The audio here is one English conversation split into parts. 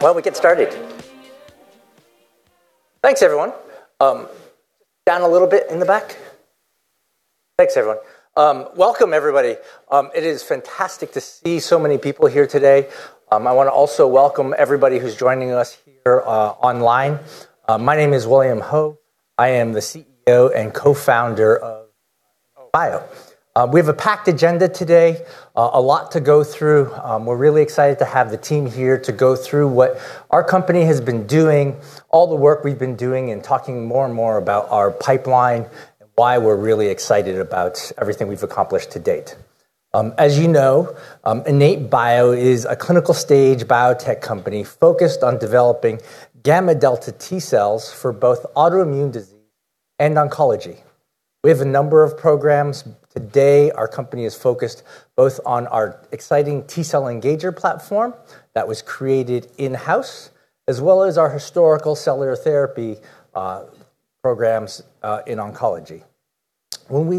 Why don't we get started? Thanks, everyone. Down a little bit in the back. Thanks, everyone. Welcome, everybody. It is fantastic to see so many people here today. I want to also welcome everybody who's joining us here online. My name is William Ho. I am the CEO and co-founder of IN8bio. We have a packed agenda today, a lot to go through. We're really excited to have the team here to go through what our company has been doing, all the work we've been doing, talking more and more about our pipeline, and why we're really excited about everything we've accomplished to date. As you know, IN8bio is a clinical stage biotech company focused on developing gamma-delta T cells for both autoimmune disease and oncology. We have a number of programs. Today, our company is focused both on our exciting T cell engager platform that was created in-house, as well as our historical cellular therapy programs in oncology. On the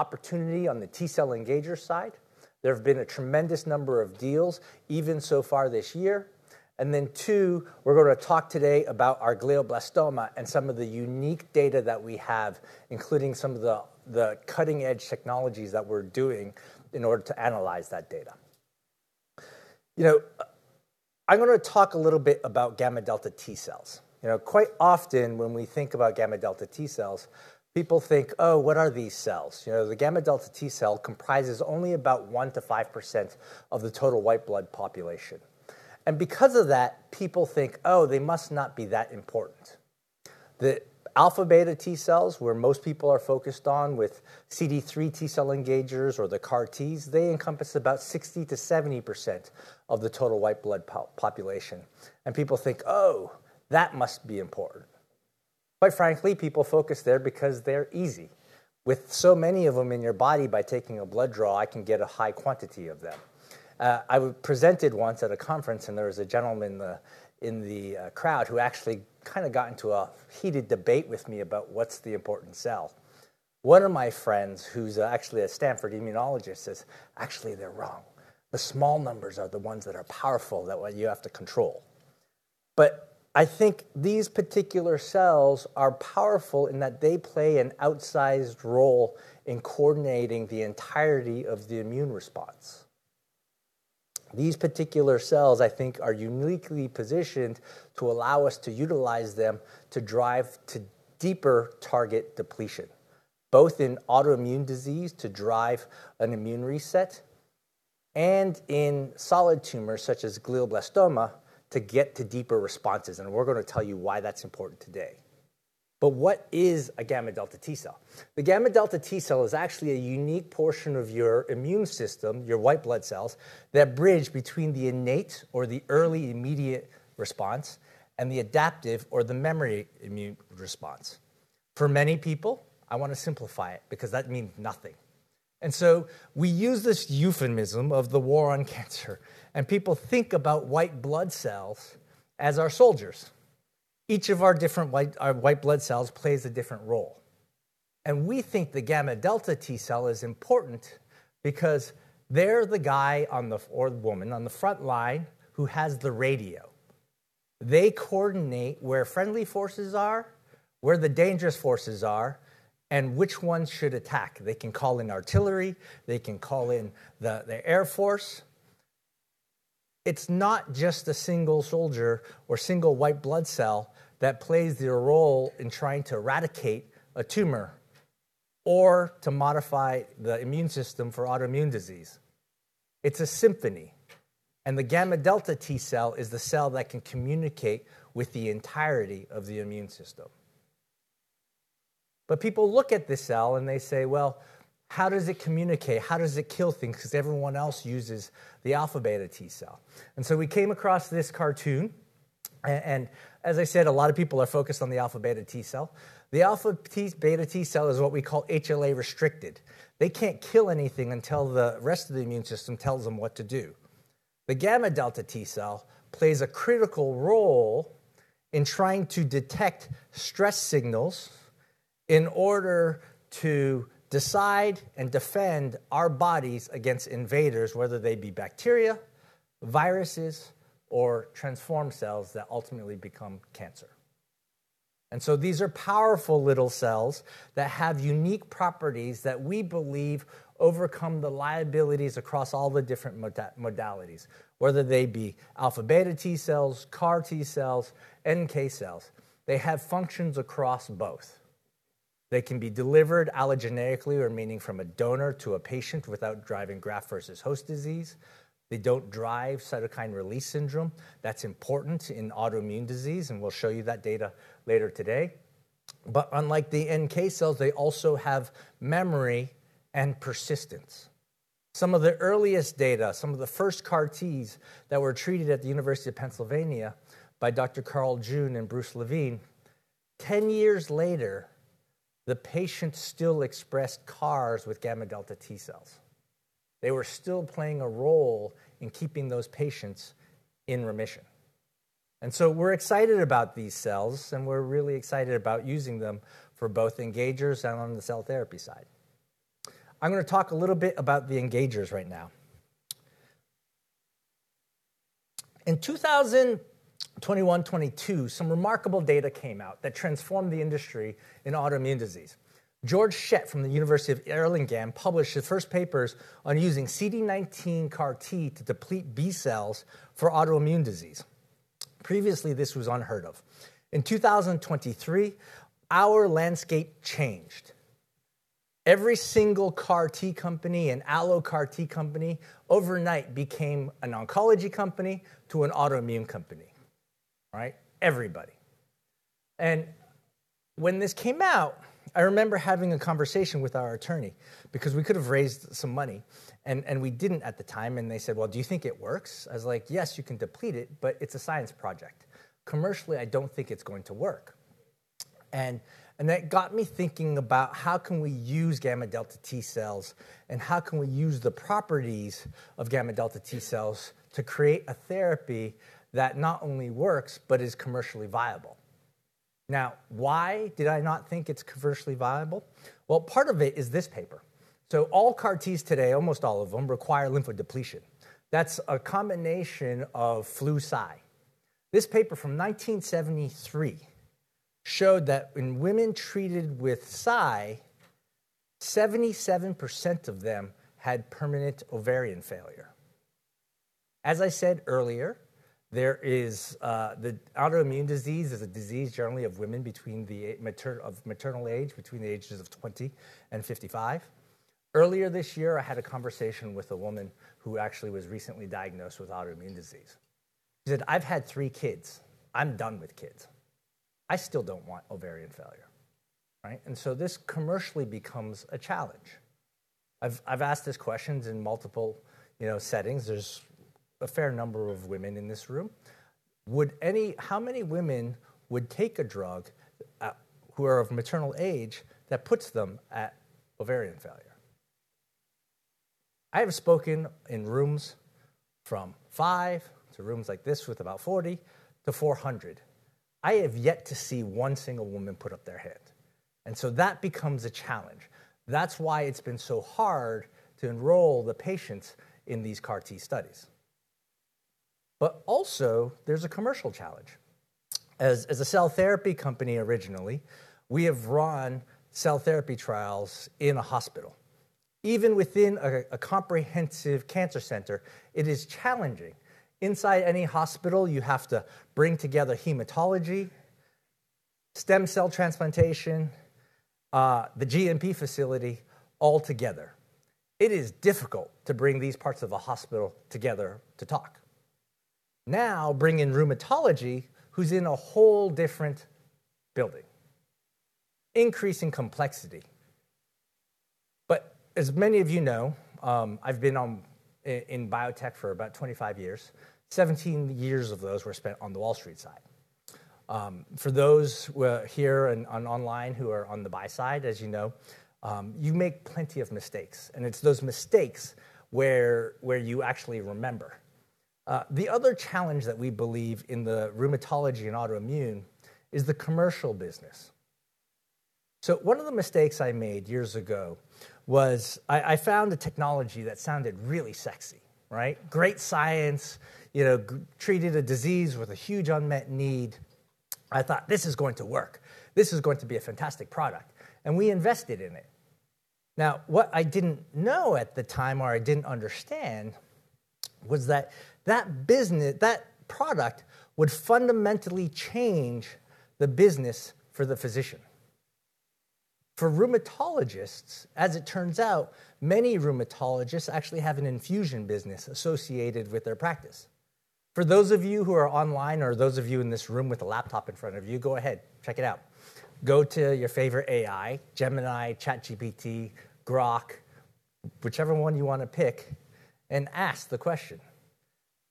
opportunity on the T cell engager side, there have been a tremendous number of deals even so far this year. Two, we're going to talk today about our glioblastoma and some of the unique data that we have, including some of the cutting edge technologies that we're doing in order to analyze that data. I'm going to talk a little bit about gamma-delta T cells. Quite often when we think about gamma-delta T cells, people think, "Oh, what are these cells?" The gamma-delta T cell comprises only about 1%-5% of the total white blood population. Because of that, people think, "Oh, they must not be that important." The alpha beta T cells, where most people are focused on with CD3 T cell engagers or the CAR-Ts, they encompass about 60%-70% of the total white blood population. People think, "Oh, that must be important." Quite frankly, people focus there because they're easy. With so many of them in your body, by taking a blood draw, I can get a high quantity of them. I presented once at a conference, and there was a gentleman in the crowd who actually got into a heated debate with me about what's the important cell. One of my friends, who's actually a Stanford immunologist, says, "Actually, they're wrong. The small numbers are the ones that are powerful, the ones you have to control. I think these particular cells are powerful in that they play an outsized role in coordinating the entirety of the immune response. These particular cells, I think, are uniquely positioned to allow us to utilize them to drive to deeper target depletion, both in autoimmune disease to drive an immune reset and in solid tumors such as glioblastoma to get to deeper responses, and we're going to tell you why that's important today. What is a gamma-delta T cell? The gamma-delta T cell is actually a unique portion of your immune system, your white blood cells, that bridge between the innate or the early immediate response and the adaptive or the memory immune response. For many people, I want to simplify it, because that means nothing. We use this euphemism of the war on cancer, and people think about white blood cells as our soldiers. Each of our white blood cells plays a different role. We think the gamma-delta T cell is important because they're the guy or the woman on the front line who has the radio. They coordinate where friendly forces are, where the dangerous forces are, and which ones should attack. They can call in artillery, they can call in the air force. It's not just a single soldier or single white blood cell that plays their role in trying to eradicate a tumor or to modify the immune system for autoimmune disease. It's a symphony, and the gamma-delta T cell is the cell that can communicate with the entirety of the immune system. People look at this cell and they say, "Well, how does it communicate? How does it kill things? Everyone else uses the alpha beta T cell. We came across this cartoon, as I said, a lot of people are focused on the alpha beta T cell. The alpha beta T cell is what we call HLA restricted. They can't kill anything until the rest of the immune system tells them what to do. The gamma-delta T cell plays a critical role in trying to detect stress signals in order to decide and defend our bodies against invaders, whether they be bacteria, viruses, or transformed cells that ultimately become cancer. These are powerful little cells that have unique properties that we believe overcome the liabilities across all the different modalities, whether they be alpha beta T cells, CAR T cells, NK cells. They have functions across both. They can be delivered allogeneically or meaning from a donor to a patient without driving graft versus host disease. They don't drive cytokine release syndrome. That's important in autoimmune disease, and we'll show you that data later today. Unlike the NK cells, they also have memory and persistence. Some of the earliest data, some of the first CAR Ts that were treated at the University of Pennsylvania by Dr. Carl June and Bruce Levine, 10 years later, the patients still expressed CARs with gamma-delta T cells. They were still playing a role in keeping those patients in remission. We're excited about these cells, and we're really excited about using them for both engagers and on the cell therapy side. I'm going to talk a little bit about the engagers right now. In 2021, 2022, some remarkable data came out that transformed the industry in autoimmune disease. Georg Schett from the University of Erlangen–Nuremberg published the first papers on using CD19 CAR T to deplete B cells for autoimmune disease. Previously, this was unheard of. In 2023, our landscape changed. Every single CAR T company and allo CAR T company overnight became an oncology company to an autoimmune company. Everybody. When this came out, I remember having a conversation with our attorney because we could have raised some money, and we didn't at the time, and they said, "Well, do you think it works?" I was like, "Yes, you can deplete it, but it's a science project. Commercially, I don't think it's going to work." That got me thinking about how can we use gamma-delta T cells, and how can we use the properties of gamma-delta T cells to create a therapy that not only works but is commercially viable. Why did I not think it's commercially viable? Well, part of it is this paper. All CAR Ts today, almost all of them, require lymphodepletion. That's a combination of Flu/Cy. This paper from 1973 showed that in women treated with Cy, 77% of them had permanent ovarian failure. As I said earlier, the autoimmune disease is a disease generally of women of maternal age, between the ages of 20 and 55. Earlier this year, I had a conversation with a woman who actually was recently diagnosed with autoimmune disease. She said, "I've had three kids. I'm done with kids. I still don't want ovarian failure." Right? This commercially becomes a challenge. I've asked this question in multiple settings. There's a fair number of women in this room. How many women would take a drug, who are of maternal age, that puts them at ovarian failure? I have spoken in rooms from five to rooms like this with about 40-400. I have yet to see one single woman put up their hand. That becomes a challenge. That's why it's been so hard to enroll the patients in these CAR T studies. Also, there's a commercial challenge. As a cell therapy company originally, we have run cell therapy trials in a hospital. Even within a comprehensive cancer center, it is challenging. Inside any hospital, you have to bring together hematology, stem cell transplantation, the GMP facility all together. It is difficult to bring these parts of a hospital together to talk. Bring in rheumatology, who's in a whole different building. Increasing complexity. As many of you know, I've been in biotech for about 25 years. 17 years of those were spent on the Wall Street side. For those here and online who are on the buy side, as you know, you make plenty of mistakes, and it's those mistakes where you actually remember. The other challenge that we believe in the rheumatology and autoimmune is the commercial business. One of the mistakes I made years ago was I found a technology that sounded really sexy. Great science, treated a disease with a huge unmet need. I thought, "This is going to work. This is going to be a fantastic product." We invested in it. What I didn't know at the time, or I didn't understand, was that that product would fundamentally change the business for the physician. For rheumatologists, as it turns out, many rheumatologists actually have an infusion business associated with their practice. For those of you who are online, or those of you in this room with a laptop in front of you, go ahead, check it out. Go to your favorite AI, Gemini, ChatGPT, Grok, whichever one you want to pick, and ask the question.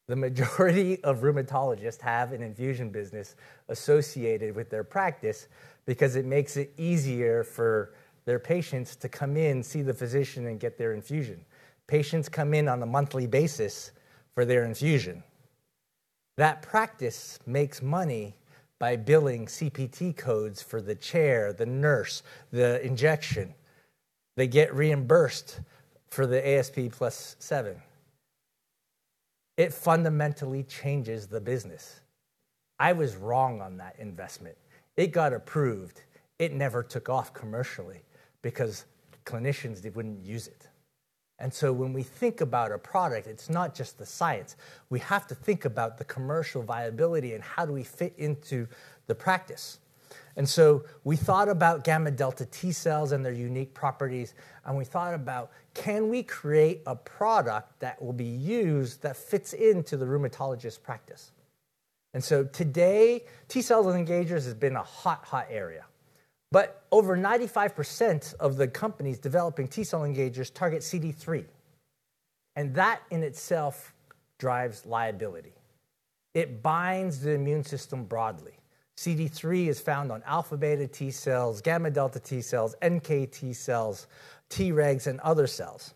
The majority of rheumatologists have an infusion business associated with their practice because it makes it easier for their patients to come in, see the physician, and get their infusion. Patients come in on a monthly basis for their infusion. That practice makes money by billing CPT codes for the chair, the nurse, the injection. They get reimbursed for the ASP plus 7. It fundamentally changes the business. I was wrong on that investment. It got approved. It never took off commercially because clinicians wouldn't use it. When we think about a product, it's not just the science. We have to think about the commercial viability, and how do we fit into the practice. We thought about gamma-delta T cells and their unique properties, and we thought about can we create a product that will be used that fits into the rheumatologist's practice. Today, T-cell engagers has been a hot area. Over 95% of the companies developing T-cell engagers target CD3, and that in itself drives liability. It binds the immune system broadly. CD3 is found on alpha-beta T-cells, gamma-delta T-cells, NKT cells, Tregs, and other cells,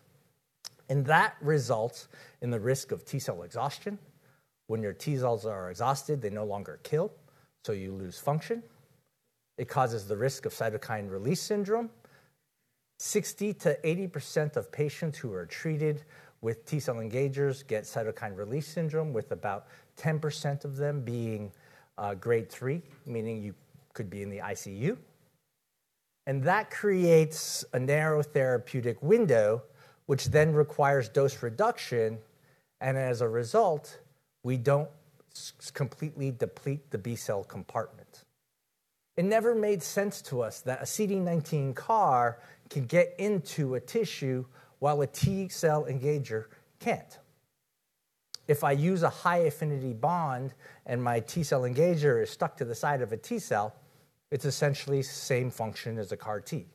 and that results in the risk of T-cell exhaustion. When your T-cells are exhausted, they no longer kill, so you lose function. It causes the risk of cytokine release syndrome. 60%-80% of patients who are treated with T cell engagers get cytokine release syndrome, with about 10% of them being Grade 3, meaning you could be in the ICU. That creates a narrow therapeutic window, which then requires dose reduction. As a result, we don't completely deplete the B-cell compartment. It never made sense to us that a CD19 CAR can get into a tissue while a T cell engager can't. If I use a high affinity bond and my T cell engager is stuck to the side of a T cell, it's essentially the same function as a CAR T.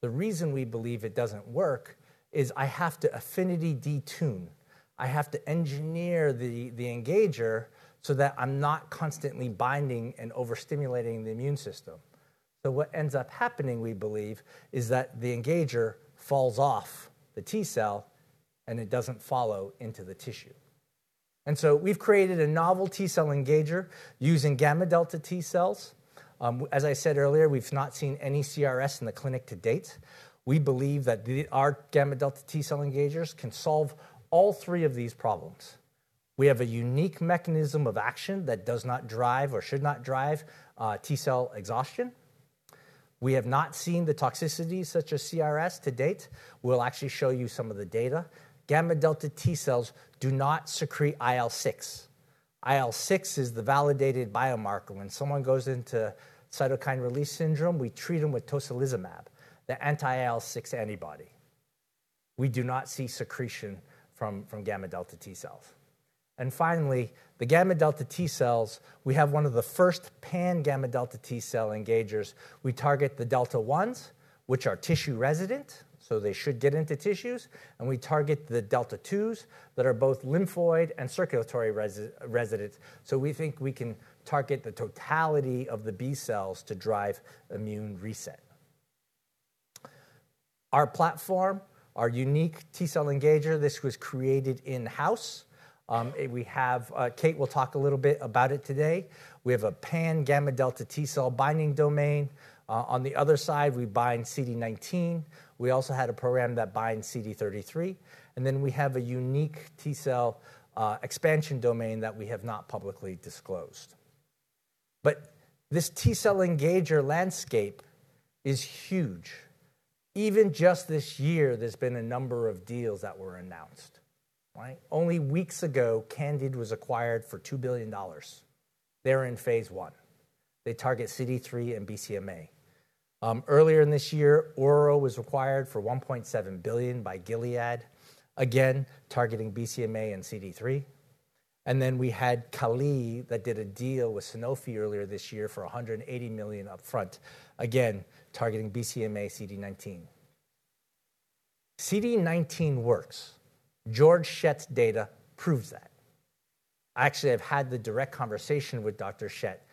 The reason we believe it doesn't work is I have to affinity detune. I have to engineer the engager so that I'm not constantly binding and overstimulating the immune system. What ends up happening, we believe, is that the engager falls off the T cell and it doesn't follow into the tissue. We've created a novel T cell engager using gamma delta T cells. As I said earlier, we've not seen any CRS in the clinic to date. We believe that our gamma delta T cell engagers can solve all three of these problems. We have a unique mechanism of action that does not drive or should not drive T cell exhaustion. We have not seen the toxicity such as CRS to date. We'll actually show you some of the data. Gamma delta T cells do not secrete IL-6. IL-6 is the validated biomarker. When someone goes into cytokine release syndrome, we treat them with tocilizumab, the anti IL-6 antibody. We do not see secretion from gamma delta T cells. Finally, the gamma-delta T cells, we have one of the first pan-γδ T cell engagers. We target the Vδ1, which are tissue resident, so they should get into tissues, and we target the Vδ2 that are both lymphoid and circulatory residents. We think we can target the totality of the B cells to drive immune reset. Our platform, our unique T cell engager, this was created in-house. Kate will talk a little bit about it today. We have a pan-γδ T cell binding domain. On the other side, we bind CD19. We also had a program that binds CD33, and then we have a unique T cell expansion domain that we have not publicly disclosed. This T cell engager landscape is huge. Even just this year, there's been a number of deals that were announced. Only weeks ago, Candid was acquired for $2 billion. They're in phase I. They target CD3 and BCMA. Earlier this year, Oro was acquired for $1.7 billion by Gilead. Again, targeting BCMA and CD3. We had Kali that did a deal with Sanofi earlier this year for $180 million up front. Again, targeting BCMA/CD19. CD19 works. Georg Schett's data proves that. I actually have had the direct conversation with Dr. Schett.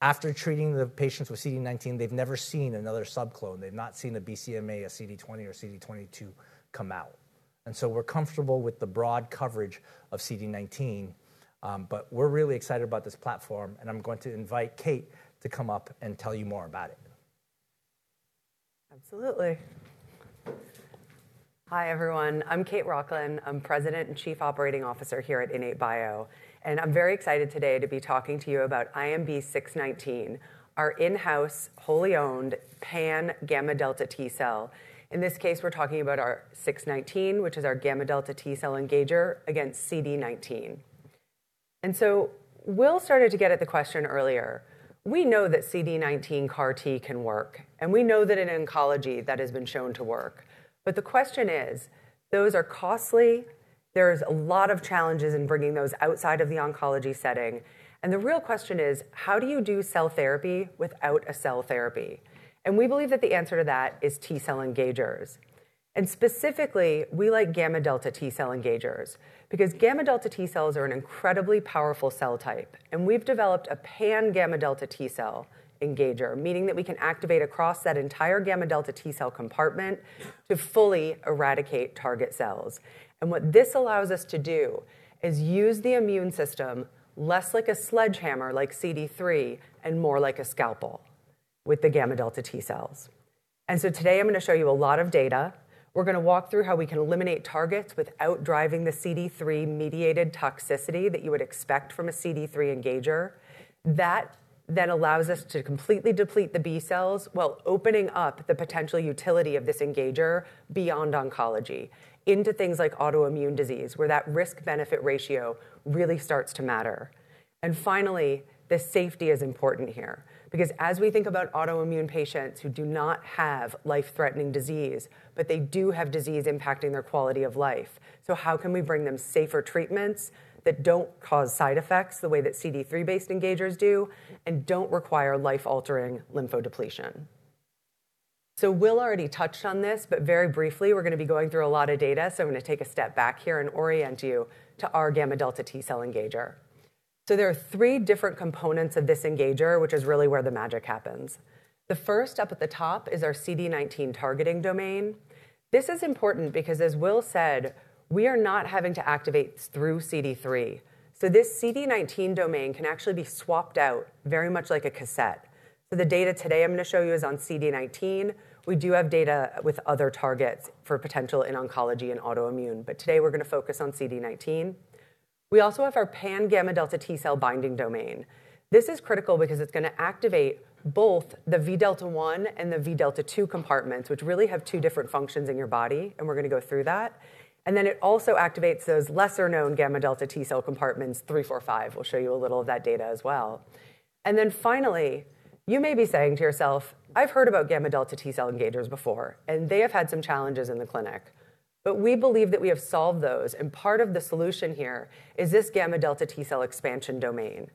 After treating the patients with CD19, they've never seen another subclone. They've not seen a BCMA, a CD20, or CD22 come out. We're comfortable with the broad coverage of CD19. We're really excited about this platform, and I'm going to invite Kate to come up and tell you more about it. Absolutely. Hi, everyone. I'm Kate Rochlin. I'm President and Chief Operating Officer here at IN8bio. I'm very excited today to be talking to you about INB-619, our in-house, wholly owned pan-γδ T cell. In this case, we're talking about our 619, which is our γδ T cell engager against CD19. Will started to get at the question earlier. We know that CD19 CAR T can work, and we know that in oncology, that has been shown to work. The question is, those are costly, there's a lot of challenges in bringing those outside of the oncology setting, and the real question is, how do you do cell therapy without a cell therapy? We believe that the answer to that is T cell engagers. Specifically, we like gamma-delta T cell engagers because gamma-delta T cells are an incredibly powerful cell type. We've developed a pan-γδ T cell engager, meaning that we can activate across that entire gamma-delta T cell compartment to fully eradicate target cells. What this allows us to do is use the immune system less like a sledgehammer, like CD3, and more like a scalpel with the gamma-delta T cells. Today I'm going to show you a lot of data. We're going to walk through how we can eliminate targets without driving the CD3-mediated toxicity that you would expect from a CD3 engager. That allows us to completely deplete the B cells while opening up the potential utility of this engager beyond oncology into things like autoimmune disease, where that risk-benefit ratio really starts to matter. Finally, the safety is important here. As we think about autoimmune patients who do not have life-threatening disease, but they do have disease impacting their quality of life, how can we bring them safer treatments that don't cause side effects the way that CD3-based engagers do and don't require life-altering lymphodepletion? Will already touched on this, but very briefly, we're going to be going through a lot of data, I'm going to take a step back here and orient you to our gamma delta T cell engager. There are three different components of this engager, which is really where the magic happens. The first, up at the top, is our CD19 targeting domain. This is important because, as Will said, we are not having to activate through CD3. This CD19 domain can actually be swapped out very much like a cassette. The data today I'm going to show you is on CD19. We do have data with other targets for potential in oncology and autoimmune, but today we're going to focus on CD19. We also have our pan gamma-delta T cell binding domain. This is critical because it's going to activate both the Vδ1 and the Vδ2 compartments, which really have two different functions in your body, and we're going to go through that. Then it also activates those lesser-known gamma-delta T cell compartments, 3, 4, 5. We'll show you a little of that data as well. Then finally, you may be saying to yourself, "I've heard about gamma-delta T cell engagers before, and they have had some challenges in the clinic." We believe that we have solved those, and part of the solution here is this gamma-delta T cell expansion domain.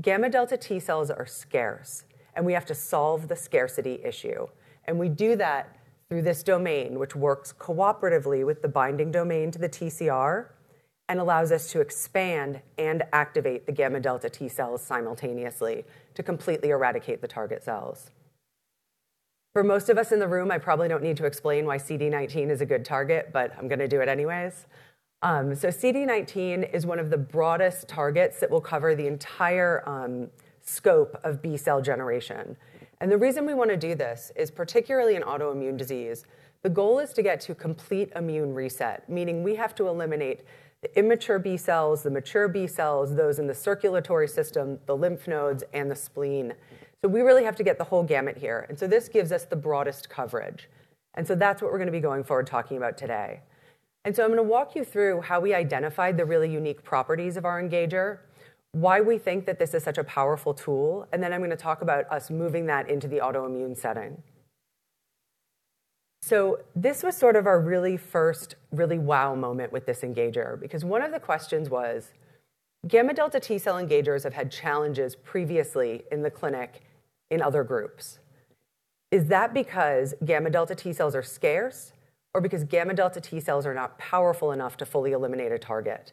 Gamma-delta T cells are scarce, and we have to solve the scarcity issue. We do that through this domain, which works cooperatively with the binding domain to the TCR and allows us to expand and activate the gamma-delta T cells simultaneously to completely eradicate the target cells. For most of us in the room, I probably don't need to explain why CD19 is a good target, but I'm going to do it anyways. CD19 is one of the broadest targets that will cover the entire scope of B cell generation. The reason we want to do this is, particularly in autoimmune disease, the goal is to get to complete immune reset, meaning we have to eliminate the immature B cells, the mature B cells, those in the circulatory system, the lymph nodes, and the spleen. We really have to get the whole gamut here. This gives us the broadest coverage. That's what we're going to be going forward talking about today. I'm going to walk you through how we identified the really unique properties of our engager, why we think that this is such a powerful tool, and then I'm going to talk about us moving that into the autoimmune setting. This was sort of our really first really wow moment with this engager, because one of the questions was, gamma-delta T cell engagers have had challenges previously in the clinic in other groups. Is that because gamma-delta T cells are scarce, or because gamma-delta T cells are not powerful enough to fully eliminate a target?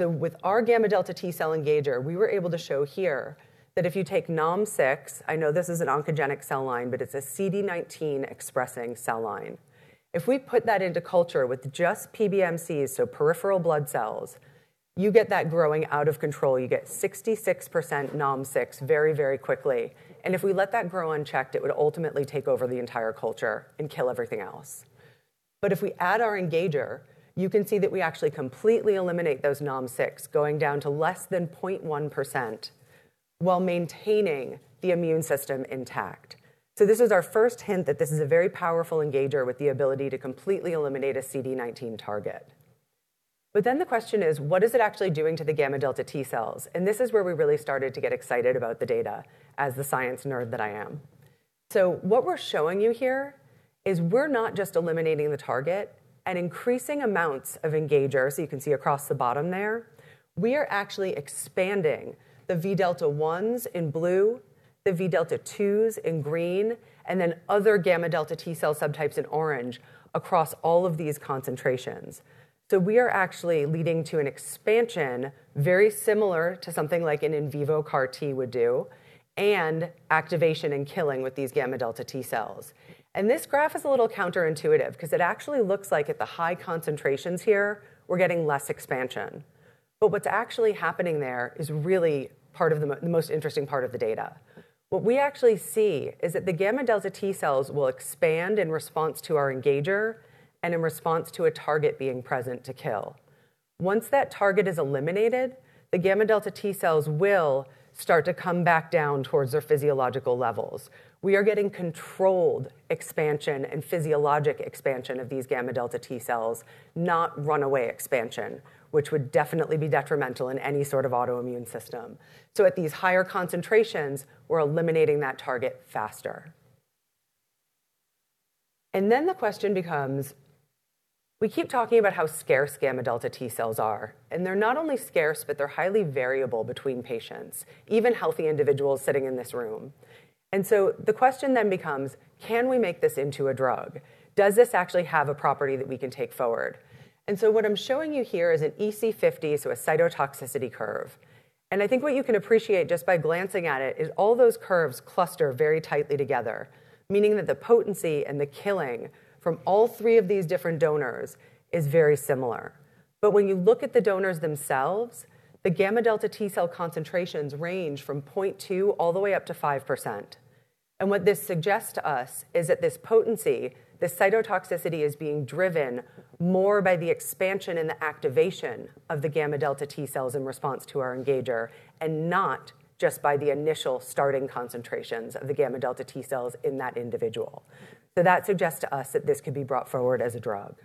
With our gamma-delta T cell engager, we were able to show here that if you take Nalm-6, I know this is an oncogenic cell line, but it's a CD19-expressing cell line. If we put that into culture with just PBMCs, so peripheral blood cells, you get that growing out of control. You get 66% Nalm-6 very, very quickly. If we let that grow unchecked, it would ultimately take over the entire culture and kill everything else. If we add our engager, you can see that we actually completely eliminate those Nalm-6, going down to less than 0.1% while maintaining the immune system intact. This is our first hint that this is a very powerful engager with the ability to completely eliminate a CD19 target. The question is, what is it actually doing to the gamma-delta T cells? This is where we really started to get excited about the data, as the science nerd that I am. What we're showing you here is we're not just eliminating the target and increasing amounts of engager. You can see across the bottom there. We are actually expanding the Vδ1s in blue, the Vδ2s in green, and then other gamma-delta T cell subtypes in orange across all of these concentrations. We are actually leading to an expansion very similar to something like an in vivo CAR T would do, and activation and killing with these gamma-delta T cells. This graph is a little counterintuitive because it actually looks like at the high concentrations here, we're getting less expansion. What's actually happening there is really the most interesting part of the data. What we actually see is that the gamma-delta T cells will expand in response to our engager and in response to a target being present to kill. Once that target is eliminated, the gamma-delta T cells will start to come back down towards their physiological levels. We are getting controlled expansion and physiologic expansion of these gamma delta T cells, not runaway expansion, which would definitely be detrimental in any sort of autoimmune system. At these higher concentrations, we're eliminating that target faster. The question becomes, we keep talking about how scarce gamma delta T cells are, and they're not only scarce, but they're highly variable between patients, even healthy individuals sitting in this room. The question then becomes, can we make this into a drug? Does this actually have a property that we can take forward? What I'm showing you here is an EC50, so a cytotoxicity curve. I think what you can appreciate just by glancing at it is all those curves cluster very tightly together, meaning that the potency and the killing from all three of these different donors is very similar. When you look at the donors themselves, the gamma-delta T cell concentrations range from 0.2 all the way up to 5%. What this suggests to us is that this potency, this cytotoxicity is being driven more by the expansion and the activation of the gamma-delta T cells in response to our engager, and not just by the initial starting concentrations of the gamma-delta T cells in that individual. That suggests to us that this could be brought forward as a drug.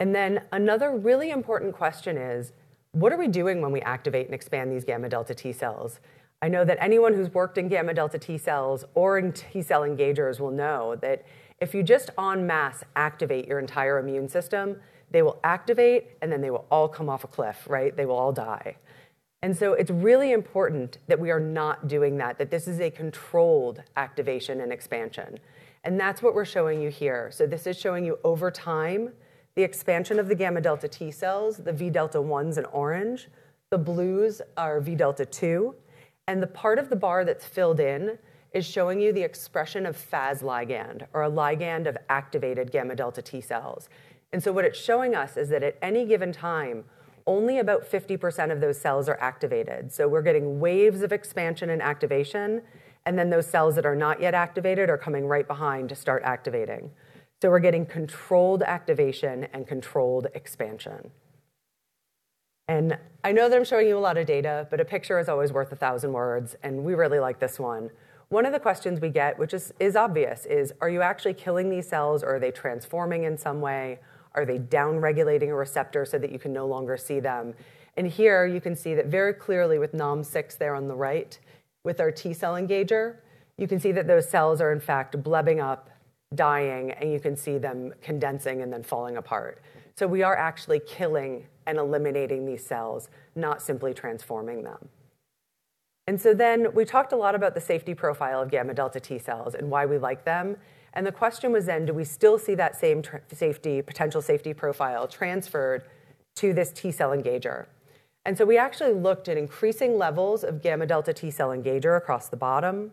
Then another really important question is, what are we doing when we activate and expand these gamma-delta T cells? I know that anyone who's worked in gamma-delta T cells or in T-cell engagers will know that if you just en masse activate your entire immune system, they will activate, and then they will all come off a cliff. They will all die. It's really important that we are not doing that this is a controlled activation and expansion. That's what we're showing you here. This is showing you over time the expansion of the gamma-delta T cells, the Vδ1s in orange. The blues are Vδ2, and the part of the bar that's filled in is showing you the expression of Fas ligand or a ligand of activated gamma-delta T cells. What it's showing us is that at any given time, only about 50% of those cells are activated. We're getting waves of expansion and activation, and then those cells that are not yet activated are coming right behind to start activating. We're getting controlled activation and controlled expansion. I know that I'm showing you a lot of data, a picture is always worth 1,000 words, and we really like this one. One of the questions we get, which is obvious, is are you actually killing these cells, or are they transforming in some way? Are they down-regulating a receptor so that you can no longer see them? Here you can see that very clearly with Nalm-6 there on the right with our T cell engager, you can see that those cells are in fact blebbing up, dying, and you can see them condensing and then falling apart. We are actually killing and eliminating these cells, not simply transforming them. We talked a lot about the safety profile of gamma-delta T cells and why we like them. The question was then, do we still see that same potential safety profile transferred to this T cell engager? We actually looked at increasing levels of gamma-delta T cell engager across the bottom.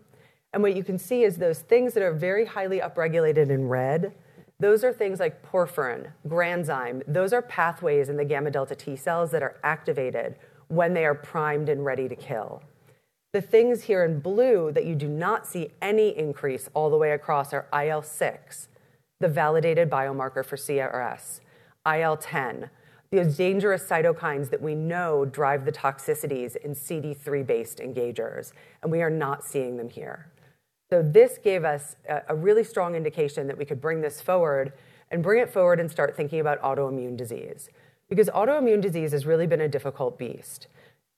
What you can see is those things that are very highly upregulated in red, those are things like perforin, granzyme. Those are pathways in the gamma-delta T cells that are activated when they are primed and ready to kill. The things here in blue that you do not see any increase all the way across are IL-6, the validated biomarker for CRS, IL-10, the dangerous cytokines that we know drive the toxicities in CD3-based engagers, and we are not seeing them here. This gave us a really strong indication that we could bring this forward, and bring it forward and start thinking about autoimmune disease. Autoimmune disease has really been a difficult beast.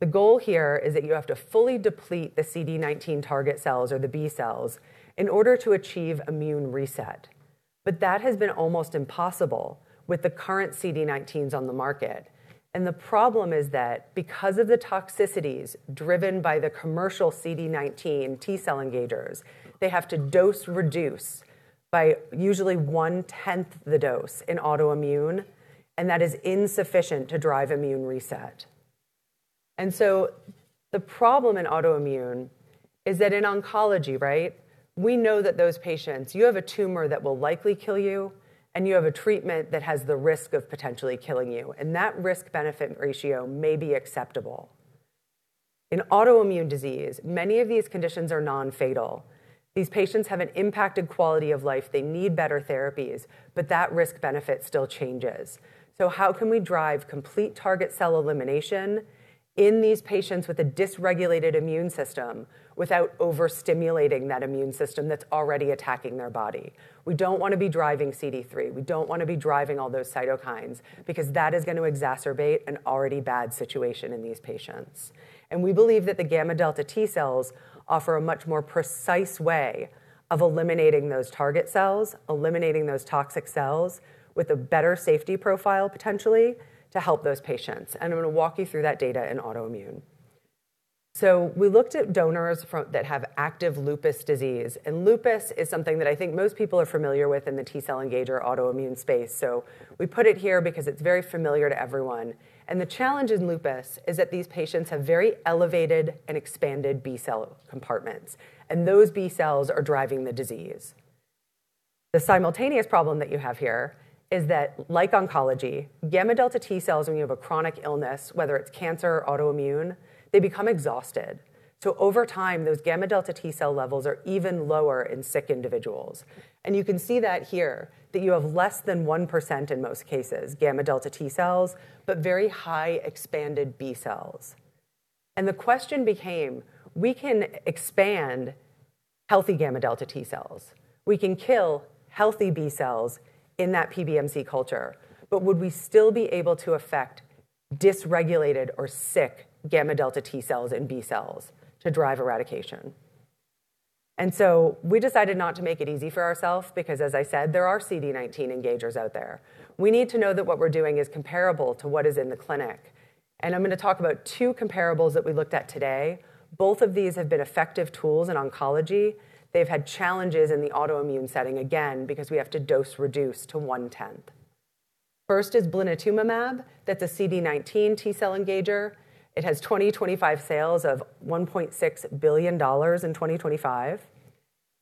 The goal here is that you have to fully deplete the CD19 target cells or the B cells in order to achieve immune reset. That has been almost impossible with the current CD19s on the market. The problem is that because of the toxicities driven by the commercial CD19 T cell engagers, they have to dose reduce by usually 1/10th the dose in autoimmune, and that is insufficient to drive immune reset. The problem in autoimmune is that in oncology, we know that those patients, you have a tumor that will likely kill you, and you have a treatment that has the risk of potentially killing you, and that risk-benefit ratio may be acceptable. In autoimmune disease, many of these conditions are non-fatal. These patients have an impacted quality of life. They need better therapies, that risk-benefit still changes. How can we drive complete target cell elimination in these patients with a dysregulated immune system without overstimulating that immune system that's already attacking their body? We don't want to be driving CD3. We don't want to be driving all those cytokines because that is going to exacerbate an already bad situation in these patients. We believe that the gamma-delta T cells offer a much more precise way of eliminating those target cells, eliminating those toxic cells with a better safety profile, potentially, to help those patients. I'm going to walk you through that data in autoimmune. We looked at donors that have active lupus disease. Lupus is something that I think most people are familiar with in the T cell engager autoimmune space. We put it here because it's very familiar to everyone. The challenge in lupus is that these patients have very elevated and expanded B cell compartments, and those B cells are driving the disease. The simultaneous problem that you have here is that like oncology, gamma-delta T cells, when you have a chronic illness, whether it's cancer or autoimmune, they become exhausted. Over time, those gamma-delta T cell levels are even lower in sick individuals. You can see that here, that you have less than 1% in most cases, gamma-delta T cells, but very high expanded B cells. The question became, we can expand healthy gamma-delta T cells. We can kill healthy B cells in that PBMC culture, but would we still be able to affect dysregulated or sick gamma-delta T cells and B cells to drive eradication? We decided not to make it easy for ourselves because as I said, there are CD19 engagers out there. We need to know that what we're doing is comparable to what is in the clinic. I'm going to talk about two comparables that we looked at today. Both of these have been effective tools in oncology. They've had challenges in the autoimmune setting, again, because we have to dose reduce to 1/10th. First is blinatumomab. That's a CD19 T-cell engager. It has 2025 sales of $1.6 billion in 2025.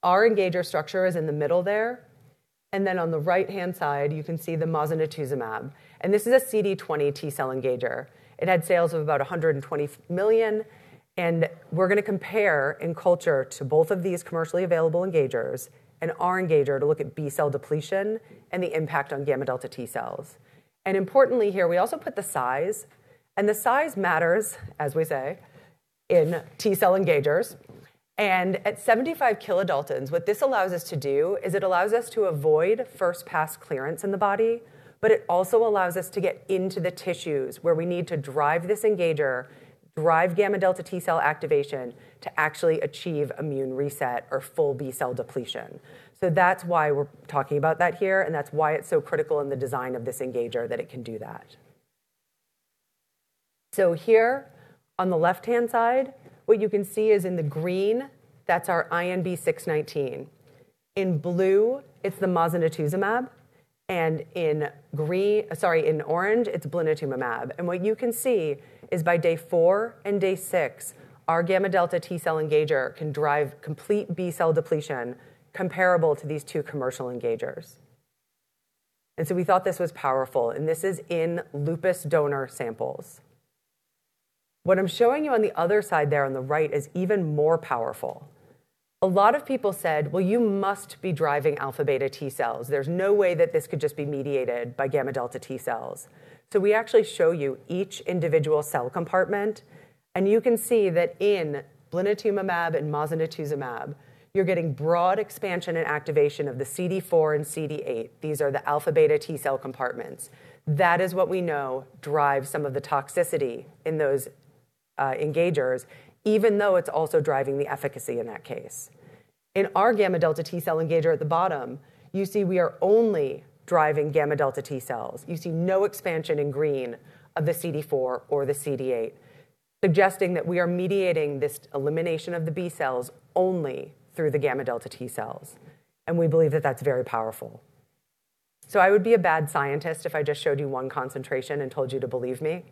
Our engager structure is in the middle there, and then on the right-hand side, you can see the mosunetuzumab, and this is a CD20 T-cell engager. It had sales of about $120 million. We're going to compare in culture to both of these commercially available engagers and our engager to look at B cell depletion and the impact on gamma-delta T cells. Importantly here, we also put the size, and the size matters, as we say, in T cell engagers. At 75 kilodaltons, what this allows us to do is it allows us to avoid first pass clearance in the body, but it also allows us to get into the tissues where we need to drive this engager, drive gamma-delta T cell activation to actually achieve immune reset or full B cell depletion. That's why we're talking about that here, and that's why it's so critical in the design of this engager that it can do that. Here on the left-hand side, what you can see is in the green, that's our INB-619. In blue, it's the mosunetuzumab, and in orange, it's blinatumomab. What you can see is by day four and day six, our gamma-delta T cell engager can drive complete B cell depletion comparable to these two commercial engagers. We thought this was powerful, and this is in lupus donor samples. What I'm showing you on the other side there on the right is even more powerful. A lot of people said, "Well, you must be driving alpha-beta T cells." There's no way that this could just be mediated by gamma-delta T cells. We actually show you each individual cell compartment, and you can see that in blinatumomab and mosunetuzumab, you're getting broad expansion and activation of the CD4 and CD8. These are the alpha beta T cell compartments. That is what we know drives some of the toxicity in those engagers, even though it's also driving the efficacy in that case. In our gamma-delta T cell engager at the bottom, you see we are only driving gamma-delta T cells. You see no expansion in green of the CD4 or the CD8, suggesting that we are mediating this elimination of the B cells only through the gamma-delta T cells, and we believe that that's very powerful. I would be a bad scientist if I just showed you one concentration and told you to believe me.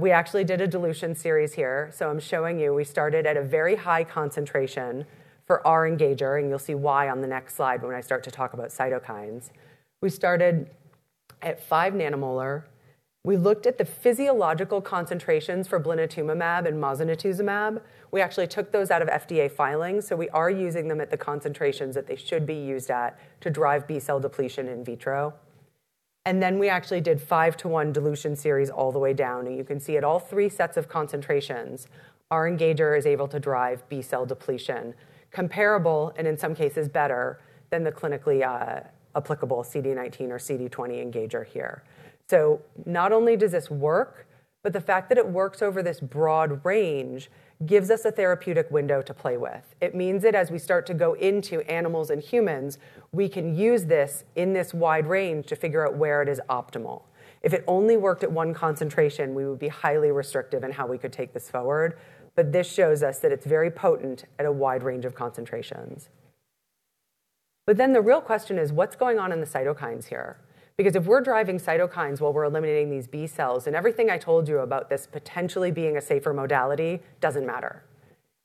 We actually did a dilution series here. I'm showing you, we started at a very high concentration for our engager, and you'll see why on the next slide when I start to talk about cytokines. We started at five nanomolar. We looked at the physiological concentrations for blinatumomab and mosunetuzumab. We actually took those out of FDA filings, we are using them at the concentrations that they should be used at to drive B cell depletion in vitro. We actually did five-one dilution series all the way down, and you can see at all three sets of concentrations, our engager is able to drive B cell depletion comparable, and in some cases better than the clinically applicable CD19 or CD20 engager here. Not only does this work, but the fact that it works over this broad range gives us a therapeutic window to play with. It means that as we start to go into animals and humans, we can use this in this wide range to figure out where it is optimal. If it only worked at one concentration, we would be highly restrictive in how we could take this forward, but this shows us that it's very potent at a wide range of concentrations. The real question is: What's going on in the cytokines here? If we're driving cytokines while we're eliminating these B cells, then everything I told you about this potentially being a safer modality doesn't matter.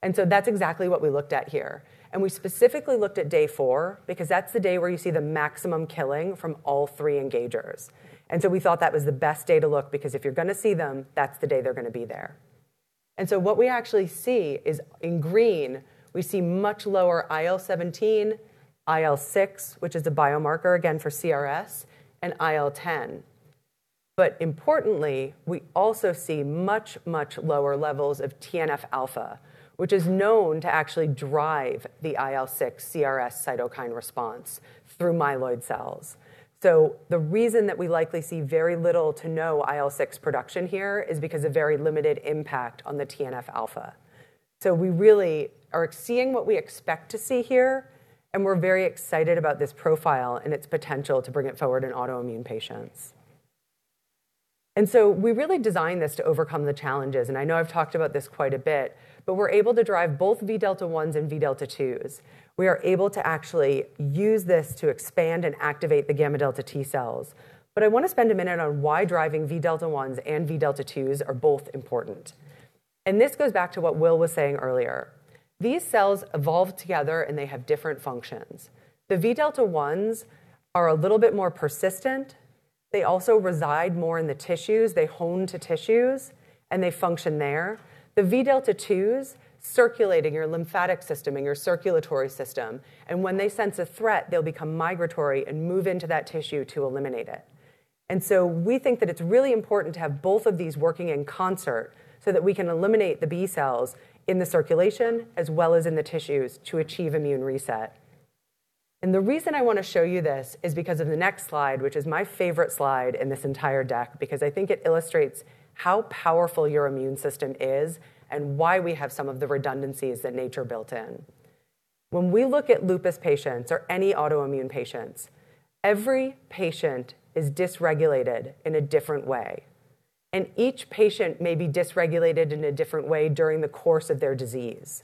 That's exactly what we looked at here, and we specifically looked at day four because that's the day where you see the maximum killing from all three engagers. We thought that was the best day to look because if you're going to see them, that's the day they're going to be there. What we actually see is in green, we see much lower IL-17, IL-6, which is a biomarker, again for CRS, and IL-10. Importantly, we also see much lower levels of TNF-alpha, which is known to actually drive the IL-6 CRS cytokine response through myeloid cells. The reason that we likely see very little to no IL-6 production here is because of very limited impact on the TNF-alpha. We really are seeing what we expect to see here, and we're very excited about this profile and its potential to bring it forward in autoimmune patients. We really designed this to overcome the challenges. I know I've talked about this quite a bit, but we're able to drive both Vδ1s and Vδ2s. We are able to actually use this to expand and activate the gamma-delta T cells. I want to spend a minute on why driving Vδ1s and Vδ2s are both important. This goes back to what Will was saying earlier. These cells evolve together and they have different functions. The Vδ1s are a little bit more persistent. They also reside more in the tissues. They hone to tissues and they function there. The Vδ2s circulate in your lymphatic system, in your circulatory system, and when they sense a threat, they'll become migratory and move into that tissue to eliminate it. We think that it's really important to have both of these working in concert so that we can eliminate the B cells in the circulation as well as in the tissues to achieve immune reset. The reason I want to show you this is because of the next slide, which is my favorite slide in this entire deck, because I think it illustrates how powerful your immune system is and why we have some of the redundancies that nature built in. When we look at lupus patients or any autoimmune patients, every patient is dysregulated in a different way, and each patient may be dysregulated in a different way during the course of their disease.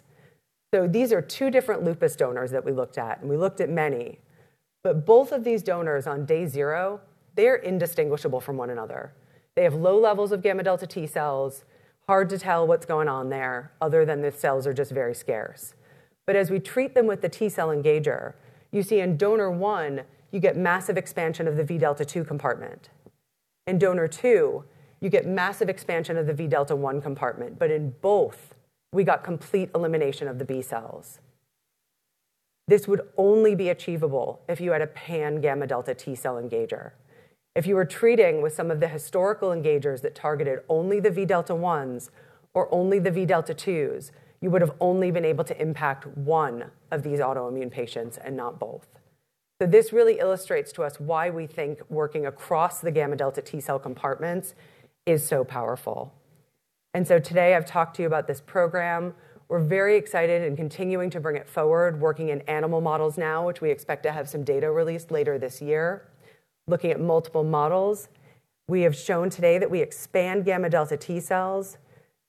These are two different lupus donors that we looked at, and we looked at many. Both of these donors on day zero, they are indistinguishable from one another. They have low levels of gamma-delta T cells. Hard to tell what's going on there other than the cells are just very scarce. As we treat them with the T-cell engager, you see in donor 1 you get massive expansion of the Vδ2 compartment. In donor two, you get massive expansion of the Vδ1 compartment. In both we got complete elimination of the B cells. This would only be achievable if you had a pan-γδ T-cell engager. If you were treating with some of the historical engagers that targeted only the Vδ1s or only the Vδ2s, you would have only been able to impact one of these autoimmune patients and not both. This really illustrates to us why we think working across the gamma-delta T cell compartments is so powerful. Today I've talked to you about this program. We're very excited and continuing to bring it forward, working in animal models now, which we expect to have some data released later this year. Looking at multiple models, we have shown today that we expand gamma-delta T cells,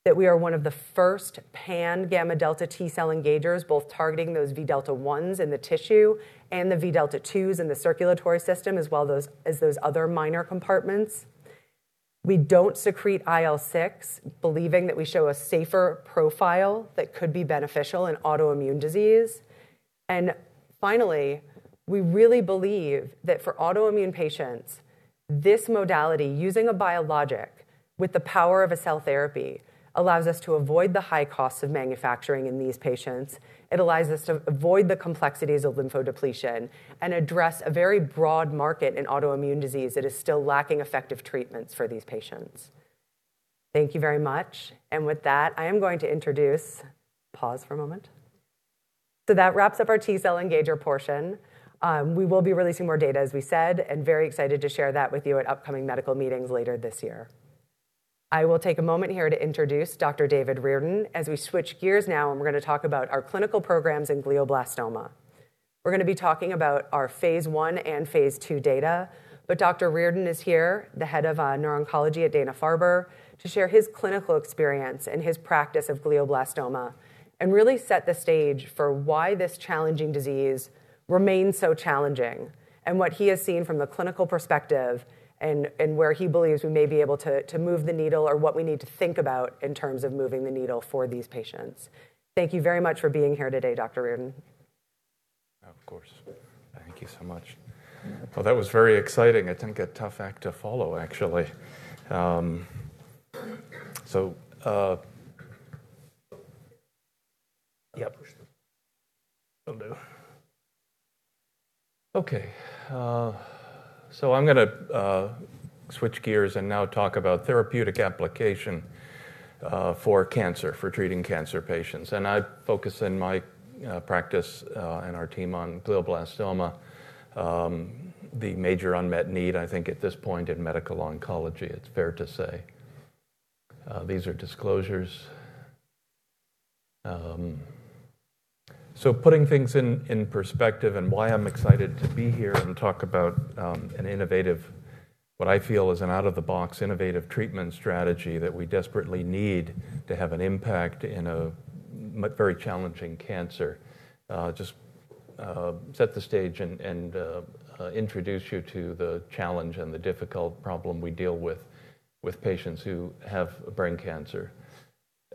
that we are one of the first pan-γδ T cell engagers, both targeting those Vδ1s in the tissue and the Vδ2s in the circulatory system, as well as those other minor compartments. We don't secrete IL-6, believing that we show a safer profile that could be beneficial in autoimmune disease. Finally, we really believe that for autoimmune patients, this modality, using a biologic with the power of a cell therapy, allows us to avoid the high costs of manufacturing in these patients. It allows us to avoid the complexities of lymphodepletion and address a very broad market in autoimmune disease that is still lacking effective treatments for these patients. Thank you very much. With that, I am going to introduce. That wraps up our T cell engager portion. We will be releasing more data, as we said, and very excited to share that with you at upcoming medical meetings later this year. I will take a moment here to introduce Dr. David Reardon as we switch gears now, and we're going to talk about our clinical programs in glioblastoma. We're going to be talking about our phase I and phase II data. Dr. Reardon is here, the head of neuro-oncology at Dana-Farber, to share his clinical experience and his practice of glioblastoma and really set the stage for why this challenging disease remains so challenging and what he has seen from the clinical perspective and where he believes we may be able to move the needle or what we need to think about in terms of moving the needle for these patients. Thank you very much for being here today, Dr. Reardon. Of course. Thank you so much. Well, that was very exciting. I think a tough act to follow, actually. Yep. That'll do. Okay. I'm going to switch gears and now talk about therapeutic application for treating cancer patients. I focus in my practice and our team on glioblastoma. The major unmet need, I think, at this point in medical oncology, it's fair to say. These are disclosures. Putting things in perspective and why I'm excited to be here and talk about what I feel is an out-of-the-box innovative treatment strategy that we desperately need to have an impact in a very challenging cancer. Just set the stage and introduce you to the challenge and the difficult problem we deal with patients who have brain cancer.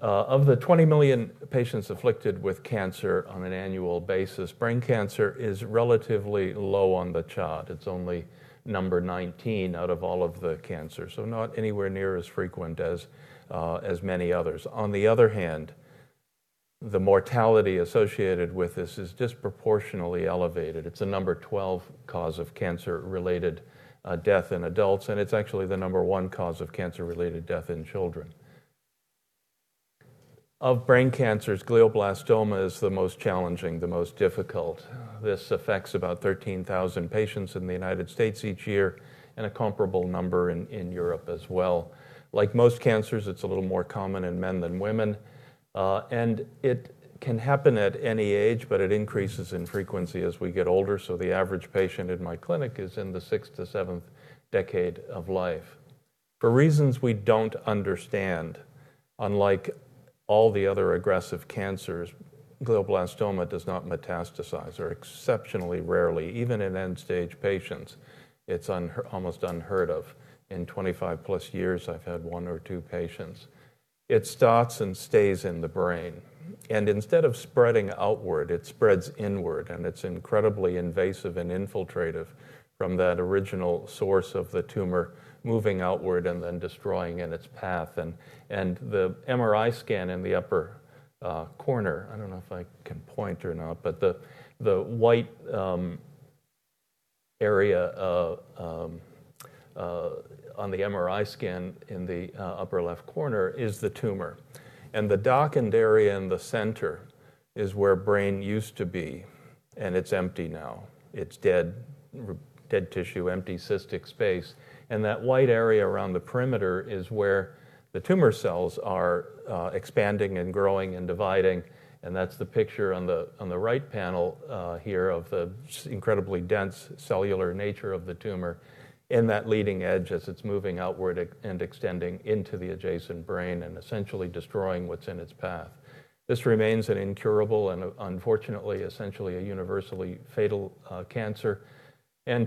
Of the 20 million patients afflicted with cancer on an annual basis, brain cancer is relatively low on the chart. It's only number 19 out of all of the cancers, so not anywhere near as frequent as many others. On the other hand, the mortality associated with this is disproportionately elevated. It's the number 12 cause of cancer-related death in adults, and it's actually the number one cause of cancer-related death in children. Of brain cancers, glioblastoma is the most challenging, the most difficult. This affects about 13,000 patients in the United States each year and a comparable number in Europe as well. Like most cancers, it's a little more common in men than women. It can happen at any age, but it increases in frequency as we get older. The average patient in my clinic is in the sixth to seventh decade of life. For reasons we don't understand, unlike all the other aggressive cancers, glioblastoma does not metastasize, or exceptionally rarely. Even in end-stage patients, it's almost unheard of. In 25+ years, I've had one or two patients. It starts and stays in the brain, and instead of spreading outward, it spreads inward, and it's incredibly invasive and infiltrative from that original source of the tumor moving outward and then destroying in its path. The MRI scan in the upper corner, I don't know if I can point or not, but the white area on the MRI scan in the upper left corner is the tumor. The darkened area in the center is where brain used to be, and it's empty now. It's dead tissue, empty cystic space. That white area around the perimeter is where the tumor cells are expanding and growing and dividing, and that's the picture on the right panel here of the incredibly dense cellular nature of the tumor in that leading edge as it's moving outward and extending into the adjacent brain and essentially destroying what's in its path. This remains an incurable and, unfortunately, essentially a universally fatal cancer.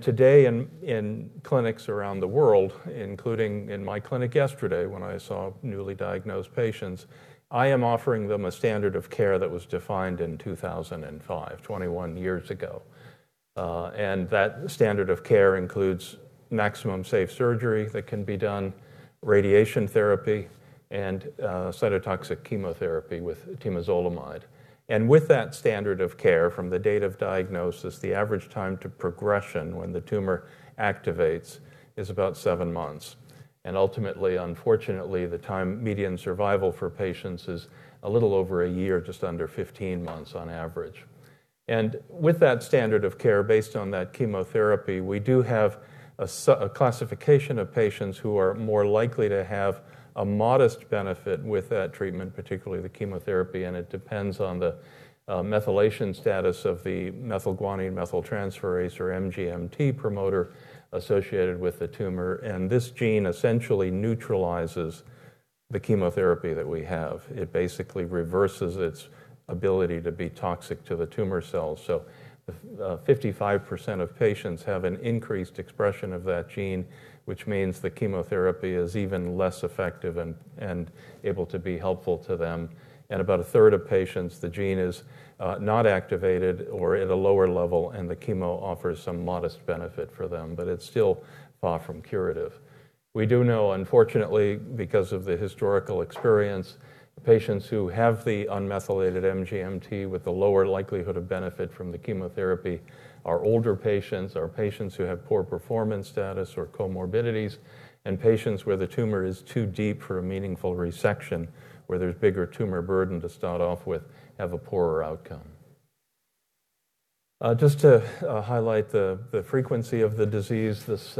Today in clinics around the world, including in my clinic yesterday when I saw newly diagnosed patients, I am offering them a standard of care that was defined in 2005, 21 years ago. That standard of care includes maximum safe surgery that can be done, radiation therapy, and cytotoxic chemotherapy with temozolomide. With that standard of care from the date of diagnosis, the average time to progression when the tumor activates is about seven months. Ultimately, unfortunately, the time median survival for patients is a little over a year, just under 15 months on average. With that standard of care based on that chemotherapy, we do have a classification of patients who are more likely to have a modest benefit with that treatment, particularly the chemotherapy, and it depends on the methylation status of the methylguanine methyltransferase, or MGMT promoter, associated with the tumor. This gene essentially neutralizes the chemotherapy that we have. It basically reverses its ability to be toxic to the tumor cells. 55% of patients have an increased expression of that gene, which means the chemotherapy is even less effective and able to be helpful to them. In about a third of patients, the gene is not activated or at a lower level, and the chemo offers some modest benefit for them, but it's still far from curative. We do know, unfortunately, because of the historical experience, patients who have the unmethylated MGMT with the lower likelihood of benefit from the chemotherapy are older patients, are patients who have poor performance status or comorbidities, and patients where the tumor is too deep for a meaningful resection, where there's bigger tumor burden to start off with, have a poorer outcome. Just to highlight the frequency of the disease, this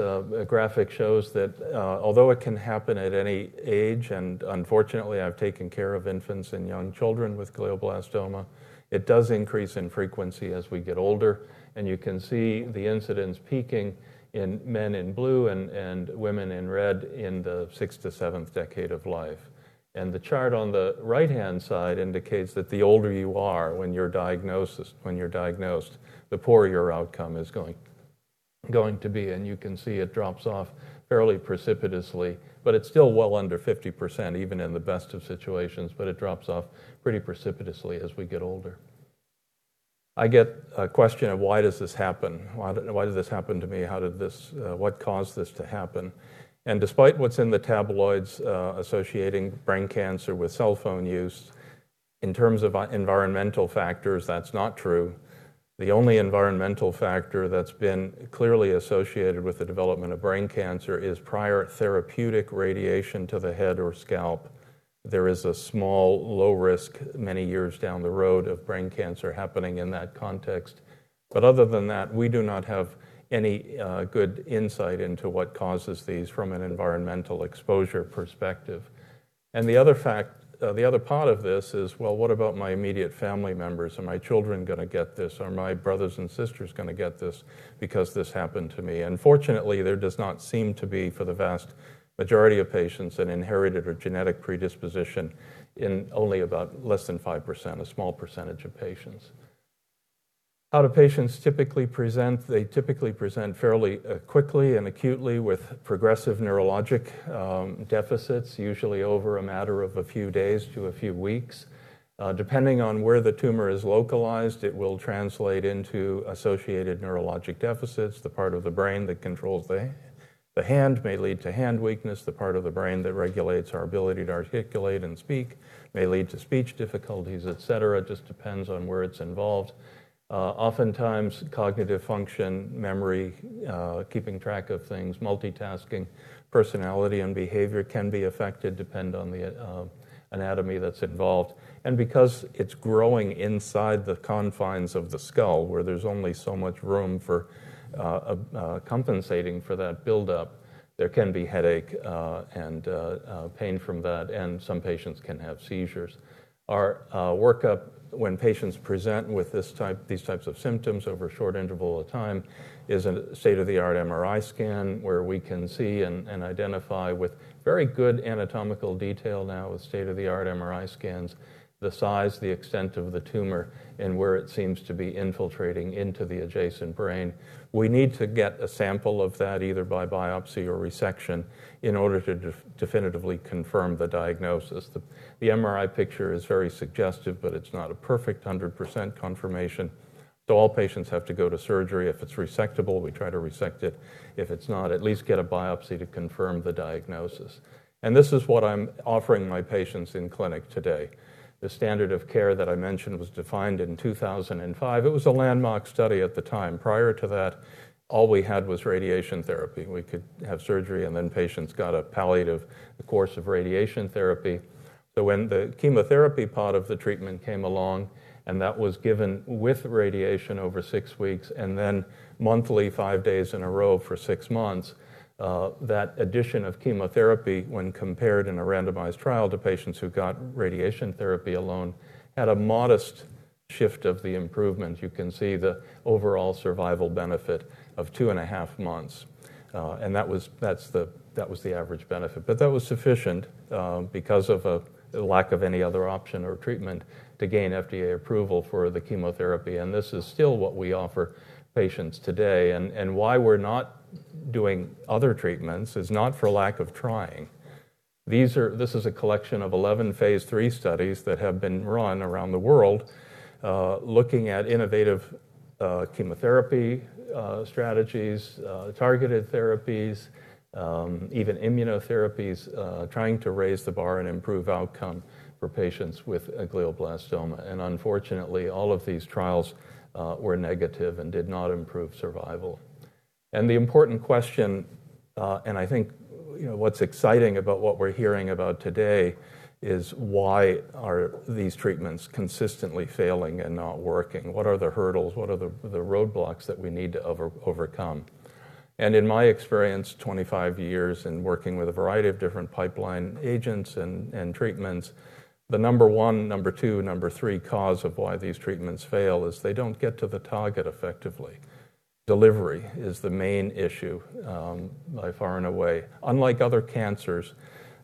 graphic shows that although it can happen at any age, and unfortunately, I've taken care of infants and young children with glioblastoma, it does increase in frequency as we get older. You can see the incidence peaking in men in blue and women in red in the sixth-seventh decade of life. The chart on the right-hand side indicates that the older you are when you're diagnosed, the poorer your outcome is going to be, and you can see it drops off fairly precipitously. It's still well under 50%, even in the best of situations, but it drops off pretty precipitously as we get older. I get a question of why does this happen? Why does this happen to me? What caused this to happen? Despite what's in the tabloids associating brain cancer with cellphone use, in terms of environmental factors, that's not true. The only environmental factor that's been clearly associated with the development of brain cancer is prior therapeutic radiation to the head or scalp. There is a small, low risk many years down the road of brain cancer happening in that context. Other than that, we do not have any good insight into what causes these from an environmental exposure perspective. The other part of this is, well, what about my immediate family members? Are my children going to get this? Are my brothers and sisters going to get this because this happened to me? Fortunately, there does not seem to be, for the vast majority of patients, an inherited or genetic predisposition in only about less than 5%, a small percentage of patients. How do patients typically present? They typically present fairly quickly and acutely with progressive neurologic deficits, usually over a matter of a few days to a few weeks. Depending on where the tumor is localized, it will translate into associated neurologic deficits. The part of the brain that controls the hand may lead to hand weakness. The part of the brain that regulates our ability to articulate and speak may lead to speech difficulties, et cetera. It just depends on where it's involved. Oftentimes, cognitive function, memory, keeping track of things, multitasking, personality, and behavior can be affected depend on the anatomy that's involved. Because it's growing inside the confines of the skull, where there's only so much room for compensating for that buildup, there can be headache and pain from that, and some patients can have seizures. Our workup when patients present with these types of symptoms over a short interval of time is a state-of-the-art MRI scan where we can see and identify with very good anatomical detail now with state-of-the-art MRI scans, the size, the extent of the tumor, and where it seems to be infiltrating into the adjacent brain. We need to get a sample of that, either by biopsy or resection, in order to definitively confirm the diagnosis. The MRI picture is very suggestive, but it's not a perfect 100% confirmation. All patients have to go to surgery. If it's resectable, we try to resect it. If it's not, at least get a biopsy to confirm the diagnosis. This is what I'm offering my patients in clinic today. The standard of care that I mentioned was defined in 2005. It was a landmark study at the time. Prior to that, all we had was radiation therapy. We could have surgery, and then patients got a palliative course of radiation therapy. When the chemotherapy part of the treatment came along, and that was given with radiation over six weeks, and then monthly, five days in a row for six months, that addition of chemotherapy when compared in a randomized trial to patients who got radiation therapy alone, had a modest shift of the improvement. You can see the overall survival benefit of two and a half months. That was the average benefit. That was sufficient because of a lack of any other option or treatment to gain FDA approval for the chemotherapy, and this is still what we offer patients today. Why we're not doing other treatments is not for lack of trying. This is a collection of 11 phase III studies that have been run around the world, looking at innovative chemotherapy strategies, targeted therapies, even immunotherapies, trying to raise the bar and improve outcome for patients with glioblastoma. Unfortunately, all of these trials were negative and did not improve survival. The important question, and I think what's exciting about what we're hearing about today, is why are these treatments consistently failing and not working? What are the hurdles? What are the roadblocks that we need to overcome? In my experience, 25 years in working with a variety of different pipeline agents and treatments, the number one, number two, number three cause of why these treatments fail is they don't get to the target effectively. Delivery is the main issue, by far and away. Unlike other cancers,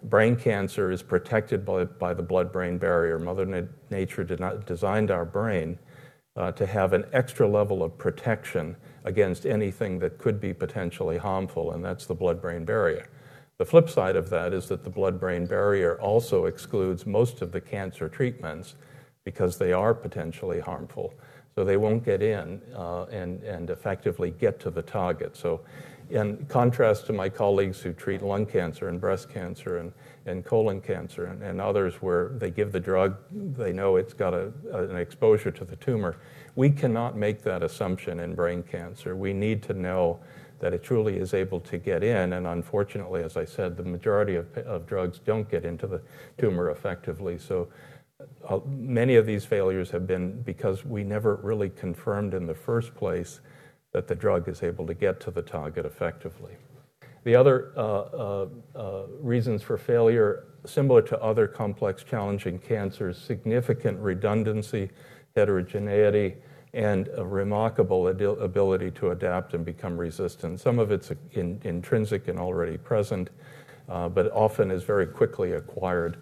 brain cancer is protected by the blood-brain barrier. Mother Nature designed our brain to have an extra level of protection against anything that could be potentially harmful, and that's the blood-brain barrier. The flip side of that is that the blood-brain barrier also excludes most of the cancer treatments because they are potentially harmful. They won't get in and effectively get to the target. In contrast to my colleagues who treat lung cancer and breast cancer and colon cancer and others where they give the drug, they know it's got an exposure to the tumor, we cannot make that assumption in brain cancer. We need to know that it truly is able to get in. Unfortunately, as I said, the majority of drugs don't get into the tumor effectively. Many of these failures have been because we never really confirmed in the first place that the drug is able to get to the target effectively. The other reasons for failure, similar to other complex challenging cancers, significant redundancy, heterogeneity, and a remarkable ability to adapt and become resistant. Some of it's intrinsic and already present, but often is very quickly acquired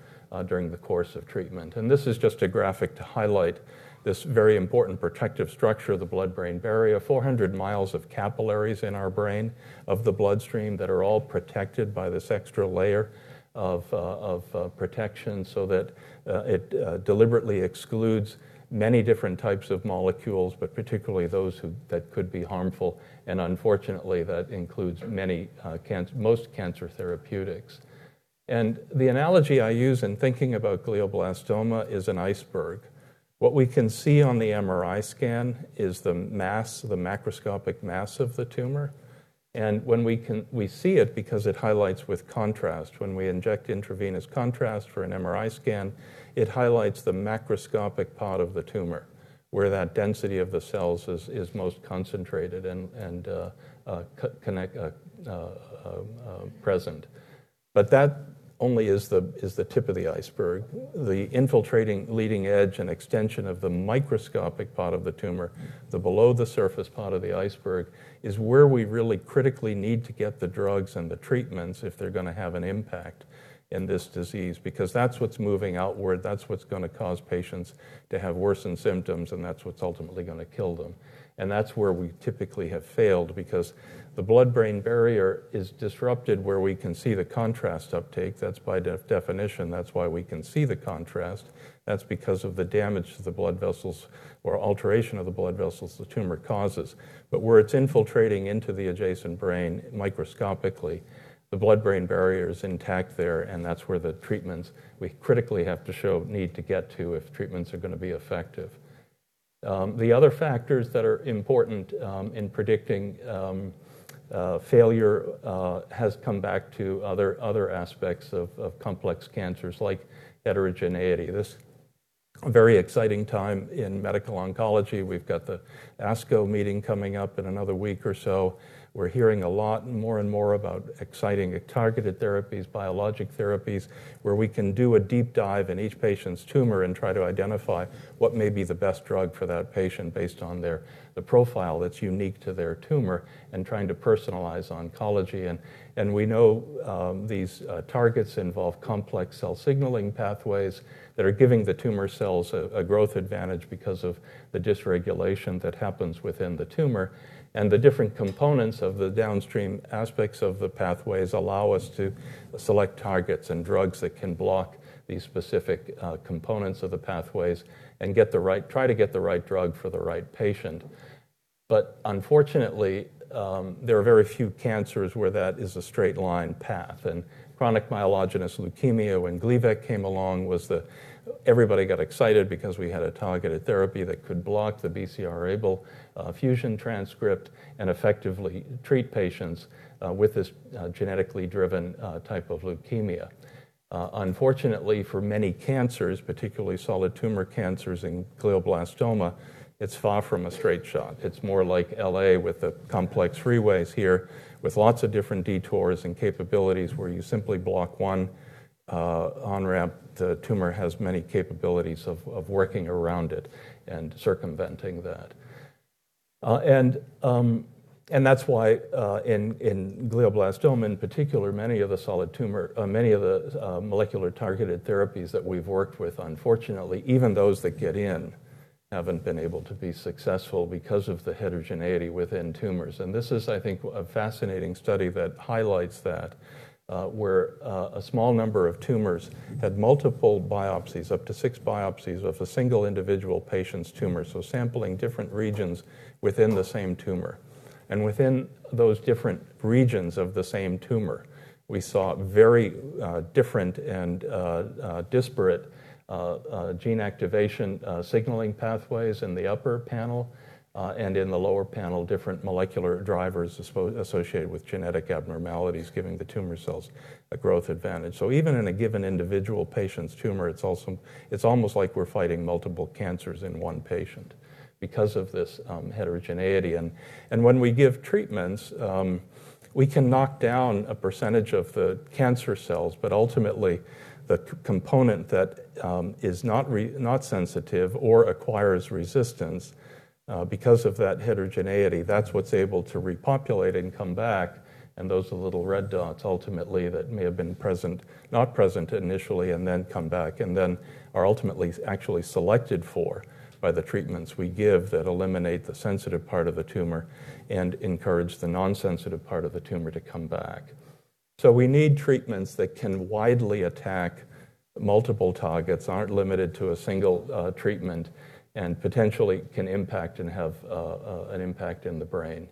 during the course of treatment. This is just a graphic to highlight this very important protective structure of the blood-brain barrier. 400 mi of capillaries in our brain of the bloodstream that are all protected by this extra layer of protection so that it deliberately excludes many different types of molecules, but particularly those that could be harmful. Unfortunately, that includes most cancer therapeutics. The analogy I use in thinking about glioblastoma is an iceberg. What we can see on the MRI scan is the mass, the macroscopic mass of the tumor. We see it because it highlights with contrast. When we inject intravenous contrast for an MRI scan, it highlights the macroscopic part of the tumor, where that density of the cells is most concentrated and present. That only is the tip of the iceberg. The infiltrating leading edge and extension of the microscopic part of the tumor, the below the surface part of the iceberg is where we really critically need to get the drugs and the treatments if they're going to have an impact in this disease, because that's what's moving outward, that's what's going to cause patients to have worsened symptoms, and that's what's ultimately going to kill them. That's where we typically have failed because the blood-brain barrier is disrupted where we can see the contrast uptake. That's by definition. That's why we can see the contrast. That's because of the damage to the blood vessels or alteration of the blood vessels the tumor causes. Where it's infiltrating into the adjacent brain microscopically, the blood-brain barrier is intact there, and that's where the treatments we critically have to show need to get to if treatments are going to be effective. The other factors that are important in predicting failure has come back to other aspects of complex cancers like heterogeneity. This is a very exciting time in medical oncology. We've got the ASCO meeting coming up in another week or so. We're hearing a lot more and more about exciting targeted therapies, biologic therapies, where we can do a deep dive in each patient's tumor and try to identify what may be the best drug for that patient based on the profile that's unique to their tumor and trying to personalize oncology. We know these targets involve complex cell signaling pathways that are giving the tumor cells a growth advantage because of the dysregulation that happens within the tumor. The different components of the downstream aspects of the pathways allow us to select targets and drugs that can block these specific components of the pathways and try to get the right drug for the right patient. Unfortunately, there are very few cancers where that is a straight-line path. Chronic myelogenous leukemia, when Gleevec came along, everybody got excited because we had a targeted therapy that could block the BCR-ABL fusion transcript and effectively treat patients with this genetically driven type of leukemia. Unfortunately for many cancers, particularly solid tumor cancers in glioblastoma, it's far from a straight shot. It's more like L.A. with the complex freeways here, with lots of different detours and capabilities where you simply block one on-ramp, the tumor has many capabilities of working around it and circumventing that. That's why, in glioblastoma in particular, many of the molecular targeted therapies that we've worked with, unfortunately, even those that get in, haven't been able to be successful because of the heterogeneity within tumors. This is, I think, a fascinating study that highlights that where a small number of tumors had multiple biopsies, up to six biopsies, of a single individual patient's tumor. Sampling different regions within the same tumor. Within those different regions of the same tumor, we saw very different and disparate gene activation signaling pathways in the upper panel. In the lower panel, different molecular drivers associated with genetic abnormalities giving the tumor cells a growth advantage. Even in a given individual patient's tumor, it's almost like we're fighting multiple cancers in one patient because of this heterogeneity. When we give treatments, we can knock down a percentage of the cancer cells, but ultimately, the component that is not sensitive or acquires resistance, because of that heterogeneity, that's what's able to repopulate and come back. Those are the little red dots ultimately that may have been not present initially and then come back, and then are ultimately actually selected for by the treatments we give that eliminate the sensitive part of the tumor and encourage the non-sensitive part of the tumor to come back. We need treatments that can widely attack multiple targets, aren't limited to a single treatment, and potentially can impact and have an impact in the brain.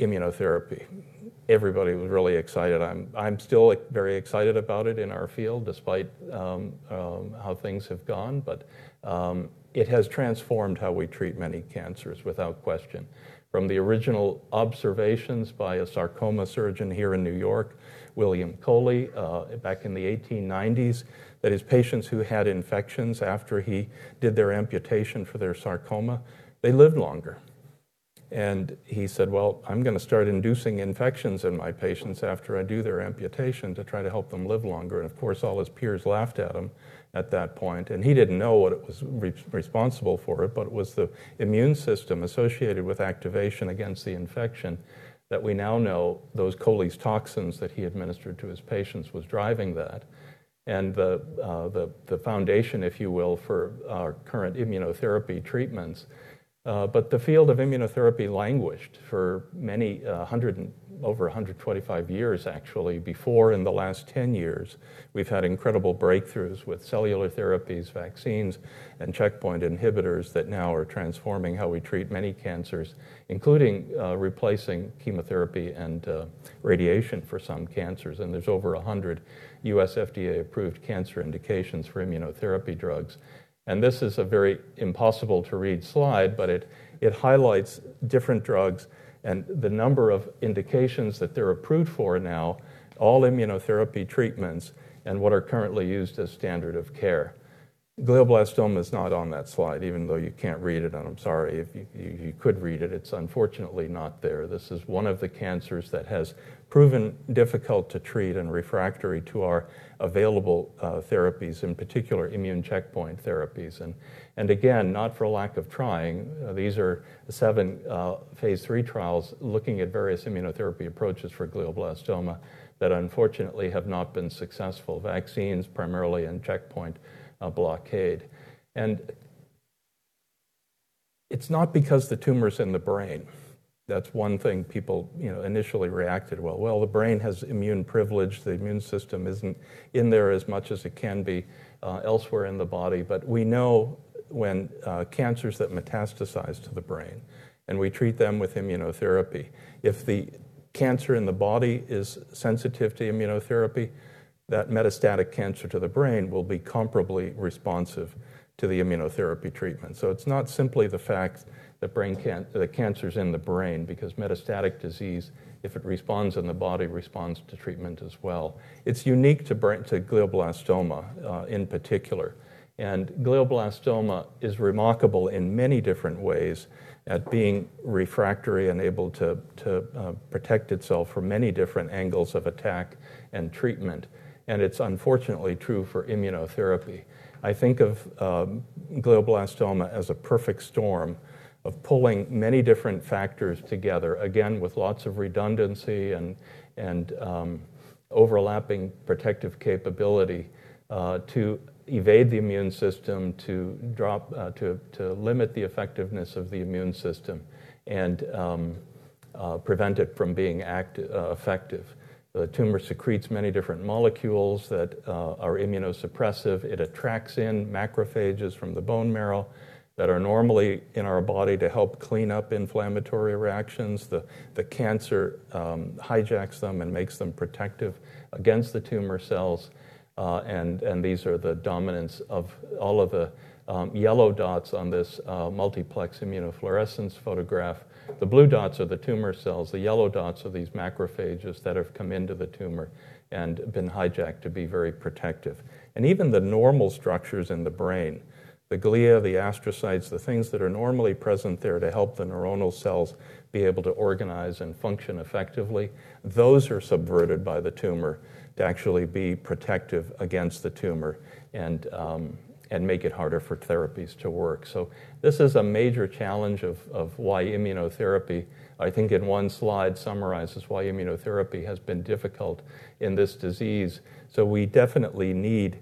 Immunotherapy. Everybody was really excited. I'm still very excited about it in our field, despite how things have gone. It has transformed how we treat many cancers without question. From the original observations by a sarcoma surgeon here in New York, William Coley, back in the 1890s, that his patients who had infections after he did their amputation for their sarcoma, they lived longer. He said, "Well, I'm going to start inducing infections in my patients after I do their amputation to try to help them live longer." Of course, all his peers laughed at him at that point, and he didn't know what was responsible for it, but it was the immune system associated with activation against the infection that we now know those Coley's toxins that he administered to his patients was driving that. The foundation, if you will, for our current immunotherapy treatments. The field of immunotherapy languished for over 125 years actually, before in the last 10 years, we've had incredible breakthroughs with cellular therapies, vaccines, and checkpoint inhibitors that now are transforming how we treat many cancers, including replacing chemotherapy and radiation for some cancers. There's over 100 U.S. FDA-approved cancer indications for immunotherapy drugs. This is a very impossible-to-read slide, but it highlights different drugs and the number of indications that they're approved for now, all immunotherapy treatments, and what are currently used as standard of care. Glioblastoma is not on that slide, even though you can't read it, and I'm sorry if you could read it. It's unfortunately not there. This is one of the cancers that has proven difficult to treat and refractory to our available therapies, in particular immune checkpoint therapies. Again, not for lack of trying. These are the seven phase III trials looking at various immunotherapy approaches for glioblastoma that unfortunately have not been successful. Vaccines, primarily, and checkpoint blockade. It's not because the tumor's in the brain. That's one thing people initially reacted with. "Well, the brain has immune privilege. The immune system isn't in there as much as it can be elsewhere in the body. We know when cancers that metastasize to the brain, and we treat them with immunotherapy, if the cancer in the body is sensitive to immunotherapy, that metastatic cancer to the brain will be comparably responsive to the immunotherapy treatment. It's not simply the fact that the cancer's in the brain, because metastatic disease, if it responds in the body, responds to treatment as well. It's unique to glioblastoma in particular. Glioblastoma is remarkable in many different ways at being refractory and able to protect itself from many different angles of attack and treatment, and it's unfortunately true for immunotherapy. I think of glioblastoma as a perfect storm of pulling many different factors together, again, with lots of redundancy and overlapping protective capability to evade the immune system, to limit the effectiveness of the immune system, and prevent it from being effective. The tumor secretes many different molecules that are immunosuppressive. It attracts in macrophages from the bone marrow that are normally in our body to help clean up inflammatory reactions. The cancer hijacks them and makes them protective against the tumor cells, and these are the dominance of all of the yellow dots on this multiplex immunofluorescence photograph. The blue dots are the tumor cells. The yellow dots are these macrophages that have come into the tumor and been hijacked to be very protective. Even the normal structures in the brain, the glia, the astrocytes, the things that are normally present there to help the neuronal cells be able to organize and function effectively, those are subverted by the tumor to actually be protective against the tumor and make it harder for therapies to work. This is a major challenge of why immunotherapy, I think in one slide summarizes why immunotherapy has been difficult in this disease. We definitely need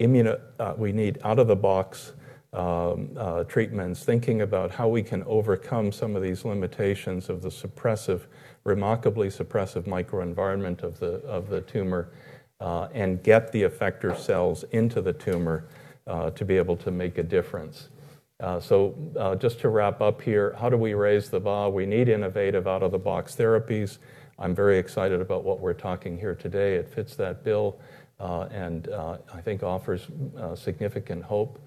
out-of-the-box treatments, thinking about how we can overcome some of these limitations of the remarkably suppressive microenvironment of the tumor and get the effector cells into the tumor to be able to make a difference. Just to wrap up here, how do we raise the bar? We need innovative out-of-the-box therapies. I'm very excited about what we're talking here today. It fits that bill and I think offers significant hope.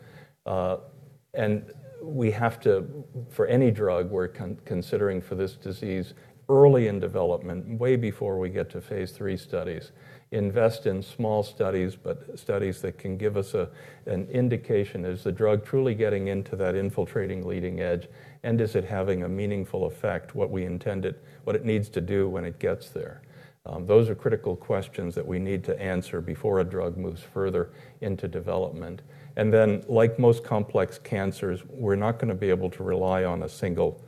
We have to, for any drug we're considering for this disease early in development, way before we get to phase III studies, invest in small studies, but studies that can give us an indication, is the drug truly getting into that infiltrating leading edge, and is it having a meaningful effect, what it needs to do when it gets there? Those are critical questions that we need to answer before a drug moves further into development. Then, like most complex cancers, we're not going to be able to rely on a single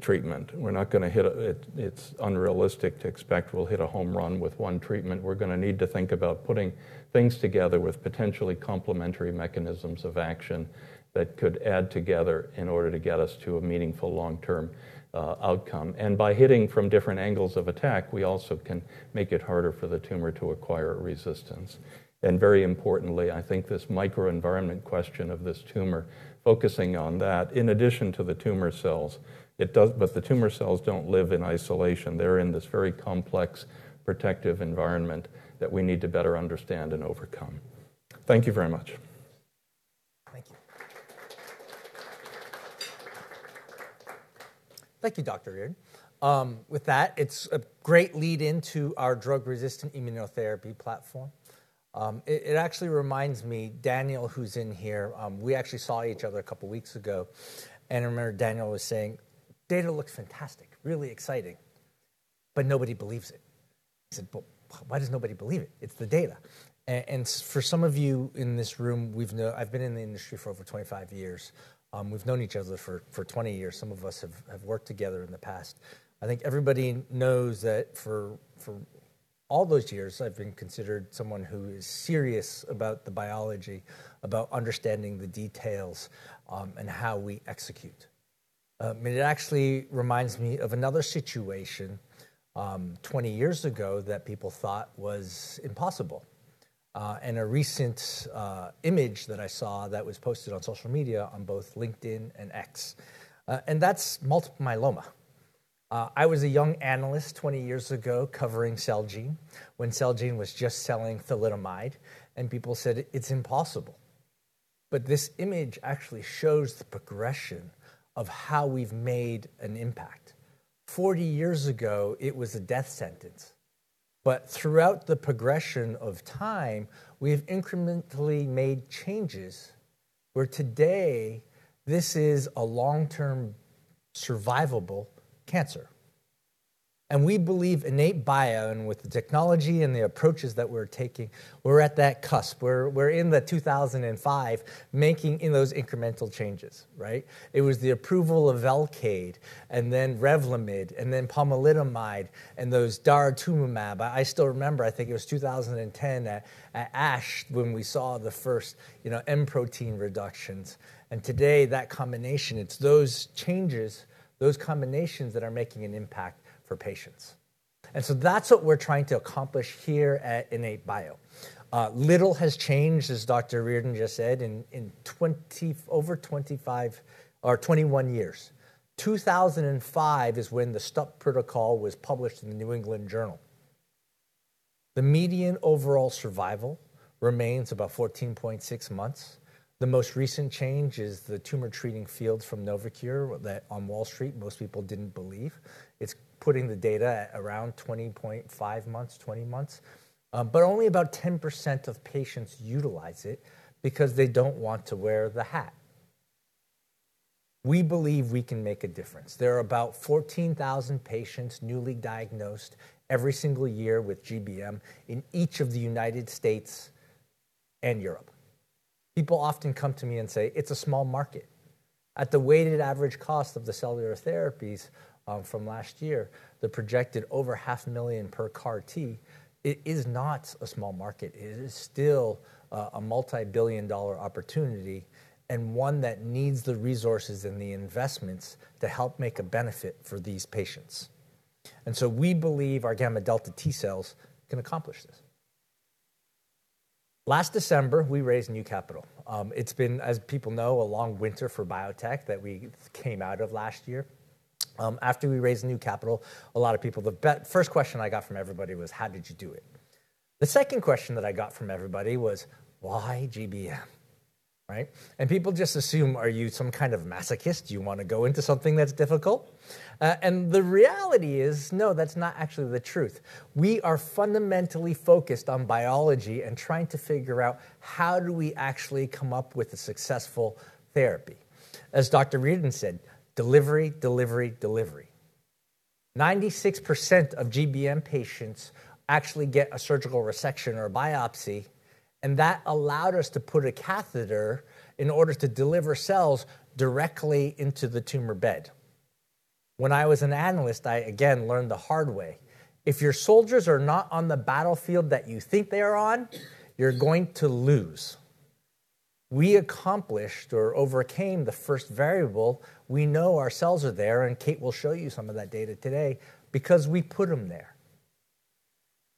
treatment. It's unrealistic to expect we'll hit a home run with one treatment. We're going to need to think about putting things together with potentially complementary mechanisms of action that could add together in order to get us to a meaningful long-term outcome. By hitting from different angles of attack, we also can make it harder for the tumor to acquire resistance. Very importantly, I think this microenvironment question of this tumor, focusing on that in addition to the tumor cells, but the tumor cells don't live in isolation. They're in this very complex, protective environment that we need to better understand and overcome. Thank you very much. Thank you. Thank you, Dr. Reardon. With that, it's a great lead-in to our drug-resistant immunotherapy platform. It actually reminds me, Daniel, who's in here, we actually saw each other a couple of weeks ago. I remember Daniel was saying, "Data looks fantastic, really exciting, but nobody believes it." I said, "Why does nobody believe it? It's the data." For some of you in this room, I've been in the industry for over 25 years. We've known each other for 20 years. Some of us have worked together in the past. I think everybody knows that for all those years, I've been considered someone who is serious about the biology, about understanding the details and how we execute. It actually reminds me of another situation 20 years ago that people thought was impossible and a recent image that I saw that was posted on social media on both LinkedIn and X, and that's multiple myeloma. People said it's impossible. This image actually shows the progression of how we've made an impact. 40 years ago, it was a death sentence, but throughout the progression of time, we have incrementally made changes where today this is a long-term survivable cancer. We believe IN8bio and with the technology and the approaches that we're taking, we're at that cusp. We're in the 2005 making in those incremental changes, right? It was the approval of Velcade and then Revlimid and then pomalidomide and those daratumumab. I still remember, I think it was 2010 at ASH when we saw the first M protein reductions. Today, that combination, it's those changes, those combinations that are making an impact for patients. That's what we're trying to accomplish here at IN8bio. Little has changed, as Dr. Reardon just said, in over 21 years. 2005 is when the Stupp protocol was published in The New England Journal of Medicine. The median overall survival remains about 14.6 months. The most recent change is the Tumor Treating Fields from Novocure that on Wall Street most people didn't believe. It's putting the data at around 20.5 months, 20 months. Only about 10% of patients utilize it because they don't want to wear the hat. We believe we can make a difference. There are about 14,000 patients newly diagnosed every single year with GBM in each of the United States and Europe. People often come to me and say, "It's a small market." At the weighted average cost of the cellular therapies from last year, the projected over half a million per CAR T, it is not a small market. It is still a multi-billion dollar opportunity, one that needs the resources and the investments to help make a benefit for these patients. We believe our Gamma-Delta T cells can accomplish this. Last December, we raised new capital. It's been, as people know, a long winter for biotech that we came out of last year. After we raised new capital, the first question I got from everybody was, "How did you do it?" The second question that I got from everybody was, "Why GBM?" Right? People just assume, are you some kind of masochist? Do you want to go into something that's difficult? The reality is no, that's not actually the truth. We are fundamentally focused on biology and trying to figure out how do we actually come up with a successful therapy. As Dr. Reardon said, "Delivery." 96% of GBM patients actually get a surgical resection or a biopsy, and that allowed us to put a catheter in order to deliver cells directly into the tumor bed. When I was an analyst, I, again, learned the hard way. If your soldiers are not on the battlefield that you think they are on, you're going to lose. We accomplished or overcame the first variable. We know our cells are there, and Kate will show you some of that data today because we put them there.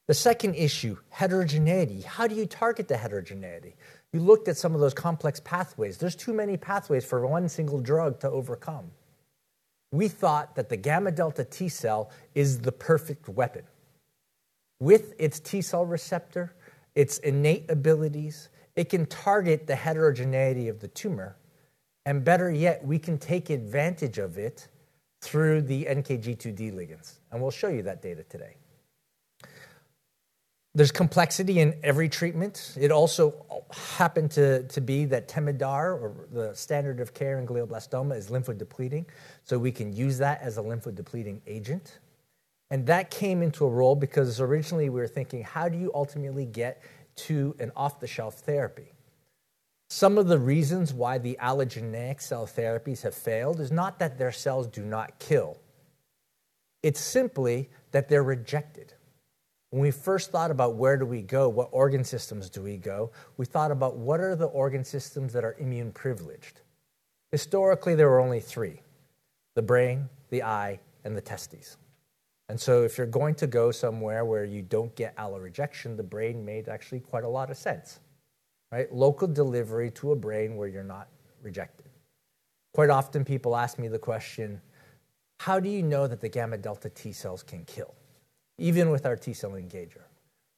The second issue, heterogeneity. How do you target the heterogeneity? We looked at some of those complex pathways. There's too many pathways for one single drug to overcome. We thought that the gamma-delta T cell is the perfect weapon. With its T cell receptor, its innate abilities, it can target the heterogeneity of the tumor, and better yet, we can take advantage of it through the NKG2D ligands, and we'll show you that data today. There's complexity in every treatment. It also happened to be that Temodar or the standard of care in glioblastoma is lymphodepleting, so we can use that as a lymphodepleting agent. That came into a role because originally we were thinking, how do you ultimately get to an off-the-shelf therapy? Some of the reasons why the allogeneic cell therapies have failed is not that their cells do not kill. It's simply that they're rejected. When we first thought about where do we go, what organ systems do we go, we thought about what are the organ systems that are immune privileged. Historically, there were only three, the brain, the eye, and the testes. If you're going to go somewhere where you don't get allorejection, the brain made actually quite a lot of sense, right? Local delivery to a brain where you're not rejected. Quite often, people ask me the question, how do you know that the gamma-delta T cells can kill, even with our T-cell engager?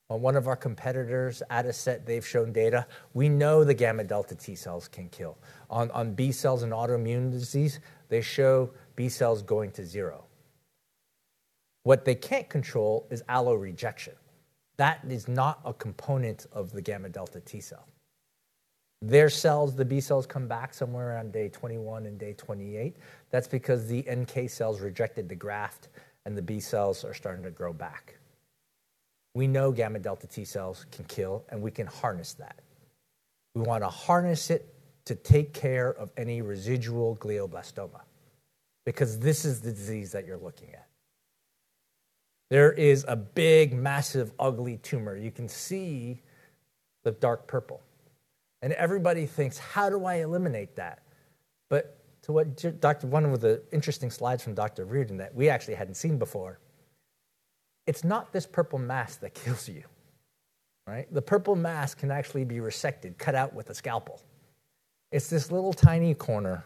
On one of our competitors, Adicet, they've shown data. We know the gamma-delta T cells can kill. On B cells in autoimmune disease, they show B cells going to zero. What they can't control is allorejection. That is not a component of the gamma-delta T cell. Their cells, the B cells, come back somewhere around day 21 and day 28. That's because the NK cells rejected the graft and the B cells are starting to grow back. We know gamma-delta T cells can kill, and we can harness that. We want to harness it to take care of any residual glioblastoma because this is the disease that you're looking at. There is a big, massive, ugly tumor. You can see the dark purple, and everybody thinks, "How do I eliminate that?" One of the interesting slides from Dr. Reardon that we actually hadn't seen before, it's not this purple mass that kills you, right? The purple mass can actually be resected, cut out with a scalpel. It's this little tiny corner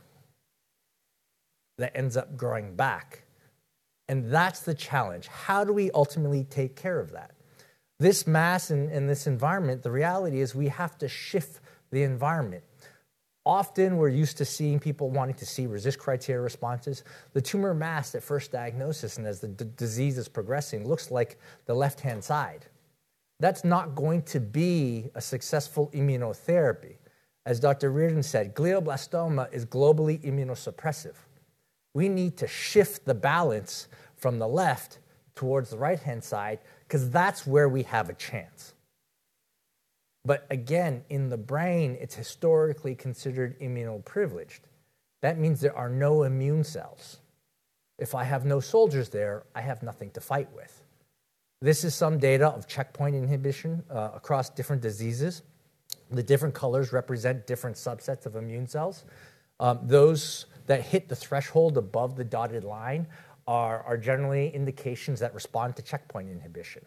that ends up growing back, and that's the challenge. How do we ultimately take care of that? This mass and this environment, the reality is we have to shift the environment. Often, we're used to seeing people wanting to see RECIST criteria responses. The tumor mass at first diagnosis and as the disease is progressing looks like the left-hand side. That's not going to be a successful immunotherapy. As Dr. Reardon said, glioblastoma is globally immunosuppressive. We need to shift the balance from the left towards the right-hand side because that's where we have a chance. Again, in the brain, it's historically considered immunoprivileged. That means there are no immune cells. If I have no soldiers there, I have nothing to fight with. This is some data of checkpoint inhibition across different diseases. The different colors represent different subsets of immune cells. Those that hit the threshold above the dotted line are generally indications that respond to checkpoint inhibition.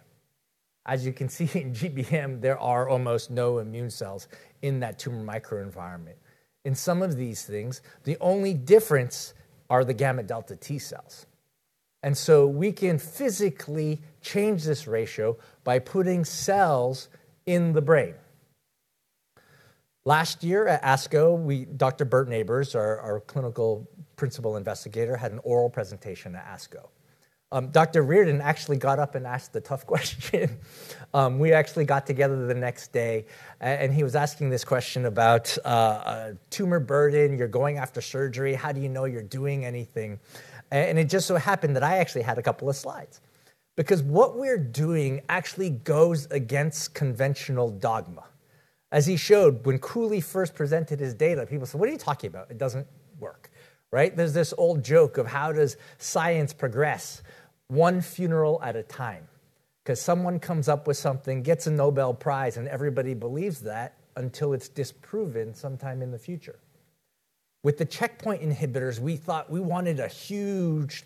As you can see in GBM, there are almost no immune cells in that tumor microenvironment. In some of these things, the only difference are the gamma-delta T cells. We can physically change this ratio by putting cells in the brain. Last year at ASCO, Dr. Burt Nabors, our clinical principal investigator, had an oral presentation at ASCO. Dr. Reardon actually got up and asked the tough question. We actually got together the next day, and he was asking this question about tumor burden. You're going after surgery. How do you know you're doing anything? It just so happened that I actually had a couple of slides, because what we're doing actually goes against conventional dogma. As he showed, when Coley first presented his data, people said, "What are you talking about? It doesn't work," right? There's this old joke of how does science progress? One funeral at a time. Someone comes up with something, gets a Nobel Prize, and everybody believes that until it's disproven sometime in the future. The checkpoint inhibitors, we thought we wanted a huge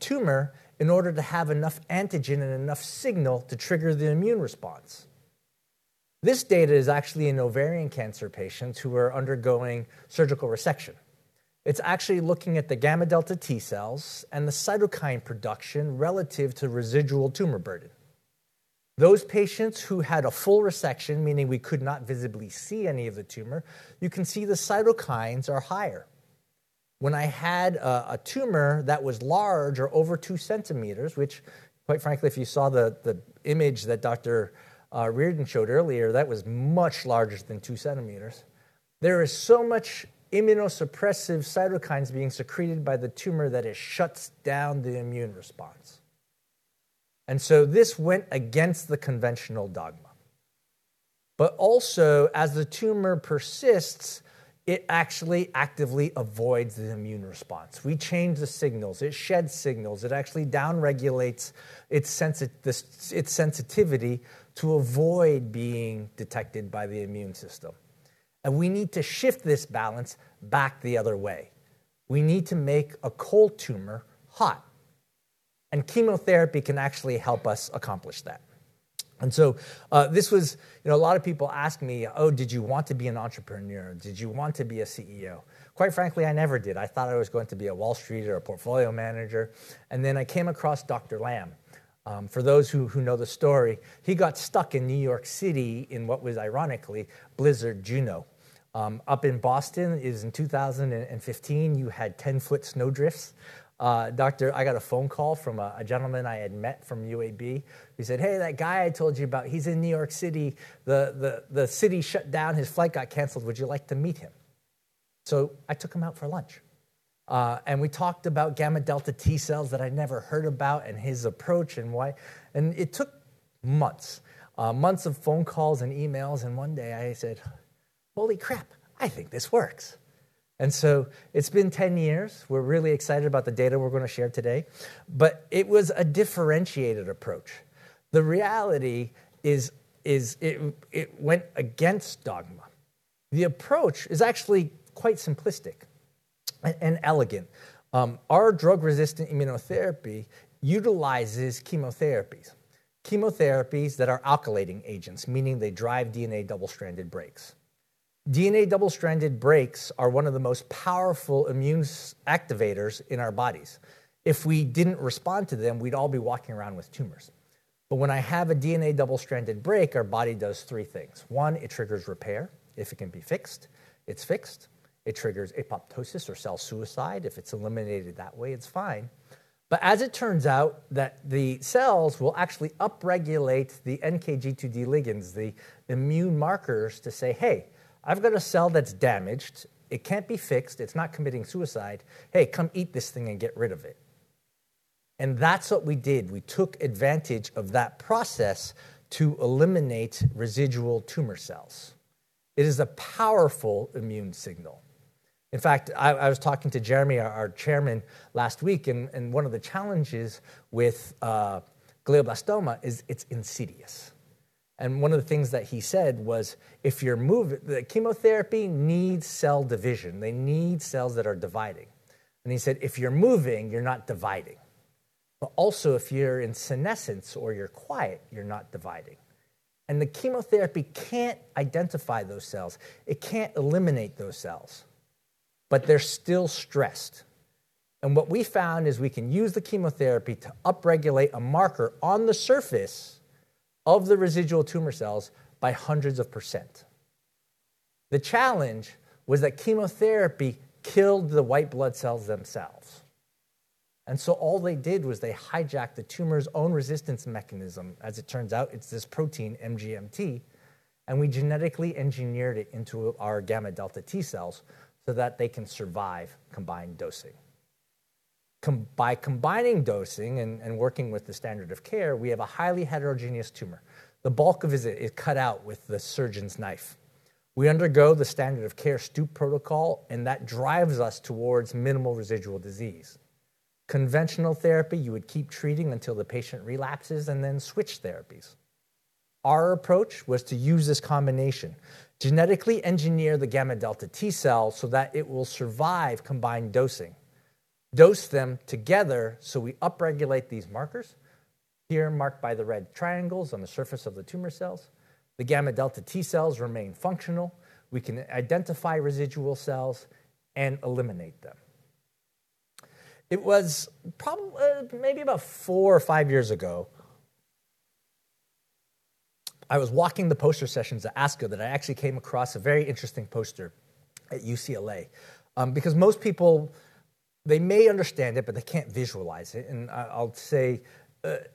tumor in order to have enough antigen and enough signal to trigger the immune response. This data is actually in ovarian cancer patients who are undergoing surgical resection. It's actually looking at the gamma-delta T cells and the cytokine production relative to residual tumor burden. Those patients who had a full resection, meaning we could not visibly see any of the tumor, you can see the cytokines are higher. I had a tumor that was large or over 2 cm, which quite frankly, if you saw the image that Dr. Reardon showed earlier, that was much larger than 2 cm. There is so much immunosuppressive cytokines being secreted by the tumor that it shuts down the immune response. This went against the conventional dogma. Also, as the tumor persists, it actually actively avoids the immune response. We change the signals. It sheds signals. It actually downregulates its sensitivity to avoid being detected by the immune system. We need to shift this balance back the other way. We need to make a cold tumor hot, and chemotherapy can actually help us accomplish that. A lot of people ask me, "Oh, did you want to be an entrepreneur? Did you want to be a CEO?" Quite frankly, I never did. I thought I was going to be a Wall Street or a portfolio manager. Then I came across Dr. Lamb. For those who know the story, he got stuck in New York City in what was ironically Winter Storm Juno. Up in Boston, it was in 2015, you had 10-foot snow drifts. I got a phone call from a gentleman I had met from UAB who said, "Hey, that guy I told you about, he's in New York City. The city shut down. His flight got canceled. Would you like to meet him?" I took him out for lunch. We talked about gamma-delta T cells that I'd never heard about and his approach and why. It took months of phone calls and emails. One day I said, "Holy crap. I think this works." It's been 10 years. We're really excited about the data we're going to share today. It was a differentiated approach. The reality is it went against dogma. The approach is actually quite simplistic and elegant. Our drug-resistant immunotherapy utilizes chemotherapies that are alkylating agents, meaning they drive DNA double-stranded breaks. DNA double-stranded breaks are one of the most powerful immune activators in our bodies. If we didn't respond to them, we'd all be walking around with tumors. When I have a DNA double-stranded break, our body does three things. One, it triggers repair. If it can be fixed, it's fixed. It triggers apoptosis or cell suicide. If it's eliminated that way, it's fine. As it turns out that the cells will actually upregulate the NKG2D ligands, the immune markers, to say, "Hey, I've got a cell that's damaged. It can't be fixed. It's not committing suicide. Hey, come eat this thing and get rid of it." That's what we did. We took advantage of that process to eliminate residual tumor cells. It is a powerful immune signal. In fact, I was talking to Jeremy, our chairman, last week, one of the challenges with glioblastoma is it's insidious. One of the things that he said was, chemotherapy needs cell division. They need cells that are dividing. He said, "If you're moving, you're not dividing." Also, if you're in senescence or you're quiet, you're not dividing. The chemotherapy can't identify those cells. It can't eliminate those cells, but they're still stressed. What we found is we can use the chemotherapy to upregulate a marker on the surface of the residual tumor cells by hundreds of percent. The challenge was that chemotherapy killed the white blood cells themselves. All they did was they hijacked the tumor's own resistance mechanism. It turns out, it's this protein, MGMT, and we genetically engineered it into our gamma-delta T cells so that they can survive combined dosing. By combining dosing and working with the standard of care, we have a highly heterogeneous tumor. The bulk of it is cut out with the surgeon's knife. We undergo the standard of care Stupp protocol, and that drives us towards minimal residual disease. Conventional therapy, you would keep treating until the patient relapses and then switch therapies. Our approach was to use this combination, genetically engineer the gamma-delta T cell so that it will survive combined dosing, dose them together, so we upregulate these markers, here marked by the red triangles on the surface of the tumor cells. The gamma-delta T cells remain functional. We can identify residual cells and eliminate them. It was probably maybe about four or five years ago. I was walking the poster sessions at ASCO that I actually came across a very interesting poster at UCLA. Because most people, they may understand it, but they can't visualize it. I'll say,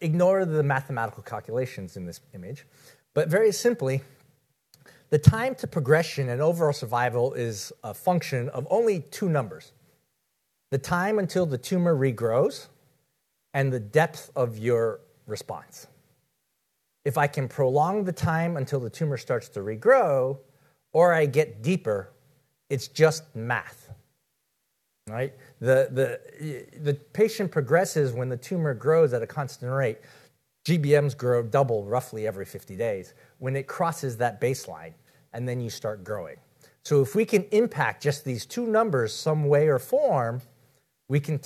ignore the mathematical calculations in this image. very simply, the time to progression and overall survival is a function of only two numbers, the time until the tumor regrows and the depth of your response. If I can prolong the time until the tumor starts to regrow or I get deeper, it's just math, right? The patient progresses when the tumor grows at a constant rate. GBMs double roughly every 50 days when it crosses that baseline, and then you start growing. If we can impact just these two numbers some way or form, we can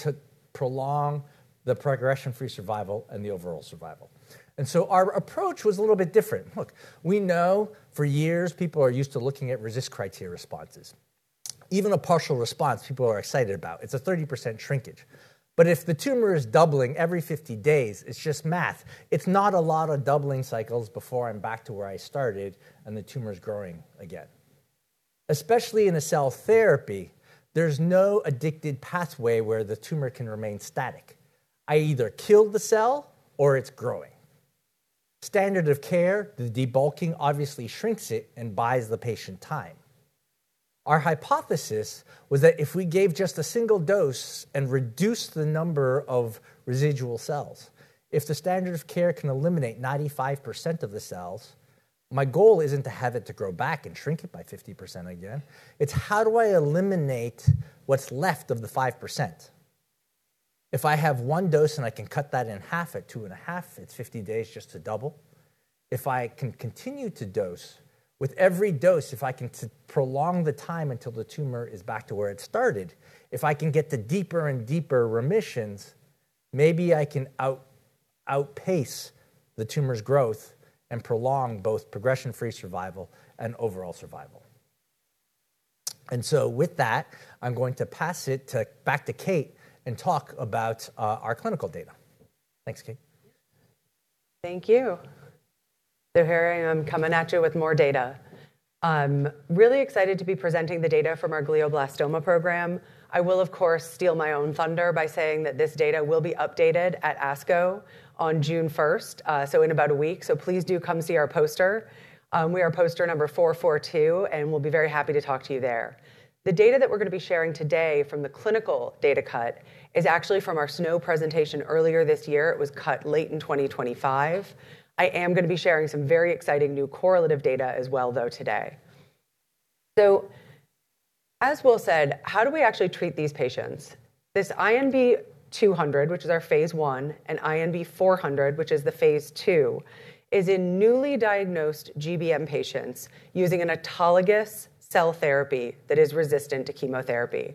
prolong the progression-free survival and the overall survival. Our approach was a little bit different. Look, we know for years people are used to looking at RECIST criteria responses. Even a partial response, people are excited about. It's a 30% shrinkage. If the tumor is doubling every 50 days, it's just math. It's not a lot of doubling cycles before I'm back to where I started and the tumor's growing again. Especially in a cell therapy, there's no addicted pathway where the tumor can remain static. I either killed the cell or it's growing. Standard of care, the debulking obviously shrinks it and buys the patient time. Our hypothesis was that if we gave just a single dose and reduced the number of residual cells, if the standard of care can eliminate 95% of the cells, my goal isn't to have it to grow back and shrink it by 50% again. It's how do I eliminate what's left of the 5%? If I have one dose and I can cut that in half at 2.5, it's 50 days just to double. If I can continue to dose, with every dose, if I can prolong the time until the tumor is back to where it started, if I can get to deeper and deeper remissions, maybe I can outpace the tumor's growth and prolong both progression-free survival and overall survival. With that, I'm going to pass it back to Kate and talk about our clinical data. Thanks, Kate. Thank you. Here I am coming at you with more data. I'm really excited to be presenting the data from our glioblastoma program. I will, of course, steal my own thunder by saying that this data will be updated at ASCO on June 1st, so in about a week. Please do come see our poster. We are poster number 442, and we'll be very happy to talk to you there. The data that we're going to be sharing today from the clinical data cut is actually from our SNO presentation earlier this year. It was cut late in 2025. I am going to be sharing some very exciting new correlative data as well, though, today. As Will said, how do we actually treat these patients? This INB-200, which is our phase I, and INB-400, which is the phase II, is in newly diagnosed GBM patients using an autologous cell therapy that is resistant to chemotherapy.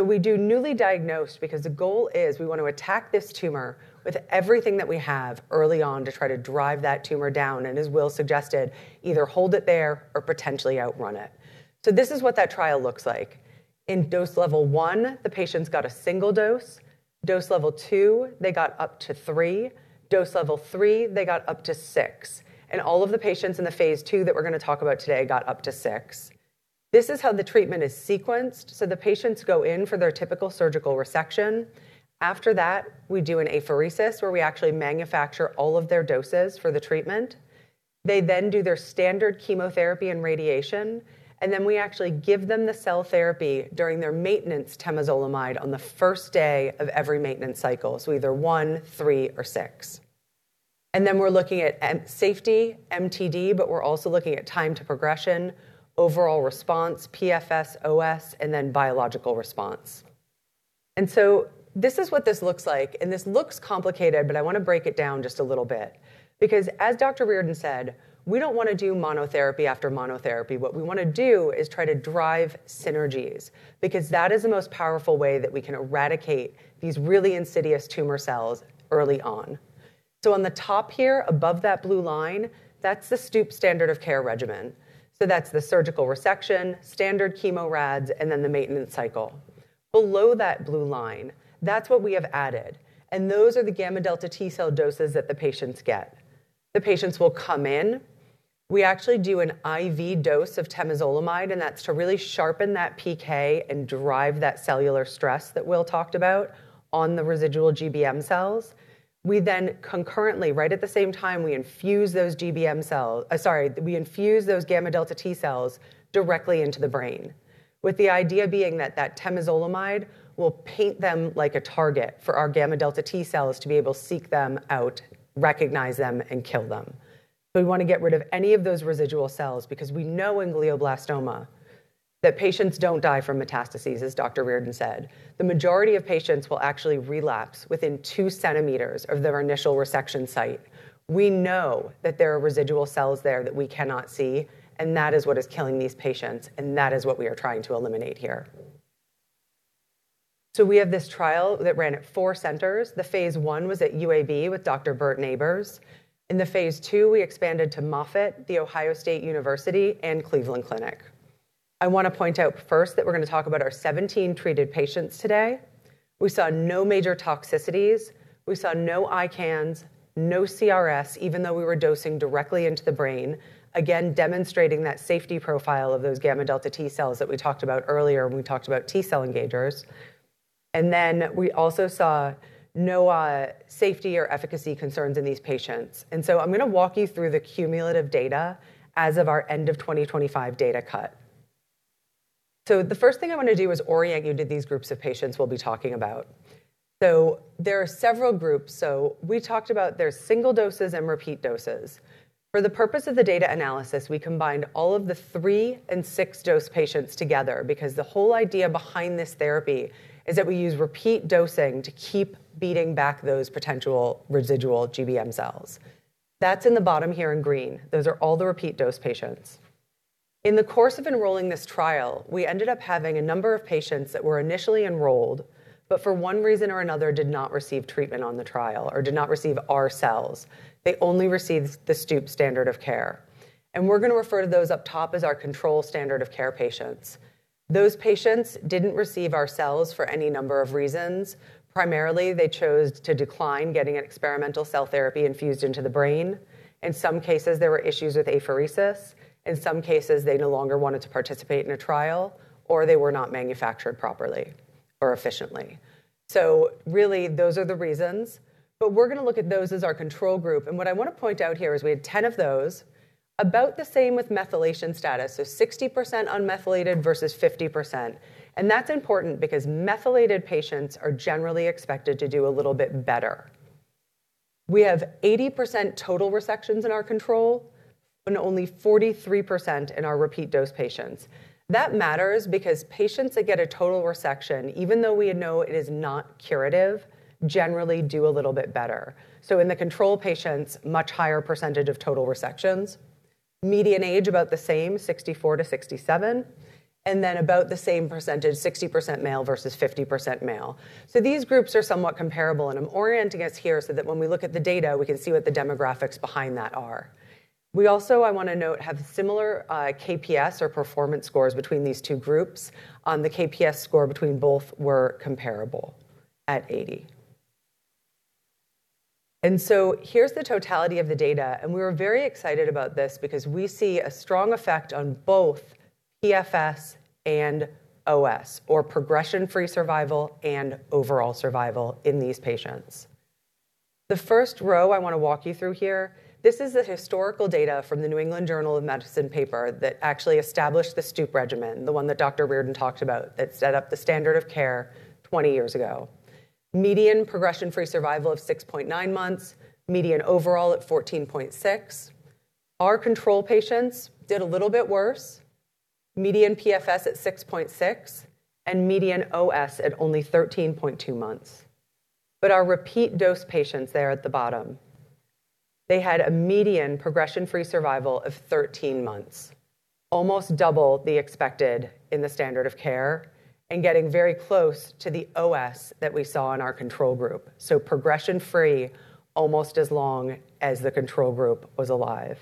We do newly diagnosed because the goal is we want to attack this tumor with everything that we have early on to try to drive that tumor down and, as Will suggested, either hold it there or potentially outrun it. This is what that trial looks like. In Dose Level 1, the patients got a single dose. Dose Level 2, they got up to three. Dose Level 3, they got up to six. All of the patients in the phase II that we're going to talk about today got up to six. This is how the treatment is sequenced. The patients go in for their typical surgical resection. After that, we do an apheresis, where we actually manufacture all of their doses for the treatment. They then do their standard chemotherapy and radiation, and then we actually give them the cell therapy during their maintenance temozolomide on the first day of every maintenance cycle. Either one, three, or six. We're looking at safety, MTD, but we're also looking at time to progression, overall response, PFS, OS, and then biological response. This is what this looks like, and this looks complicated, but I want to break it down just a little bit because, as Dr. Reardon said, we don't want to do monotherapy after monotherapy. What we want to do is try to drive synergies because that is the most powerful way that we can eradicate these really insidious tumor cells early on. On the top here, above that blue line, that's the Stupp standard of care regimen. That's the surgical resection, standard chemo rads, and then the maintenance cycle. Below that blue line, that's what we have added, and those are the gamma-delta T cell doses that the patients get. The patients will come in. We actually do an IV dose of temozolomide, and that's to really sharpen that PK and drive that cellular stress that Will talked about on the residual GBM cells. We concurrently, right at the same time, we infuse those gamma-delta T cells directly into the brain with the idea being that that temozolomide will paint them like a target for our gamma-delta T cells to be able to seek them out, recognize them, and kill them. We want to get rid of any of those residual cells because we know in glioblastoma that patients don't die from metastases, as Dr. Reardon said. The majority of patients will actually relapse within 2 cm of their initial resection site. We know that there are residual cells there that we cannot see, and that is what is killing these patients, and that is what we are trying to eliminate here. We have this trial that ran at four centers. The phase I was at UAB with Dr. Burt Nabors. In the phase II, we expanded to Moffitt, The Ohio State University, and Cleveland Clinic. I want to point out first that we're going to talk about our 17 treated patients today. We saw no major toxicities. We saw no ICANS, no CRS, even though we were dosing directly into the brain. Again, demonstrating that safety profile of those gamma-delta T cells that we talked about earlier when we talked about T cell engagers. Then we also saw no safety or efficacy concerns in these patients. I'm going to walk you through the cumulative data as of our end of 2025 data cut. The first thing I want to do is orient you to these groups of patients we'll be talking about. There are several groups. We talked about there's single doses and repeat doses. For the purpose of the data analysis, we combined all of the three and six-dose patients together because the whole idea behind this therapy is that we use repeat dosing to keep beating back those potential residual GBM cells. That's in the bottom here in green. Those are all the repeat dose patients. In the course of enrolling this trial, we ended up having a number of patients that were initially enrolled, but for one reason or another, did not receive treatment on the trial or did not receive our cells. They only received the Stupp standard of care. We're going to refer to those up top as our control standard of care patients. Those patients didn't receive our cells for any number of reasons. Primarily, they chose to decline getting an experimental cell therapy infused into the brain. In some cases, there were issues with apheresis. In some cases, they no longer wanted to participate in a trial, or they were not manufactured properly or efficiently. Really, those are the reasons, but we're going to look at those as our control group. What I want to point out here is we had 10 of those, about the same with methylation status, so 60% unmethylated versus 50%. That's important because methylated patients are generally expected to do a little bit better. We have 80% total resections in our control and only 43% in our repeat dose patients. That matters because patients that get a total resection, even though we know it is not curative, generally do a little bit better. In the control patients, much higher percentage of total resections. Median age, about the same, 64-67, about the same percentage, 60% male versus 50% male. These groups are somewhat comparable, and I'm orienting us here so that when we look at the data, we can see what the demographics behind that are. We also, I want to note, have similar KPS or performance scores between these two groups. On the KPS score between both were comparable at 80. Here's the totality of the data, and we were very excited about this because we see a strong effect on both PFS and OS, or progression-free survival and overall survival in these patients. The first row I want to walk you through here, this is the historical data from The New England Journal of Medicine paper that actually established the Stupp regimen, the one that Dr. Reardon talked about that set up the standard of care 20 years ago. Median progression-free survival of 6.9 months, median overall at 14.6. Our control patients did a little bit worse. Median PFS at 6.6 and median OS at only 13.2 months. Our repeat dose patients there at the bottom, they had a median progression-free survival of 13 months, almost double the expected in the standard of care, and getting very close to the OS that we saw in our control group. Progression-free almost as long as the control group was alive.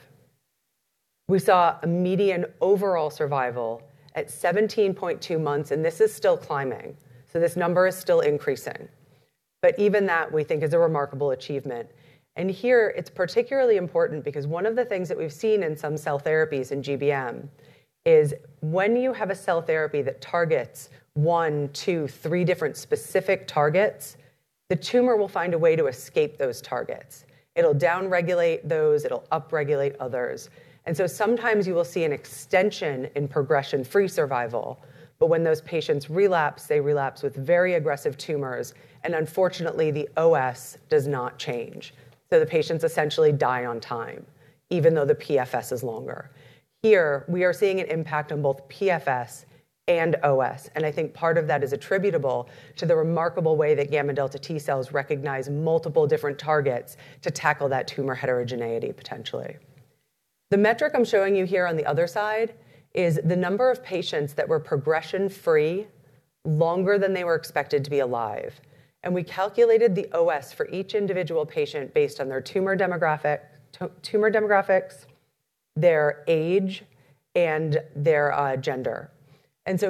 We saw a median overall survival at 17.2 months, and this is still climbing. This number is still increasing. Even that we think is a remarkable achievement. Here it's particularly important because one of the things that we've seen in some cell therapies in GBM is when you have a cell therapy that targets one, two, three different specific targets, the tumor will find a way to escape those targets. It'll down-regulate those, it'll up-regulate others. Sometimes you will see an extension in progression-free survival. When those patients relapse, they relapse with very aggressive tumors, and unfortunately, the OS does not change. The patients essentially die on time, even though the PFS is longer. Here, we are seeing an impact on both PFS and OS, and I think part of that is attributable to the remarkable way that gamma-delta T cells recognize multiple different targets to tackle that tumor heterogeneity potentially. The metric I'm showing you here on the other side is the number of patients that were progression free longer than they were expected to be alive. We calculated the OS for each individual patient based on their tumor demographics, their age, and their gender.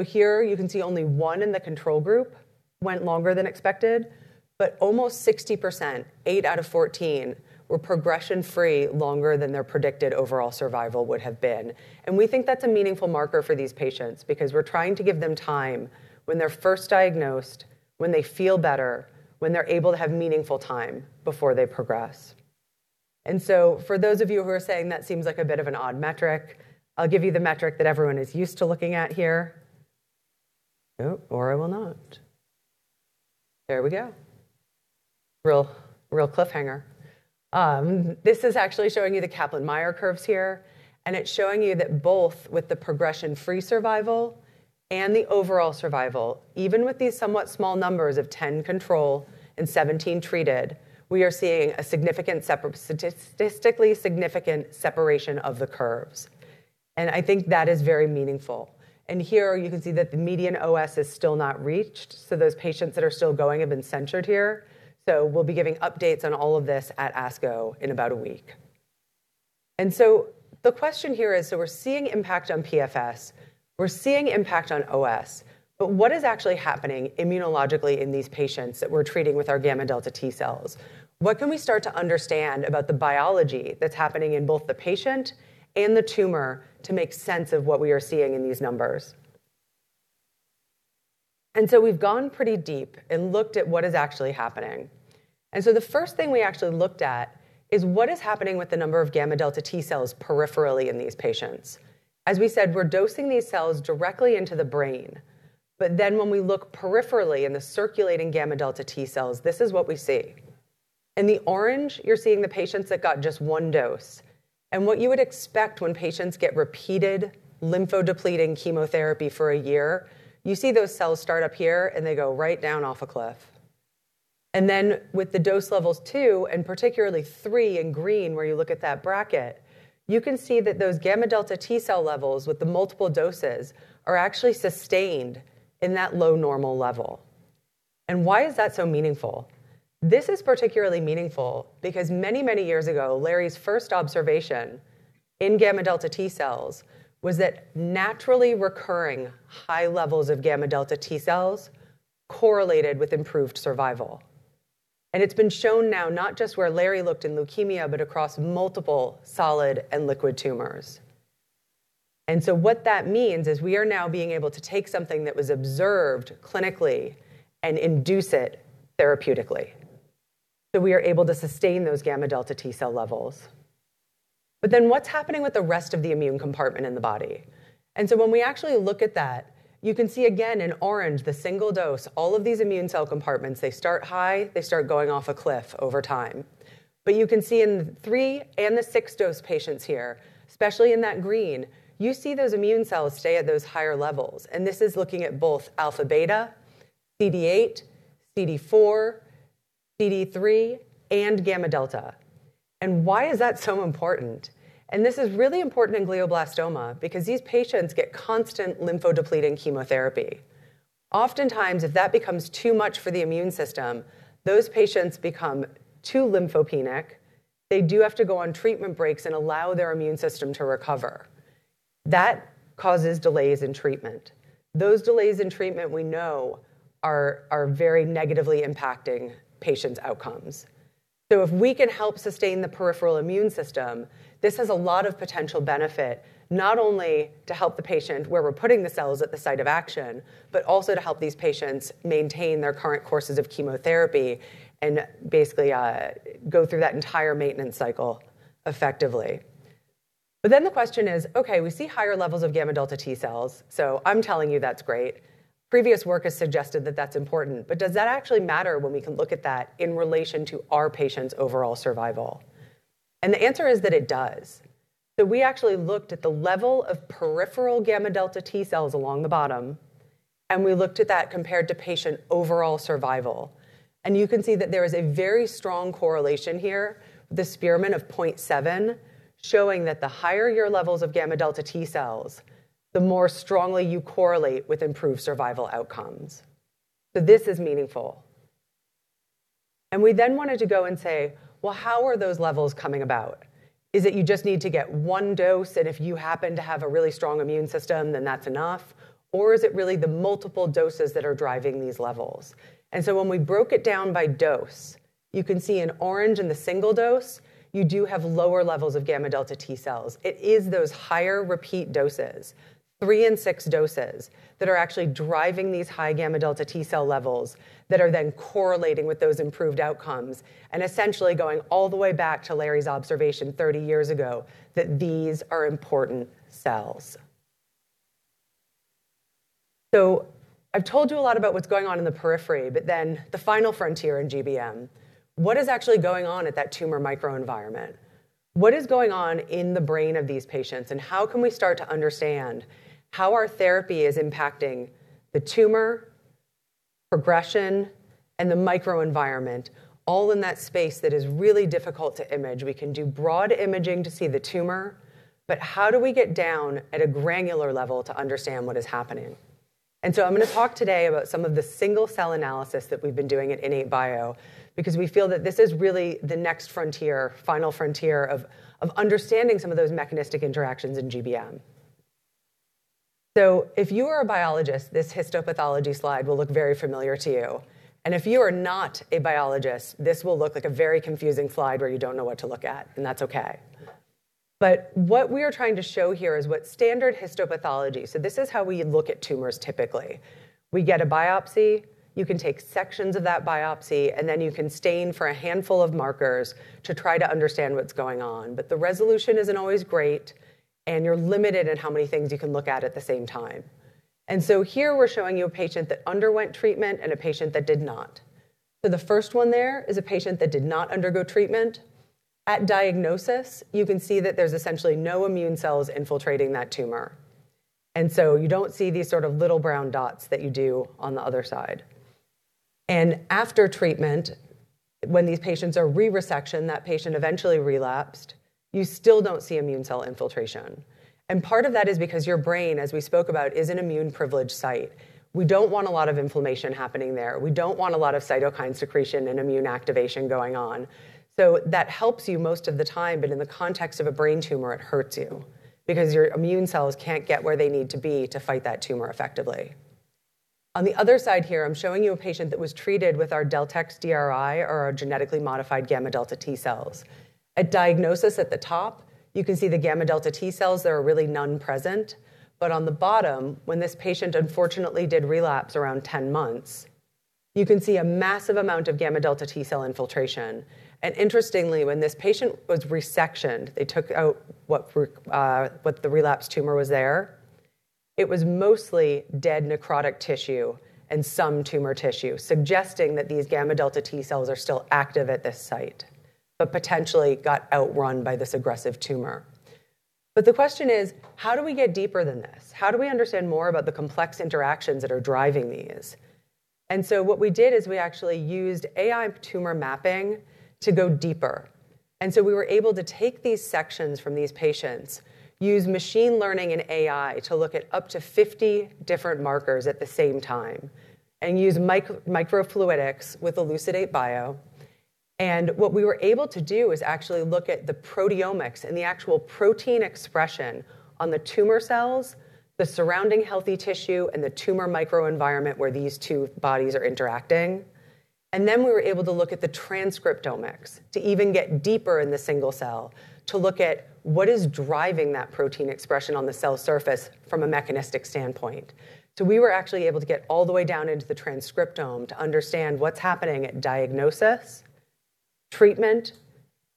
Here you can see only one in the control group went longer than expected, but almost 60%, eight out of 14, were progression free longer than their predicted overall survival would have been. We think that's a meaningful marker for these patients because we're trying to give them time when they're first diagnosed, when they feel better, when they're able to have meaningful time before they progress. For those of you who are saying that seems like a bit of an odd metric, I'll give you the metric that everyone is used to looking at here. Nope, or I will not. There we go. Real cliffhanger. This is actually showing you the Kaplan-Meier curves here, and it's showing you that both with the progression-free survival and the overall survival, even with these somewhat small numbers of 10 control and 17 treated, we are seeing a statistically significant separation of the curves. I think that is very meaningful. Here you can see that the median OS is still not reached. Those patients that are still going have been censored here. We'll be giving updates on all of this at ASCO in about a week. The question here is, we're seeing impact on PFS, we're seeing impact on OS, but what is actually happening immunologically in these patients that we're treating with our gamma-delta T cells? What can we start to understand about the biology that's happening in both the patient and the tumor to make sense of what we are seeing in these numbers? We've gone pretty deep and looked at what is actually happening. The first thing we actually looked at is what is happening with the number of gamma-delta T cells peripherally in these patients. As we said, we're dosing these cells directly into the brain. When we look peripherally in the circulating gamma-delta T cells, this is what we see. In the orange, you're seeing the patients that got just one dose. What you would expect when patients get repeated lympho-depleting chemotherapy for one year, you see those cells start up here and they go right down off a cliff. With the Dose Levels 2 and particularly three in green, where you look at that bracket, you can see that those gamma-delta T cell levels with the multiple doses are actually sustained in that low normal level. Why is that so meaningful? This is particularly meaningful because many, many years ago, Larry's first observation in gamma-delta T cells was that naturally recurring high levels of gamma-delta T cells correlated with improved survival. It's been shown now not just where Larry looked in leukemia, but across multiple solid and liquid tumors. What that means is we are now being able to take something that was observed clinically and induce it therapeutically. We are able to sustain those gamma-delta T cell levels. What's happening with the rest of the immune compartment in the body? When we actually look at that, you can see again in orange, the single dose, all of these immune cell compartments, they start high, they start going off a cliff over time. You can see in the three and the six dose patients here, especially in that green, you see those immune cells stay at those higher levels, and this is looking at both alpha beta, CD8, CD4, CD3, and gamma-delta. Why is that so important? This is really important in glioblastoma because these patients get constant lympho-depleting chemotherapy. Oftentimes, if that becomes too much for the immune system, those patients become too lymphopenic. They do have to go on treatment breaks and allow their immune system to recover. That causes delays in treatment. Those delays in treatment we know are very negatively impacting patients' outcomes. If we can help sustain the peripheral immune system, this has a lot of potential benefit, not only to help the patient where we're putting the cells at the site of action, but also to help these patients maintain their current courses of chemotherapy and basically go through that entire maintenance cycle effectively. The question is, okay, we see higher levels of gamma-delta T cells, so I'm telling you that's great. Previous work has suggested that that's important. Does that actually matter when we can look at that in relation to our patients' overall survival? The answer is that it does. We actually looked at the level of peripheral gamma-delta T cells along the bottom, and we looked at that compared to patient overall survival. You can see that there is a very strong correlation here with a Spearman of 0.7 showing that the higher your levels of gamma-delta T cells, the more strongly you correlate with improved survival outcomes. This is meaningful. We wanted to go and say, well, how are those levels coming about? Is it you just need to get one dose, and if you happen to have a really strong immune system, then that's enough? Is it really the multiple doses that are driving these levels? When we broke it down by dose, you can see in orange in the single dose, you do have lower levels of gamma-delta T cells. It is those higher repeat doses, three and six doses, that are actually driving these high gamma-delta T cell levels that are then correlating with those improved outcomes and essentially going all the way back to Larry's observation 30 years ago that these are important cells. I've told you a lot about what's going on in the periphery, but then the final frontier in GBM, what is actually going on at that tumor microenvironment? What is going on in the brain of these patients, and how can we start to understand how our therapy is impacting the tumor, progression, and the microenvironment, all in that space that is really difficult to image? We can do broad imaging to see the tumor, how do we get down at a granular level to understand what is happening? I'm going to talk today about some of the single-cell analysis that we've been doing at IN8bio because we feel that this is really the next frontier, final frontier of understanding some of those mechanistic interactions in GBM. If you are a biologist, this histopathology slide will look very familiar to you. If you are not a biologist, this will look like a very confusing slide where you don't know what to look at, and that's okay. What we are trying to show here is this is how we look at tumors typically. We get a biopsy. You can take sections of that biopsy, then you can stain for a handful of markers to try to understand what's going on. The resolution isn't always great, and you're limited in how many things you can look at the same time. Here we're showing you a patient that underwent treatment and a patient that did not. The first one there is a patient that did not undergo treatment. At diagnosis, you can see that there's essentially no immune cells infiltrating that tumor. You don't see these sort of little brown dots that you do on the other side. After treatment, when these patients are re-resectioned, that patient eventually relapsed, you still don't see immune cell infiltration. Part of that is because your brain, as we spoke about, is an immune privileged site. We don't want a lot of inflammation happening there. We don't want a lot of cytokine secretion and immune activation going on. That helps you most of the time, but in the context of a brain tumor, it hurts you because your immune cells can't get where they need to be to fight that tumor effectively. On the other side here, I'm showing you a patient that was treated with our DeltEx DRI or our genetically modified gamma delta T cells. At diagnosis at the top, you can see the gamma delta T cells. There are really none present. On the bottom, when this patient unfortunately did relapse around 10 months, you can see a massive amount of gamma delta T cell infiltration. Interestingly, when this patient was resectioned, they took out what the relapsed tumor was there, it was mostly dead necrotic tissue and some tumor tissue, suggesting that these gamma-delta T cells are still active at this site, potentially got outrun by this aggressive tumor. The question is, how do we get deeper than this? How do we understand more about the complex interactions that are driving these? What we did is we actually used AI tumor mapping to go deeper. We were able to take these sections from these patients, use machine learning and AI to look at up to 50 different markers at the same time, and use microfluidics with Elucidate Bio. What we were able to do is actually look at the proteomics and the actual protein expression on the tumor cells, the surrounding healthy tissue, and the tumor microenvironment where these two bodies are interacting. Then we were able to look at the transcriptomics to even get deeper in the single cell to look at what is driving that protein expression on the cell surface from a mechanistic standpoint. We were actually able to get all the way down into the transcriptome to understand what's happening at diagnosis, treatment,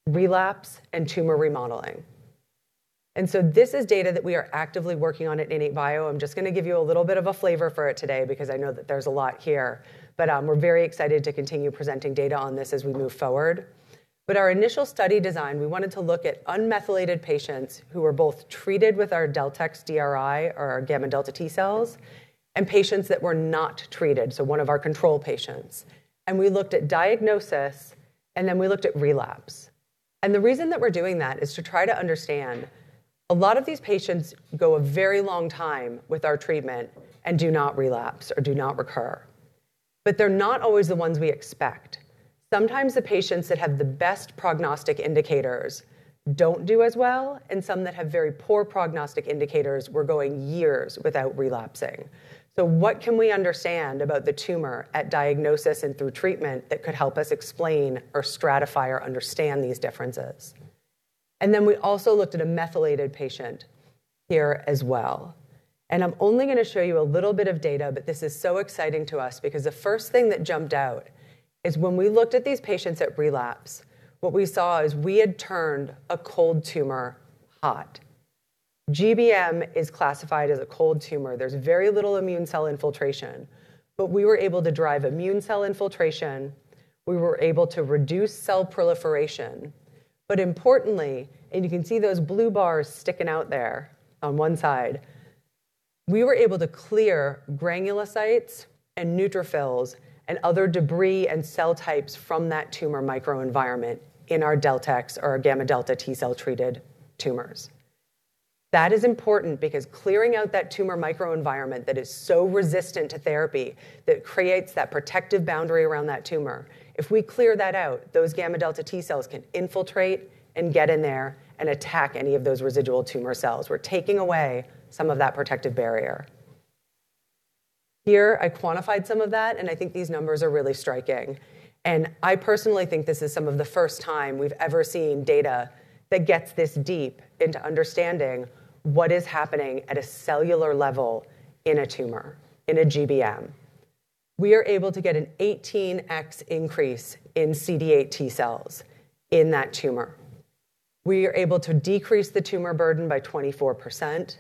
relapse, and tumor remodeling. This is data that we are actively working on at IN8bio. I'm just going to give you a little bit of a flavor for it today because I know that there's a lot here. We're very excited to continue presenting data on this as we move forward. Our initial study design, we wanted to look at unmethylated patients who were both treated with our DeltEx DRI or our gamma-delta T cells, and patients that were not treated, so one of our control patients. We looked at diagnosis, and then we looked at relapse. The reason that we're doing that is to try to understand a lot of these patients go a very long time with our treatment and do not relapse or do not recur. They're not always the ones we expect. Sometimes the patients that have the best prognostic indicators don't do as well, and some that have very poor prognostic indicators were going years without relapsing. What can we understand about the tumor at diagnosis and through treatment that could help us explain or stratify or understand these differences? We also looked at a methylated patient here as well. I'm only going to show you a little bit of data, but this is so exciting to us because the first thing that jumped out is when we looked at these patients at relapse, what we saw is we had turned a cold tumor hot. GBM is classified as a cold tumor. There's very little immune cell infiltration. We were able to drive immune cell infiltration. We were able to reduce cell proliferation. Importantly, and you can see those blue bars sticking out there on one side, we were able to clear granulocytes and neutrophils and other debris and cell types from that tumor microenvironment in our DeltEx or our gamma-delta T cell treated tumors. That is important because clearing out that tumor microenvironment that is so resistant to therapy, that creates that protective boundary around that tumor, if we clear that out, those gamma-delta T cells can infiltrate and get in there and attack any of those residual tumor cells. We're taking away some of that protective barrier. Here, I quantified some of that, and I think these numbers are really striking. I personally think this is some of the first time we've ever seen data that gets this deep into understanding what is happening at a cellular level in a tumor, in a GBM. We are able to get an 18x increase in CD8 T cells in that tumor. We are able to decrease the tumor burden by 24%.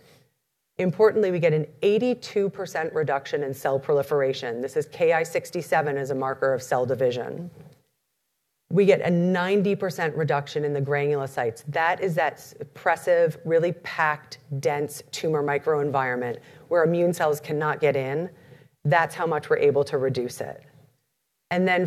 Importantly, we get an 82% reduction in cell proliferation. This is Ki-67 as a marker of cell division. We get a 90% reduction in the granulocytes. That is that suppressive, really packed, dense tumor microenvironment where immune cells cannot get in. That's how much we're able to reduce it.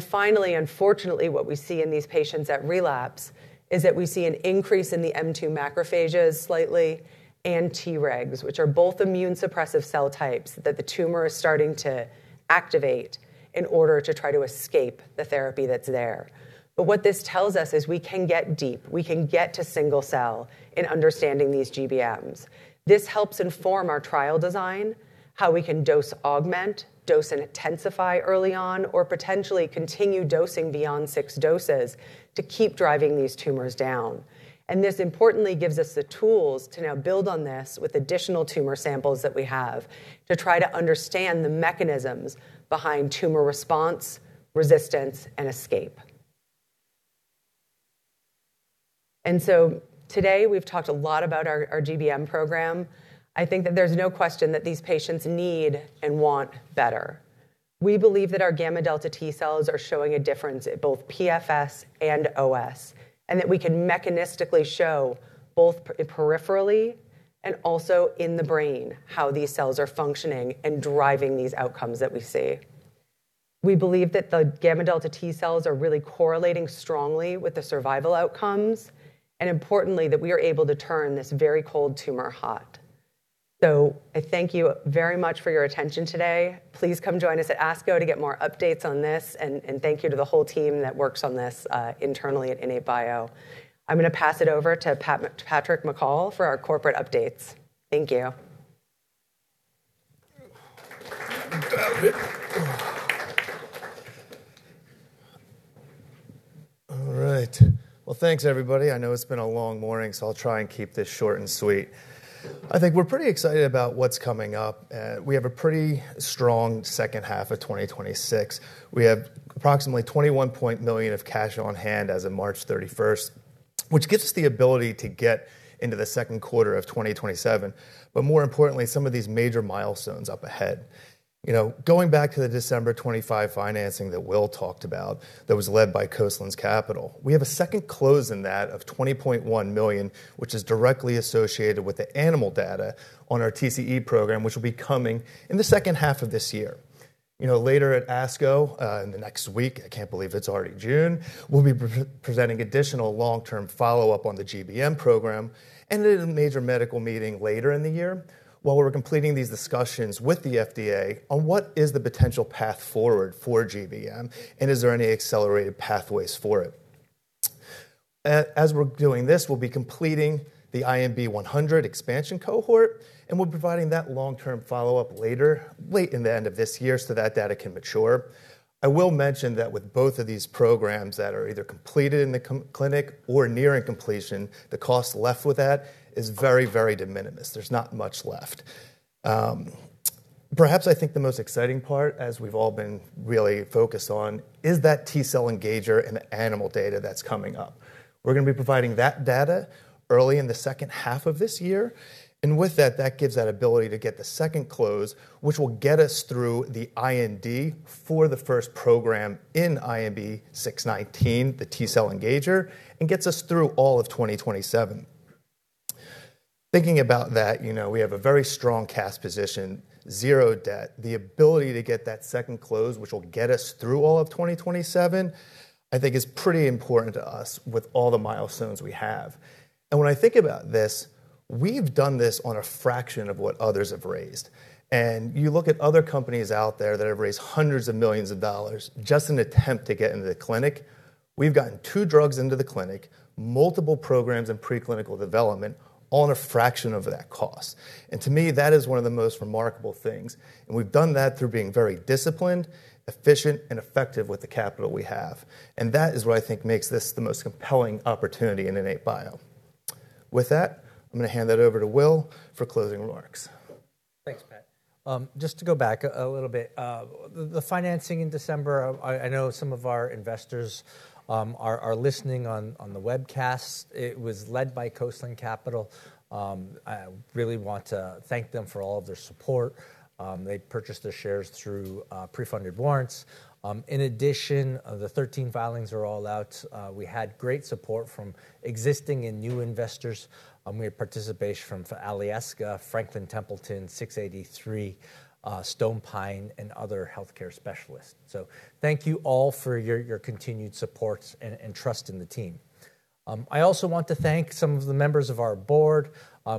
Finally, unfortunately, what we see in these patients at relapse is that we see an increase in the M2 macrophages slightly and Tregs, which are both immune suppressive cell types that the tumor is starting to activate in order to try to escape the therapy that's there. What this tells us is we can get deep. We can get to single cell in understanding these GBMs. This helps inform our trial design, how we can dose augment, dose and intensify early on, or potentially continue dosing beyond six doses to keep driving these tumors down. This importantly gives us the tools to now build on this with additional tumor samples that we have to try to understand the mechanisms behind tumor response, resistance, and escape. Today, we've talked a lot about our GBM program. I think that there's no question that these patients need and want better. We believe that our gamma delta T cells are showing a difference at both PFS and OS, and that we can mechanistically show both peripherally and also in the brain how these cells are functioning and driving these outcomes that we see. We believe that the gamma delta T cells are really correlating strongly with the survival outcomes. Importantly, that we are able to turn this very cold tumor hot. I thank you very much for your attention today. Please come join us at ASCO to get more updates on this, and thank you to the whole team that works on this internally at IN8bio. I'm going to pass it over to Patrick McCall for our corporate updates. Thank you. All right. Well, thanks everybody. I know it's been a long morning, so I'll try and keep this short and sweet. I think we're pretty excited about what's coming up. We have a pretty strong second half of 2026. We have approximately $21.1 million of cash on hand as of March 31st, which gives us the ability to get into the second quarter of 2027, but more importantly, some of these major milestones up ahead. Going back to the December 25 financing that Will talked about, that was led by Coastland Capital. We have a second close in that of $20.1 million, which is directly associated with the animal data on our TCE program, which will be coming in the second half of this year. Later at ASCO, in the next week, I can't believe it's already June, we'll be presenting additional long-term follow-up on the GBM program and at a major medical meeting later in the year while we're completing these discussions with the FDA on what is the potential path forward for GBM and is there any accelerated pathways for it. As we're doing this, we'll be completing the INB-100 expansion cohort. We're providing that long-term follow-up later, late in the end of this year so that data can mature. I will mention that with both of these programs that are either completed in the clinic or nearing completion, the cost left with that is very, very de minimis. There's not much left. Perhaps I think the most exciting part, as we've all been really focused on, is that T cell engager and the animal data that's coming up. We're going to be providing that data early in the second half of this year, with that gives that ability to get the second close, which will get us through the IND for the first program in INB-619, the T cell engager, and gets us through all of 2027. Thinking about that, we have a very strong cash position, zero debt. The ability to get that second close, which will get us through all of 2027, I think is pretty important to us with all the milestones we have. When I think about this, we've done this on a fraction of what others have raised. You look at other companies out there that have raised hundreds of millions of dollars just in an attempt to get into the clinic. We've gotten two drugs into the clinic, multiple programs in preclinical development, all in a fraction of that cost. To me, that is one of the most remarkable things, and we've done that through being very disciplined, efficient, and effective with the capital we have. That is what I think makes this the most compelling opportunity in IN8bio. With that, I'm going to hand that over to Will for closing remarks. Thanks, Pat. Just to go back a little bit. The financing in December, I know some of our investors are listening on the webcast. It was led by Coastline Capital. I really want to thank them for all of their support. They purchased their shares through pre-funded warrants. In addition, the 13 filings are all out. We had great support from existing and new investors. We had participation from Alyeska, Franklin Templeton, 683, Stonepine, and other healthcare specialists. Thank you all for your continued support and trust in the team. I also want to thank some of the members of our board.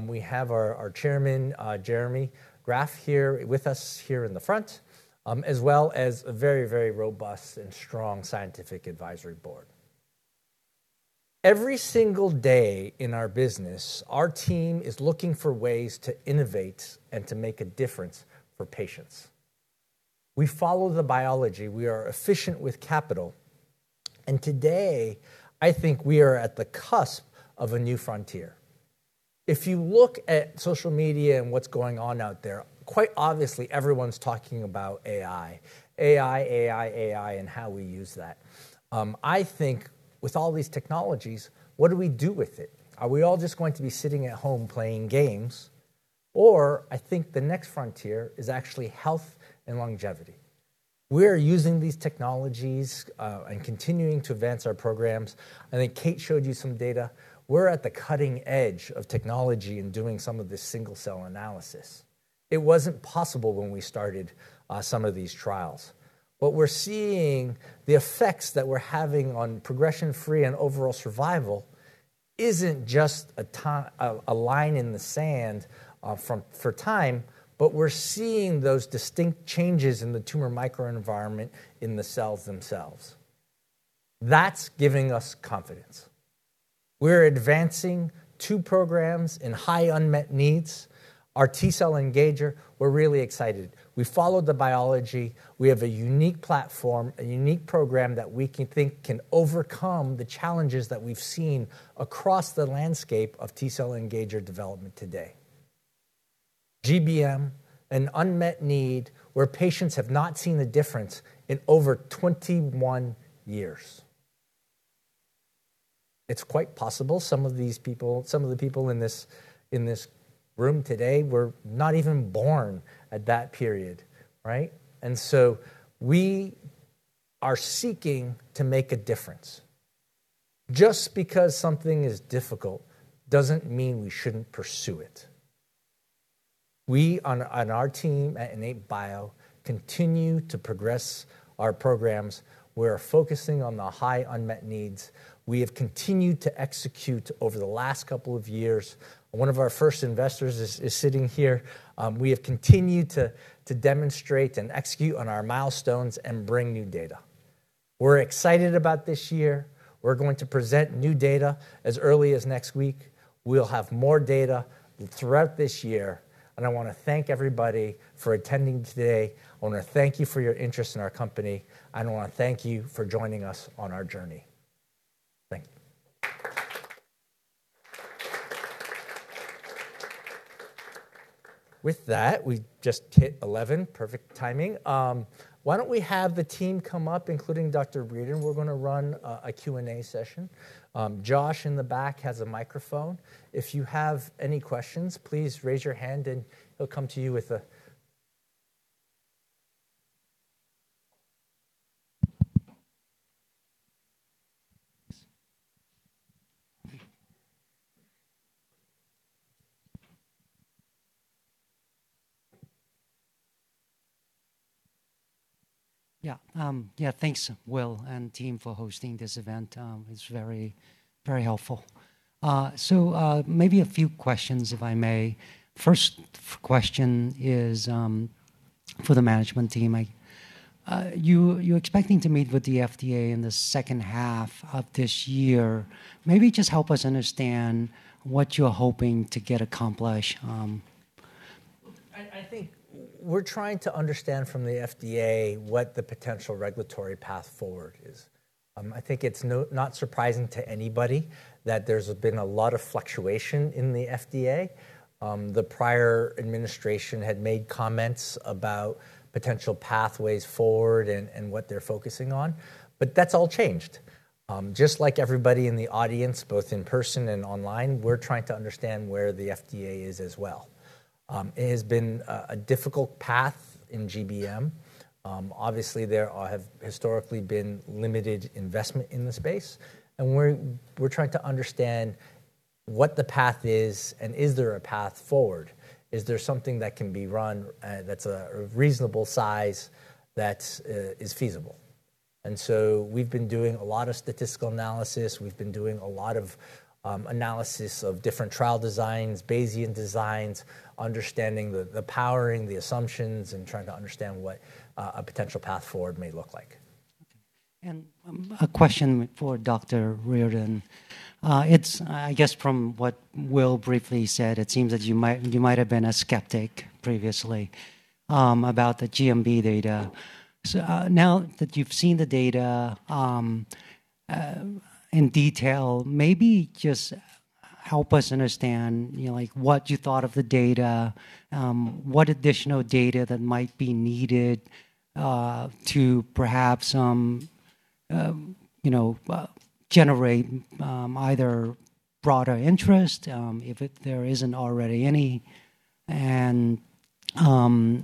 We have our chairman, Jeremy Graff, here with us in the front, as well as a very, very robust and strong scientific advisory board. Every single day in our business, our team is looking for ways to innovate and to make a difference for patients. We follow the biology. We are efficient with capital. Today, I think we are at the cusp of a new frontier. If you look at social media and what's going on out there, quite obviously everyone's talking about AI. AI, AI, and how we use that. I think with all these technologies, what do we do with it? Are we all just going to be sitting at home playing games? I think the next frontier is actually health and longevity. We are using these technologies, and continuing to advance our programs. I think Kate showed you some data. We're at the cutting edge of technology in doing some of this single cell analysis. It wasn't possible when we started some of these trials. What we're seeing, the effects that we're having on progression-free and overall survival isn't just a line in the sand for time, but we're seeing those distinct changes in the tumor microenvironment in the cells themselves. That's giving us confidence. We're advancing two programs in high unmet needs. Our T cell engager, we're really excited. We followed the biology. We have a unique platform, a unique program that we think can overcome the challenges that we've seen across the landscape of T cell engager development today. GBM, an unmet need where patients have not seen a difference in over 21 years. It's quite possible some of the people in this room today were not even born at that period. Right? We are seeking to make a difference. Just because something is difficult doesn't mean we shouldn't pursue it. We, on our team at IN8bio, continue to progress our programs. We're focusing on the high unmet needs. We have continued to execute over the last couple of years. One of our first investors is sitting here. We have continued to demonstrate and execute on our milestones and bring new data. We're excited about this year. We're going to present new data as early as next week. We'll have more data throughout this year, and I want to thank everybody for attending today. I want to thank you for your interest in our company, and I want to thank you for joining us on our journey. Thank you. With that, we just hit 11, perfect timing. Why don't we have the team come up, including Dr. Reardon? We're going to run a Q&A session. Josh in the back has a microphone. If you have any questions, please raise your hand and he'll come to you with a Yeah. Thanks, Will and team, for hosting this event. It's very helpful. Maybe a few questions, if I may. First question is for the management team. You're expecting to meet with the FDA in the second half of this year. Maybe just help us understand what you're hoping to get accomplished. I think we're trying to understand from the FDA what the potential regulatory path forward is. I think it's not surprising to anybody that there's been a lot of fluctuation in the FDA. The prior administration had made comments about potential pathways forward and what they're focusing on. That's all changed. Just like everybody in the audience, both in person and online, we're trying to understand where the FDA is as well. It has been a difficult path in GBM. Obviously, there have historically been limited investment in the space, and we're trying to understand what the path is and is there a path forward. Is there something that can be run that's a reasonable size, that is feasible? We've been doing a lot of statistical analysis. We've been doing a lot of analysis of different trial designs, Bayesian designs, understanding the powering, the assumptions, and trying to understand what a potential path forward may look like. Okay. A question for Dr. Reardon. I guess from what Will briefly said, it seems that you might have been a skeptic previously about the GBM data. Now that you've seen the data in detail, maybe just help us understand what you thought of the data, what additional data that might be needed to perhaps generate either broader interest, if there isn't already any, and how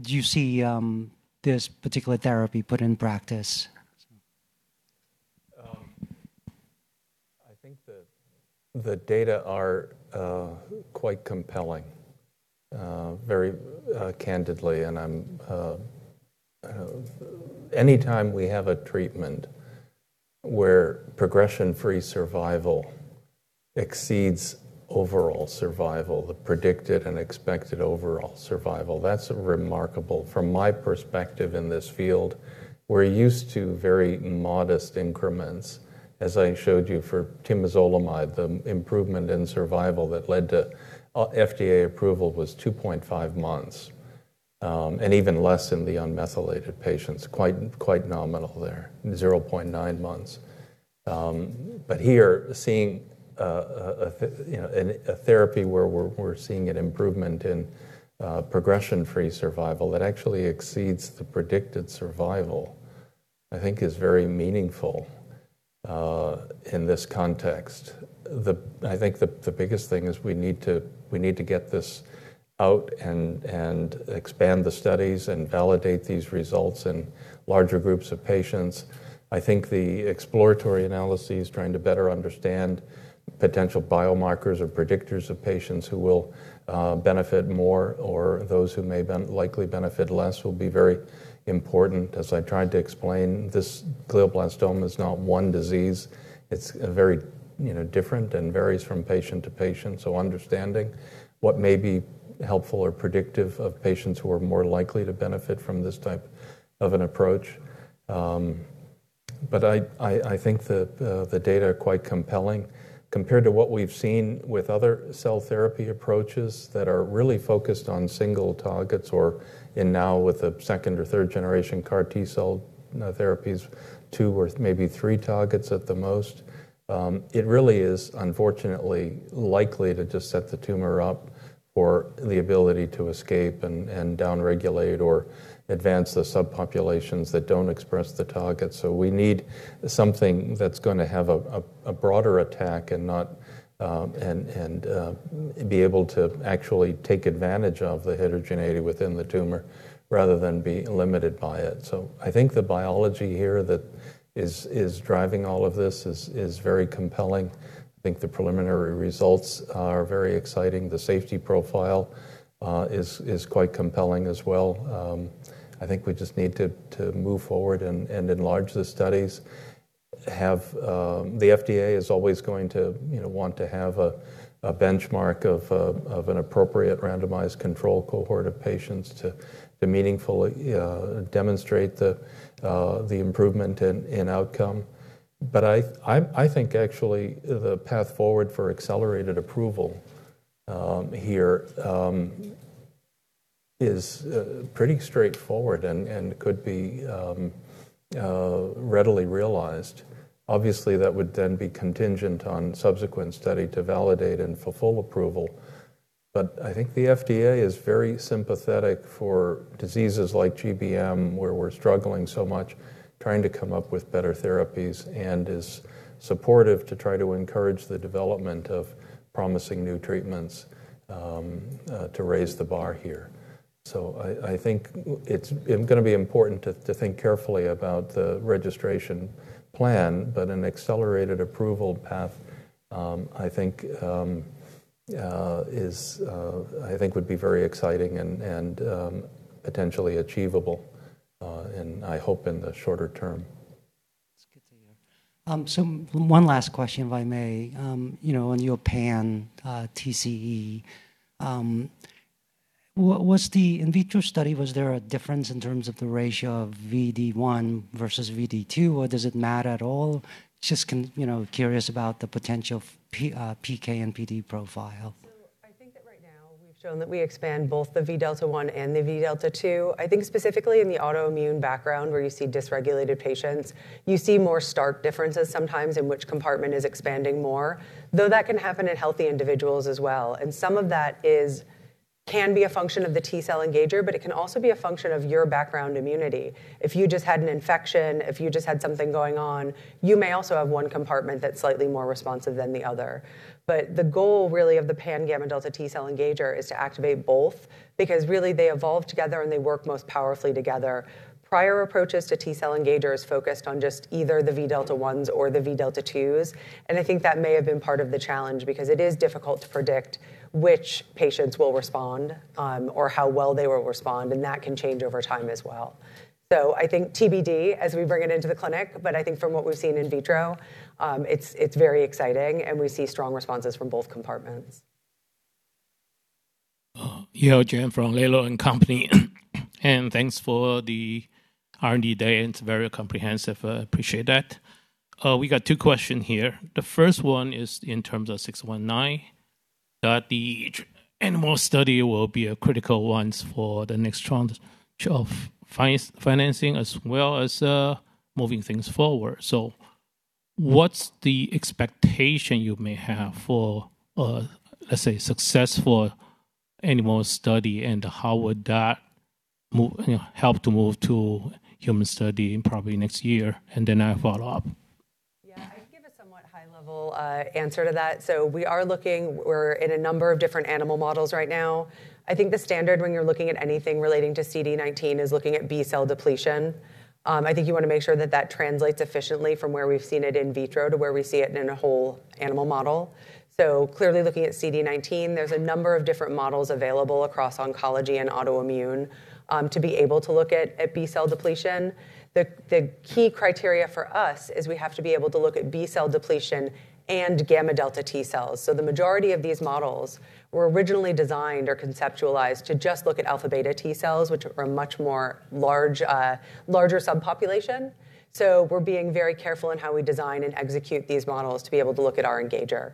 do you see this particular therapy put in practice? I think the data are quite compelling, very candidly. Anytime we have a treatment where progression-free survival exceeds overall survival, the predicted and expected overall survival, that's remarkable. From my perspective in this field, we're used to very modest increments. As I showed you for temozolomide, the improvement in survival that led to FDA approval was 2.5 months, and even less in the unmethylated patients. Quite nominal there, 0.9 months. Here, seeing a therapy where we're seeing an improvement in progression-free survival that actually exceeds the predicted survival, I think is very meaningful in this context. I think the biggest thing is we need to get this out and expand the studies and validate these results in larger groups of patients. I think the exploratory analyses trying to better understand potential biomarkers or predictors of patients who will benefit more or those who may likely benefit less will be very important. As I tried to explain, this glioblastoma is not one disease. It's very different and varies from patient to patient, so understanding what may be helpful or predictive of patients who are more likely to benefit from this type of an approach. I think the data are quite compelling compared to what we've seen with other cell therapy approaches that are really focused on single targets or, and now with the second or third generation CAR T-cell therapies, two or maybe three targets at the most. It really is, unfortunately, likely to just set the tumor up for the ability to escape and downregulate or advance the subpopulations that don't express the target. We need something that's going to have a broader attack and be able to actually take advantage of the heterogeneity within the tumor rather than be limited by it. I think the biology here that is driving all of this is very compelling. I think the preliminary results are very exciting. The safety profile is quite compelling as well. I think we just need to move forward and enlarge the studies. The FDA is always going to want to have a benchmark of an appropriate randomized control cohort of patients to meaningfully demonstrate the improvement in outcome. I think actually the path forward for accelerated approval here is pretty straightforward and could be readily realized. That would then be contingent on subsequent study to validate and for full approval. I think the FDA is very sympathetic for diseases like GBM, where we're struggling so much trying to come up with better therapies and is supportive to try to encourage the development of promising new treatments to raise the bar here. I think it's going to be important to think carefully about the registration plan, but an accelerated approval path I think would be very exciting and potentially achievable, and I hope in the shorter term. One last question, if I may. In your pan TCE, what was the in vitro study? Was there a difference in terms of the ratio of Vδ1 versus Vδ2, or does it matter at all? Just curious about the potential PK and PD profile. I think that right now we've shown that we expand both the Vδ1 and the Vδ2. I think specifically in the autoimmune background, where you see dysregulated patients, you see more stark differences sometimes in which compartment is expanding more, though that can happen in healthy individuals as well. Some of that can be a function of the T cell engager, but it can also be a function of your background immunity. If you just had an infection, if you just had something going on, you may also have one compartment that's slightly more responsive than the other. The goal really of the pan-γδ T cell engager is to activate both, because really they evolve together and they work most powerfully together. Prior approaches to T cell engagers focused on just either the V delta ones or the V delta twos, and I think that may have been part of the challenge because it is difficult to predict which patients will respond or how well they will respond, and that can change over time as well. I think TBD as we bring it into the clinic, but I think from what we've seen in vitro, it's very exciting and we see strong responses from both compartments. Yale Jen from Laidlaw & Company. Thanks for the R&D day. It's very comprehensive. I appreciate that. We got two questions here. The first one is in terms of INB-619, that the animal study will be a critical one for the next round of financing as well as moving things forward. What's the expectation you may have for, let's say, successful animal study, and how would that help to move to human study in probably next year? I follow up. Yeah. I can give a somewhat high-level answer to that. We're in a number of different animal models right now. I think the standard when you're looking at anything relating to CD19 is looking at B cell depletion. I think you want to make sure that that translates efficiently from where we've seen it in vitro to where we see it in a whole animal model. Clearly looking at CD19, there's a number of different models available across oncology and autoimmune to be able to look at B cell depletion. The key criteria for us is we have to be able to look at B cell depletion and gamma-delta T cells. The majority of these models were originally designed or conceptualized to just look at alpha beta T cells, which are a much more larger subpopulation. We're being very careful in how we design and execute these models to be able to look at our engager.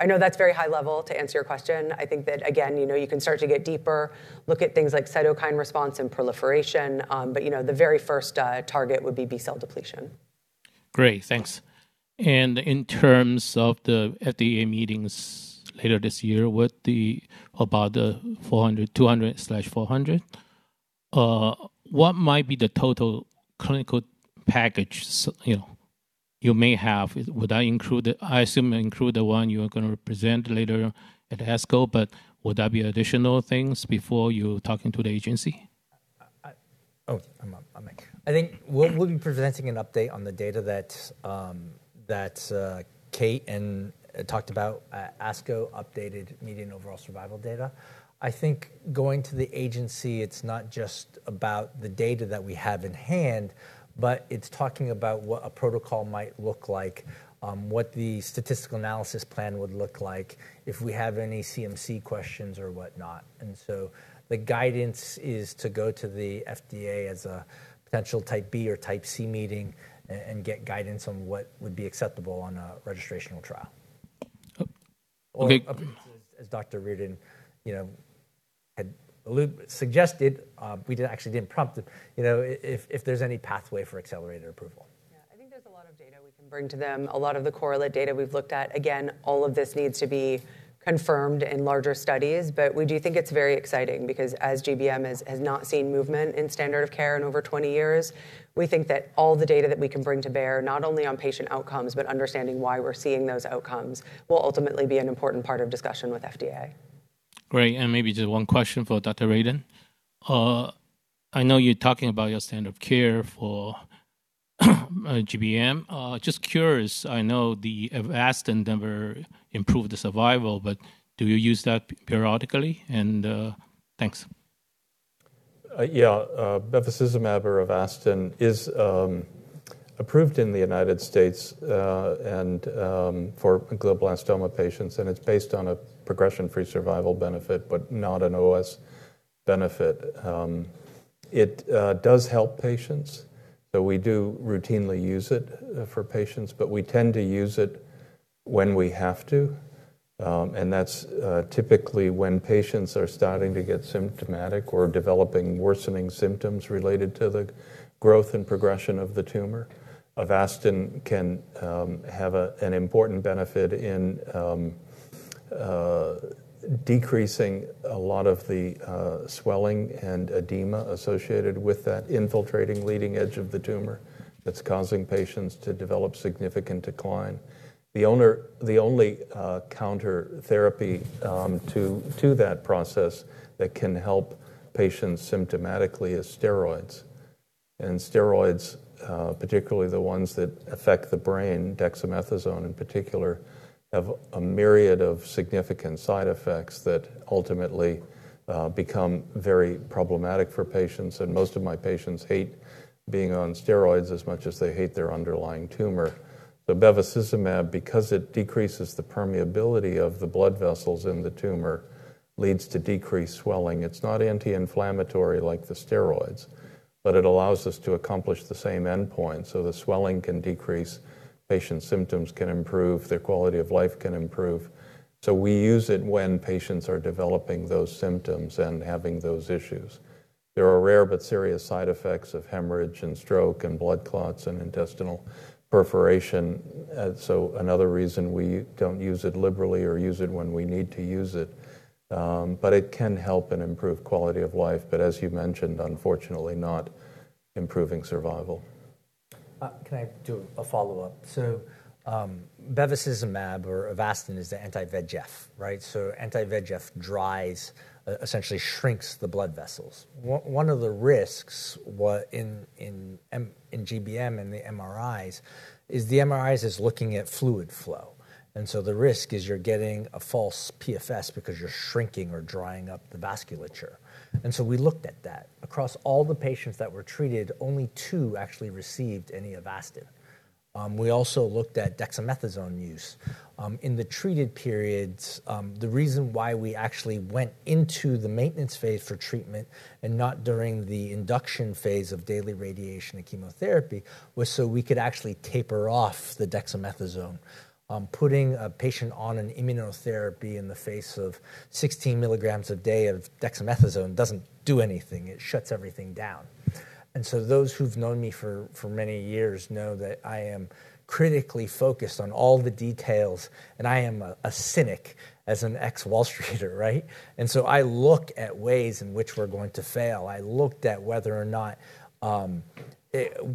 I know that's very high level to answer your question. I think that, again, you can start to get deeper, look at things like cytokine response and proliferation. The very first target would be B cell depletion. Great. Thanks. In terms of the FDA meetings later this year about the 200/400, what might be the total clinical package you may have? I assume it include the one you are going to present later at ASCO, but would there be additional things before you talking to the agency? I'm on mic. I think we'll be presenting an update on the data that Kate talked about at ASCO, updated median overall survival data. I think going to the agency, it's not just about the data that we have in hand, but it's talking about what a protocol might look like, what the statistical analysis plan would look like, if we have any CMC questions or whatnot. The guidance is to go to the FDA as a potential Type B or Type C meeting and get guidance on what would be acceptable on a registrational trial. Okay. As Dr. Reardon suggested, we actually didn't prompt it, if there's any pathway for accelerated approval. I think there's a lot of data we can bring to them, a lot of the correlate data we've looked at. Again, all of this needs to be confirmed in larger studies, but we do think it's very exciting because as GBM has not seen movement in standard of care in over 20 years, we think that all the data that we can bring to bear, not only on patient outcomes, but understanding why we're seeing those outcomes will ultimately be an important part of discussion with FDA. Great, maybe just one question for Dr. Reardon. I know you're talking about your standard of care for GBM. Just curious, I know the Avastin never improved the survival, do you use that periodically? Thanks. Bevacizumab or Avastin is approved in the U.S. for glioblastoma patients. It's based on a progression-free survival benefit, not an OS benefit. It does help patients. We do routinely use it for patients. We tend to use it when we have to. That's typically when patients are starting to get symptomatic or developing worsening symptoms related to the growth and progression of the tumor. Avastin can have an important benefit in decreasing a lot of the swelling and edema associated with that infiltrating leading edge of the tumor that's causing patients to develop significant decline. The only counter-therapy to that process that can help patients symptomatically is steroids. Steroids, particularly the ones that affect the brain, dexamethasone in particular, have a myriad of significant side effects that ultimately become very problematic for patients. Most of my patients hate being on steroids as much as they hate their underlying tumor. Bevacizumab, because it decreases the permeability of the blood vessels in the tumor, leads to decreased swelling. It's not anti-inflammatory like the steroids, but it allows us to accomplish the same endpoint, the swelling can decrease, patient symptoms can improve, their quality of life can improve. We use it when patients are developing those symptoms and having those issues. There are rare but serious side effects of hemorrhage and stroke and blood clots and intestinal perforation. Another reason we don't use it liberally or use it when we need to use it. It can help and improve quality of life. As you mentioned, unfortunately not improving survival. Can I do a follow-up? Bevacizumab or Avastin is the anti-VEGF, right? Anti-VEGF dries, essentially shrinks the blood vessels. One of the risks in GBM in the MRIs is looking at fluid flow. The risk is you're getting a false PFS because you're shrinking or drying up the vasculature. We looked at that. Across all the patients that were treated, only two actually received any Avastin. We also looked at dexamethasone use. In the treated periods, the reason why we actually went into the maintenance phase for treatment and not during the induction phase of daily radiation and chemotherapy was so we could actually taper off the dexamethasone. Putting a patient on an immunotherapy in the face of 16 mg a day of dexamethasone doesn't do anything. It shuts everything down. Those who've known me for many years know that I am critically focused on all the details, and I am a cynic as an ex-Wall Streeter, right? I look at ways in which we're going to fail. I looked at whether or not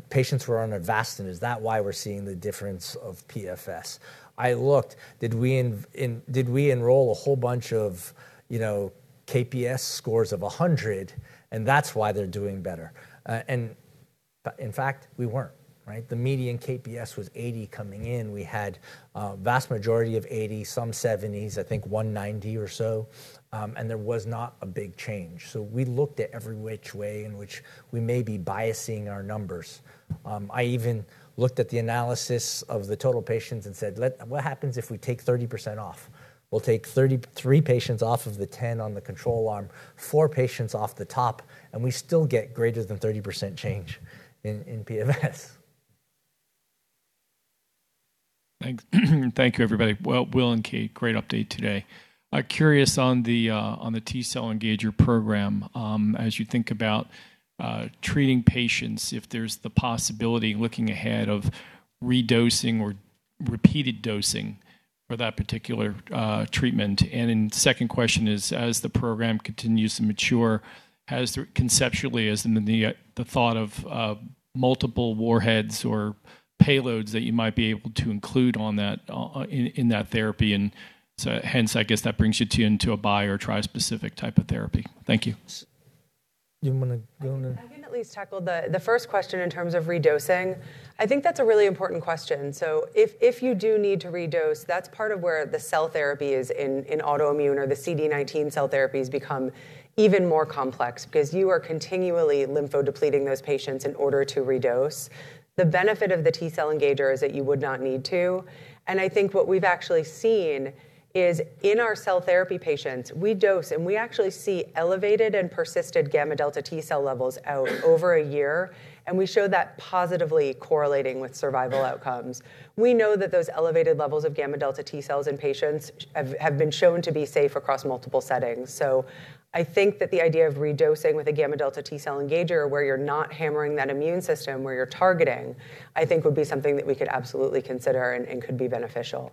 patients were on Avastin. Is that why we're seeing the difference of PFS? I looked, did we enroll a whole bunch of KPS scores of 100, and that's why they're doing better? In fact, we weren't, right? The median KPS was 80 coming in. We had a vast majority of 80s, some 70s, I think 90 or so, and there was not a big change. We looked at every which way in which we may be biasing our numbers. I even looked at the analysis of the total patients and said, "What happens if we take 30% off?" We'll take 33 patients off of the 10 on the control arm, four patients off the top, and we still get greater than 30% change in PFS. Thank you, everybody. Well, Will and Kate, great update today. Curious on the T cell engager program, as you think about treating patients, if there's the possibility looking ahead of redosing or repeated dosing for that particular treatment. Second question is, as the program continues to mature, conceptually is the thought of multiple warheads or payloads that you might be able to include in that therapy and so hence, I guess, that brings you into a bi- or tri-specific type of therapy. Thank you. Do you want to go on the- I can at least tackle the first question in terms of redosing. I think that's a really important question. If you do need to redose, that's part of where the cell therapy is in autoimmune or the CD19 cell therapies become even more complex because you are continually lymphodepleting those patients in order to redose. The benefit of the T cell engager is that you would not need to. I think what we've actually seen is in our cell therapy patients, we dose and we actually see elevated and persisted gamma-delta T cell levels out over a year, and we show that positively correlating with survival outcomes. We know that those elevated levels of gamma-delta T cells in patients have been shown to be safe across multiple settings. I think that the idea of redosing with a gamma-delta T cell engager where you're not hammering that immune system where you're targeting, I think would be something that we could absolutely consider and could be beneficial.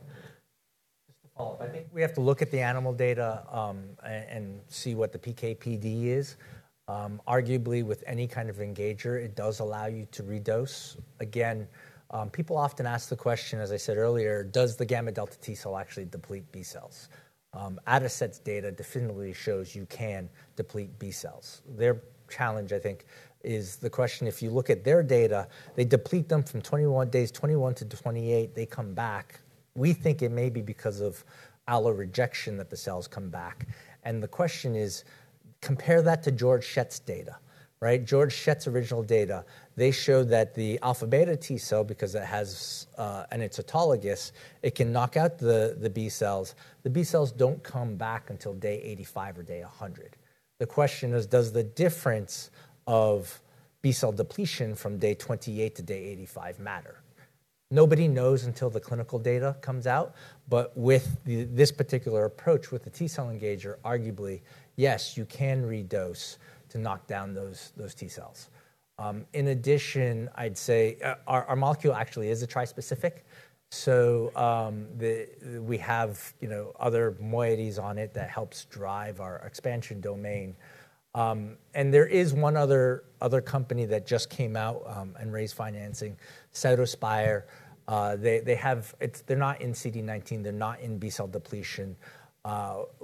Just to follow up, I think we have to look at the animal data and see what the PK/PD is. Arguably, with any kind of engager, it does allow you to redose. Again, people often ask the question, as I said earlier, does the gamma-delta T cell actually deplete B cells? Adicet's data definitively shows you can deplete B cells. Their challenge, I think, is the question if you look at their data, they deplete them from 21 days, 21-28, they come back. We think it may be because of allorejection that the cells come back. The question is, compare that to Georg Schett's data. Georg Schett's original data, they showed that the alpha-beta T cell, because it has an autologous, it can knock out the B cells. The B cells don't come back until day 85 or day 100. The question is, does the difference of B cell depletion from day 28 to day 85 matter? Nobody knows until the clinical data comes out. With this particular approach with the T cell engager, arguably, yes, you can redose to knock down those T cells. In addition, I'd say our molecule actually is a trispecific, so we have other moieties on it that helps drive our expansion domain. There is one other company that just came out and raised financing, Cytospire. They're not in CD19. They're not in B cell depletion.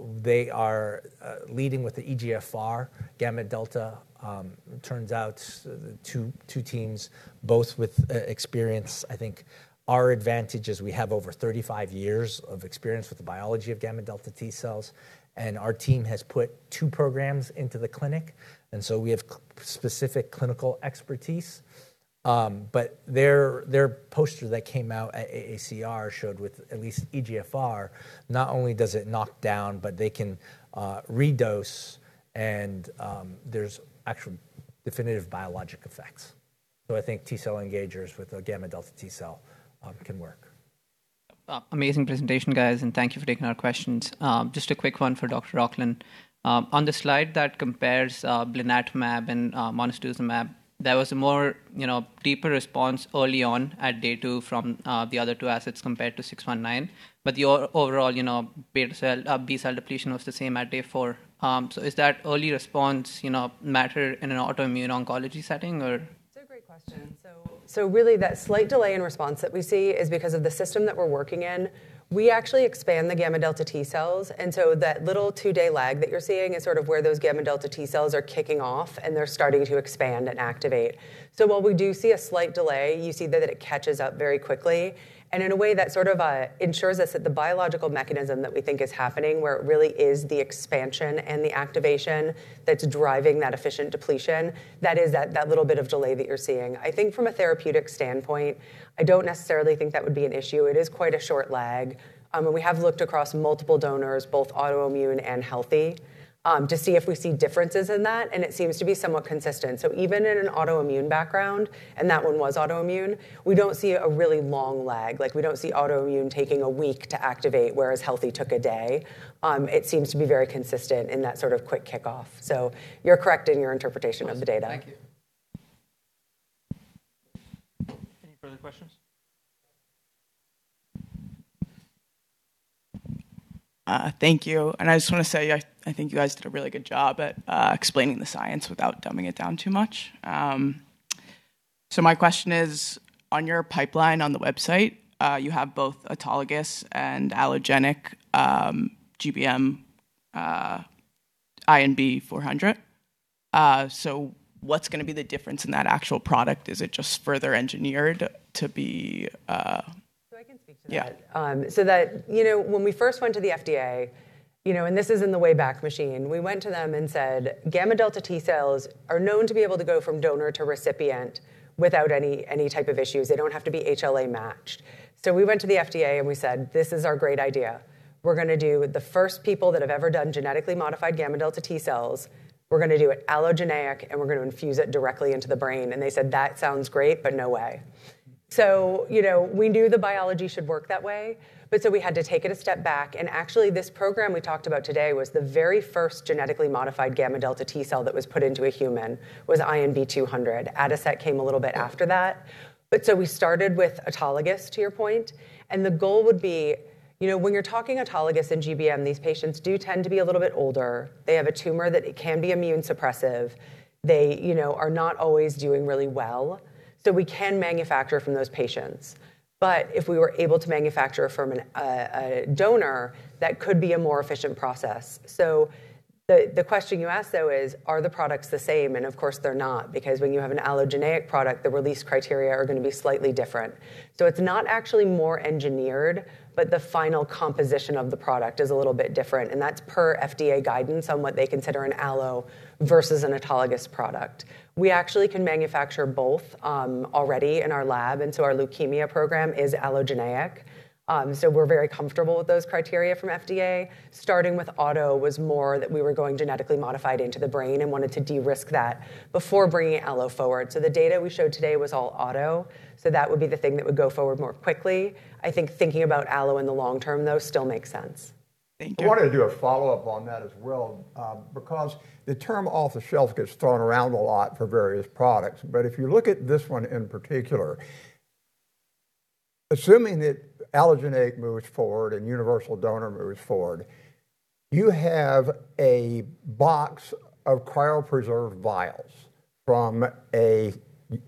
They are leading with the EGFR gamma-delta. Turns out two teams, both with experience. I think our advantage is we have over 35 years of experience with the biology of gamma-delta T cells, and our team has put two programs into the clinic, and so we have specific clinical expertise. Their poster that came out at AACR showed with at least EGFR, not only does it knock down, but they can redose and there's actual definitive biologic effects. I think T cell engagers with a gamma-delta T cell can work. Amazing presentation, guys, and thank you for taking our questions. Just a quick one for Dr. Rochlin. On the slide that compares blinatumomab and mosunetuzumab, there was a more deeper response early on at day two from the other two assets compared to 619. Your overall B cell depletion was the same at day four. Does that early response matter in an autoimmune oncology setting or? It's a great question. Really that slight delay in response that we see is because of the system that we're working in. We actually expand the gamma-delta T cells, that little two-day lag that you're seeing is where those gamma-delta T cells are kicking off, and they're starting to expand and activate. While we do see a slight delay, you see that it catches up very quickly. In a way that sort of ensures us that the biological mechanism that we think is happening, where it really is the expansion and the activation that's driving that efficient depletion, that is that little bit of delay that you're seeing. I think from a therapeutic standpoint, I don't necessarily think that would be an issue. It is quite a short lag. We have looked across multiple donors, both autoimmune and healthy, to see if we see differences in that, and it seems to be somewhat consistent. Even in an autoimmune background, and that one was autoimmune, we don't see a really long lag. We don't see autoimmune taking a week to activate, whereas healthy took a day. It seems to be very consistent in that sort of quick kickoff. You're correct in your interpretation of the data. Thank you. Any further questions? Thank you. I just want to say, I think you guys did a really good job at explaining the science without dumbing it down too much. My question is, on your pipeline on the website, you have both autologous and allogeneic GBM INB-400. What's going to be the difference in that actual product? Is it just further engineered to be? I can speak to that. Yeah. When we first went to the FDA, and this is in the way back machine, we went to them and said, "Gamma delta T cells are known to be able to go from donor to recipient without any type of issues. They don't have to be HLA matched." We went to the FDA, and we said, "This is our great idea. We're going to do the first people that have ever done genetically modified gamma delta T cells. We're going to do it allogeneic, and we're going to infuse it directly into the brain." They said, "That sounds great, but no way." We knew the biology should work that way, but so we had to take it a step back, and actually, this program we talked about today was the very first genetically modified gamma delta T cell that was put into a human, was INB-200. Adicet came a little bit after that. We started with autologous, to your point, and the goal would be when you're talking autologous and GBM, these patients do tend to be a little bit older. They have a tumor that it can be immunosuppressive. They are not always doing really well. We can manufacture from those patients. If we were able to manufacture from a donor, that could be a more efficient process. The question you ask, though, is, are the products the same? Of course, they're not, because when you have an allogeneic product, the release criteria are going to be slightly different. It's not actually more engineered, but the final composition of the product is a little bit different, and that's per FDA guidance on what they consider an allo versus an autologous product. We actually can manufacture both already in our lab, and so our leukemia program is allogeneic. We're very comfortable with those criteria from FDA. Starting with auto was more that we were going genetically modified into the brain and wanted to de-risk that before bringing allo forward. The data we showed today was all auto, so that would be the thing that would go forward more quickly. I think thinking about allo in the long term, though, still makes sense. Thank you. I wanted to do a follow-up on that as well, because the term off the shelf gets thrown around a lot for various products. If you look at this one in particular, assuming that allogeneic moves forward and universal donor moves forward, you have a box of cryopreserved vials from a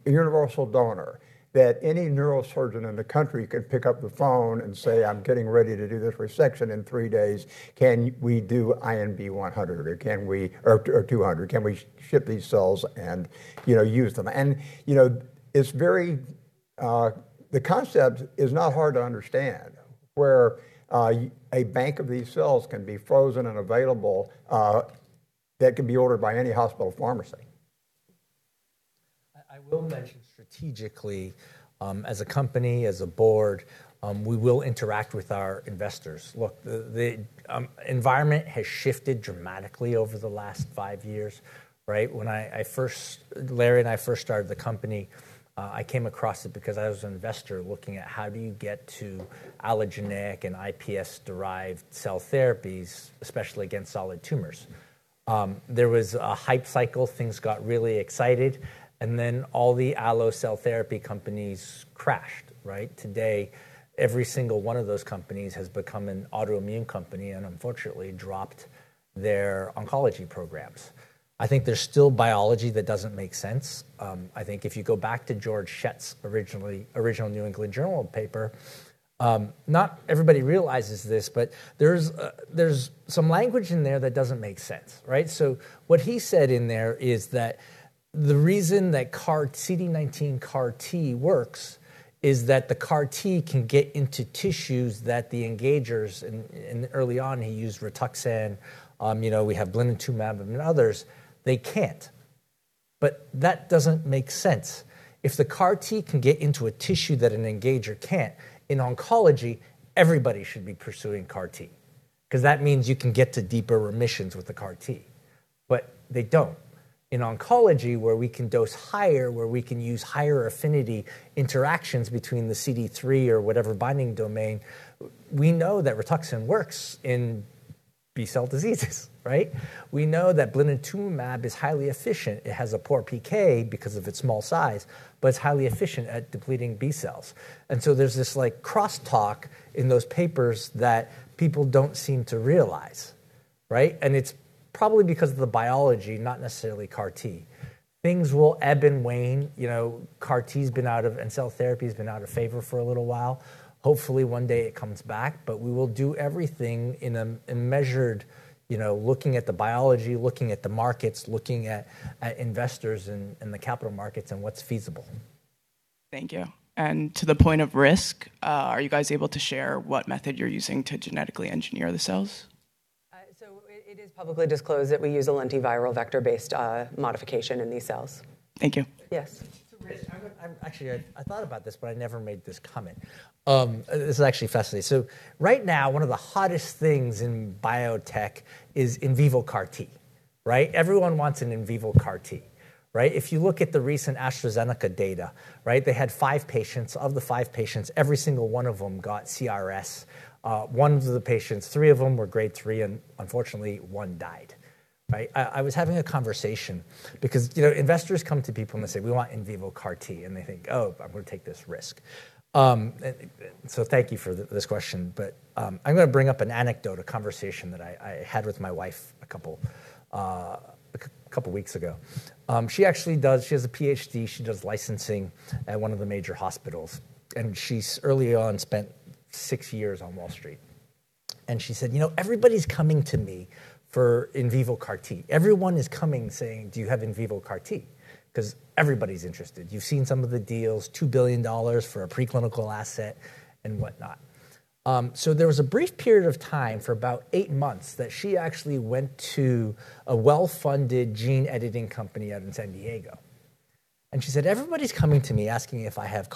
universal donor that any neurosurgeon in the country could pick up the phone and say, "I'm getting ready to do this resection in three days. Can we do INB-100 or INB-200? Can we ship these cells and use them?" The concept is not hard to understand, where a bank of these cells can be frozen and available, that can be ordered by any hospital pharmacy. I will mention strategically, as a company, as a board, we will interact with our investors. Look, the environment has shifted dramatically over the last five years, right? When Larry and I first started the company, I came across it because I was an investor looking at how do you get to allogeneic and iPS-derived cell therapies, especially against solid tumors. There was a hype cycle, things got really exciting, and then all the allo cell therapy companies crashed. Today, every single one of those companies has become an autoimmune company and unfortunately dropped their oncology programs. I think there's still biology that doesn't make sense. I think if you go back to Georg Schett's original New England Journal paper, not everybody realizes this, but there's some language in there that doesn't make sense. What he said in there is that the reason that CD19 CAR T works is that the CAR T can get into tissues that the engagers, and early on he used Rituxan. We have blinatumomab and others. They can't. That doesn't make sense. If the CAR T can get into a tissue that an engager can't, in oncology, everybody should be pursuing CAR T, because that means you can get to deeper remissions with the CAR T. They don't. In oncology, where we can dose higher, where we can use higher affinity interactions between the CD3 or whatever binding domain, we know that Rituxan works in B-cell diseases, right? We know that blinatumomab is highly efficient. It has a poor PK because of its small size, but it's highly efficient at depleting B cells. There's this crosstalk in those papers that people don't seem to realize. It's probably because of the biology, not necessarily CAR T. Things will ebb and wane. CAR T and cell therapy's been out of favor for a little while. Hopefully, one day it comes back, but we will do everything looking at the biology, looking at the markets, looking at investors and the capital markets and what's feasible. Thank you. To the point of risk, are you guys able to share what method you're using to genetically engineer the cells? It is publicly disclosed that we use a lentiviral vector-based modification in these cells. Thank you. Yes. To Rich, actually, I thought about this. I never made this comment. This is actually fascinating. Right now, one of the hottest things in biotech is in vivo CAR T. Everyone wants an in vivo CAR T. If you look at the recent AstraZeneca data, they had five patients. Of the five patients, every single one of them got CRS. One of the patients, three of them were Grade 3. Unfortunately, 1 died. I was having a conversation because investors come to people. They say, "We want in vivo CAR T." They think, "Oh, I'm going to take this risk." Thank you for this question. I'm going to bring up an anecdote, a conversation that I had with my wife a couple of weeks ago. She has a PhD. She does licensing at one of the major hospitals, and she early on spent six years on Wall Street. She said, "Everybody's coming to me for in vivo CAR T." Everyone is coming saying, "Do you have in vivo CAR T?" Everybody's interested. You've seen some of the deals, $2 billion for a preclinical asset and whatnot. There was a brief period of time for about eight months that she actually went to a well-funded gene-editing company out in San Diego. She said, "Everybody's coming to me asking if I have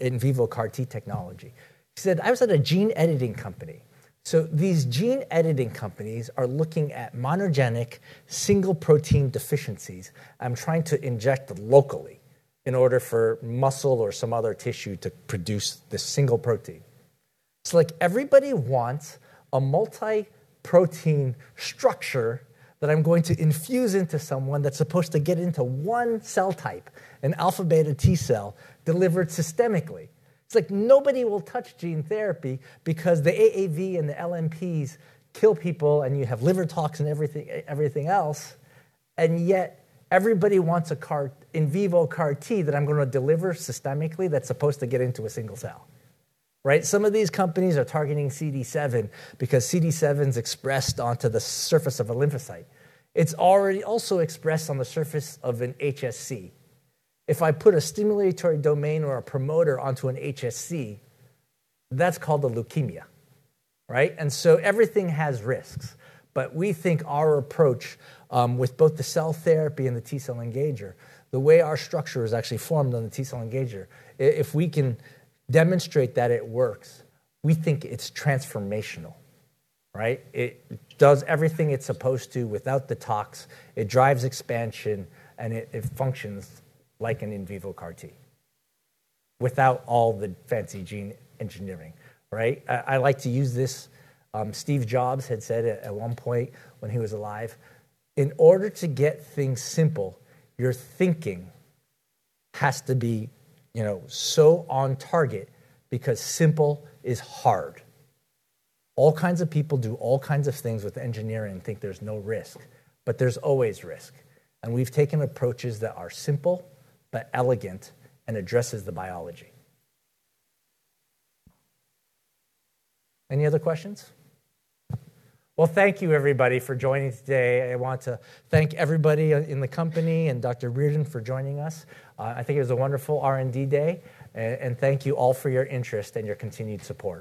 in vivo CAR T technology." She said, "I was at a gene-editing company." These gene-editing companies are looking at monogenic single protein deficiencies and trying to inject locally in order for muscle or some other tissue to produce this single protein. It's like everybody wants a multi-protein structure that I'm going to infuse into someone that's supposed to get into one cell type, an alpha-beta T cell, delivered systemically. It's like nobody will touch gene therapy because the AAV and the LNPs kill people, and you have liver toxin, everything else. Yet everybody wants in vivo CAR T that I'm going to deliver systemically that's supposed to get into a single cell. Some of these companies are targeting CD7 because CD7's expressed onto the surface of a lymphocyte. It's already also expressed on the surface of an HSC. If I put a stimulatory domain or a promoter onto an HSC, that's called a leukemia. Everything has risks, but we think our approach with both the cell therapy and the T cell engager, the way our structure is actually formed on the T cell engager, if we can demonstrate that it works, we think it's transformational. It does everything it's supposed to without the tox. It drives expansion, and it functions like an in vivo CAR T without all the fancy gene engineering. I like to use this. Steve Jobs had said at one point when he was alive, "In order to get things simple, your thinking has to be so on target, because simple is hard." All kinds of people do all kinds of things with engineering and think there's no risk, but there's always risk, and we've taken approaches that are simple but elegant and addresses the biology. Any other questions? Well, thank you everybody for joining today. I want to thank everybody in the company and Dr. Reardon for joining us. I think it was a wonderful R&D day, and thank you all for your interest and your continued support.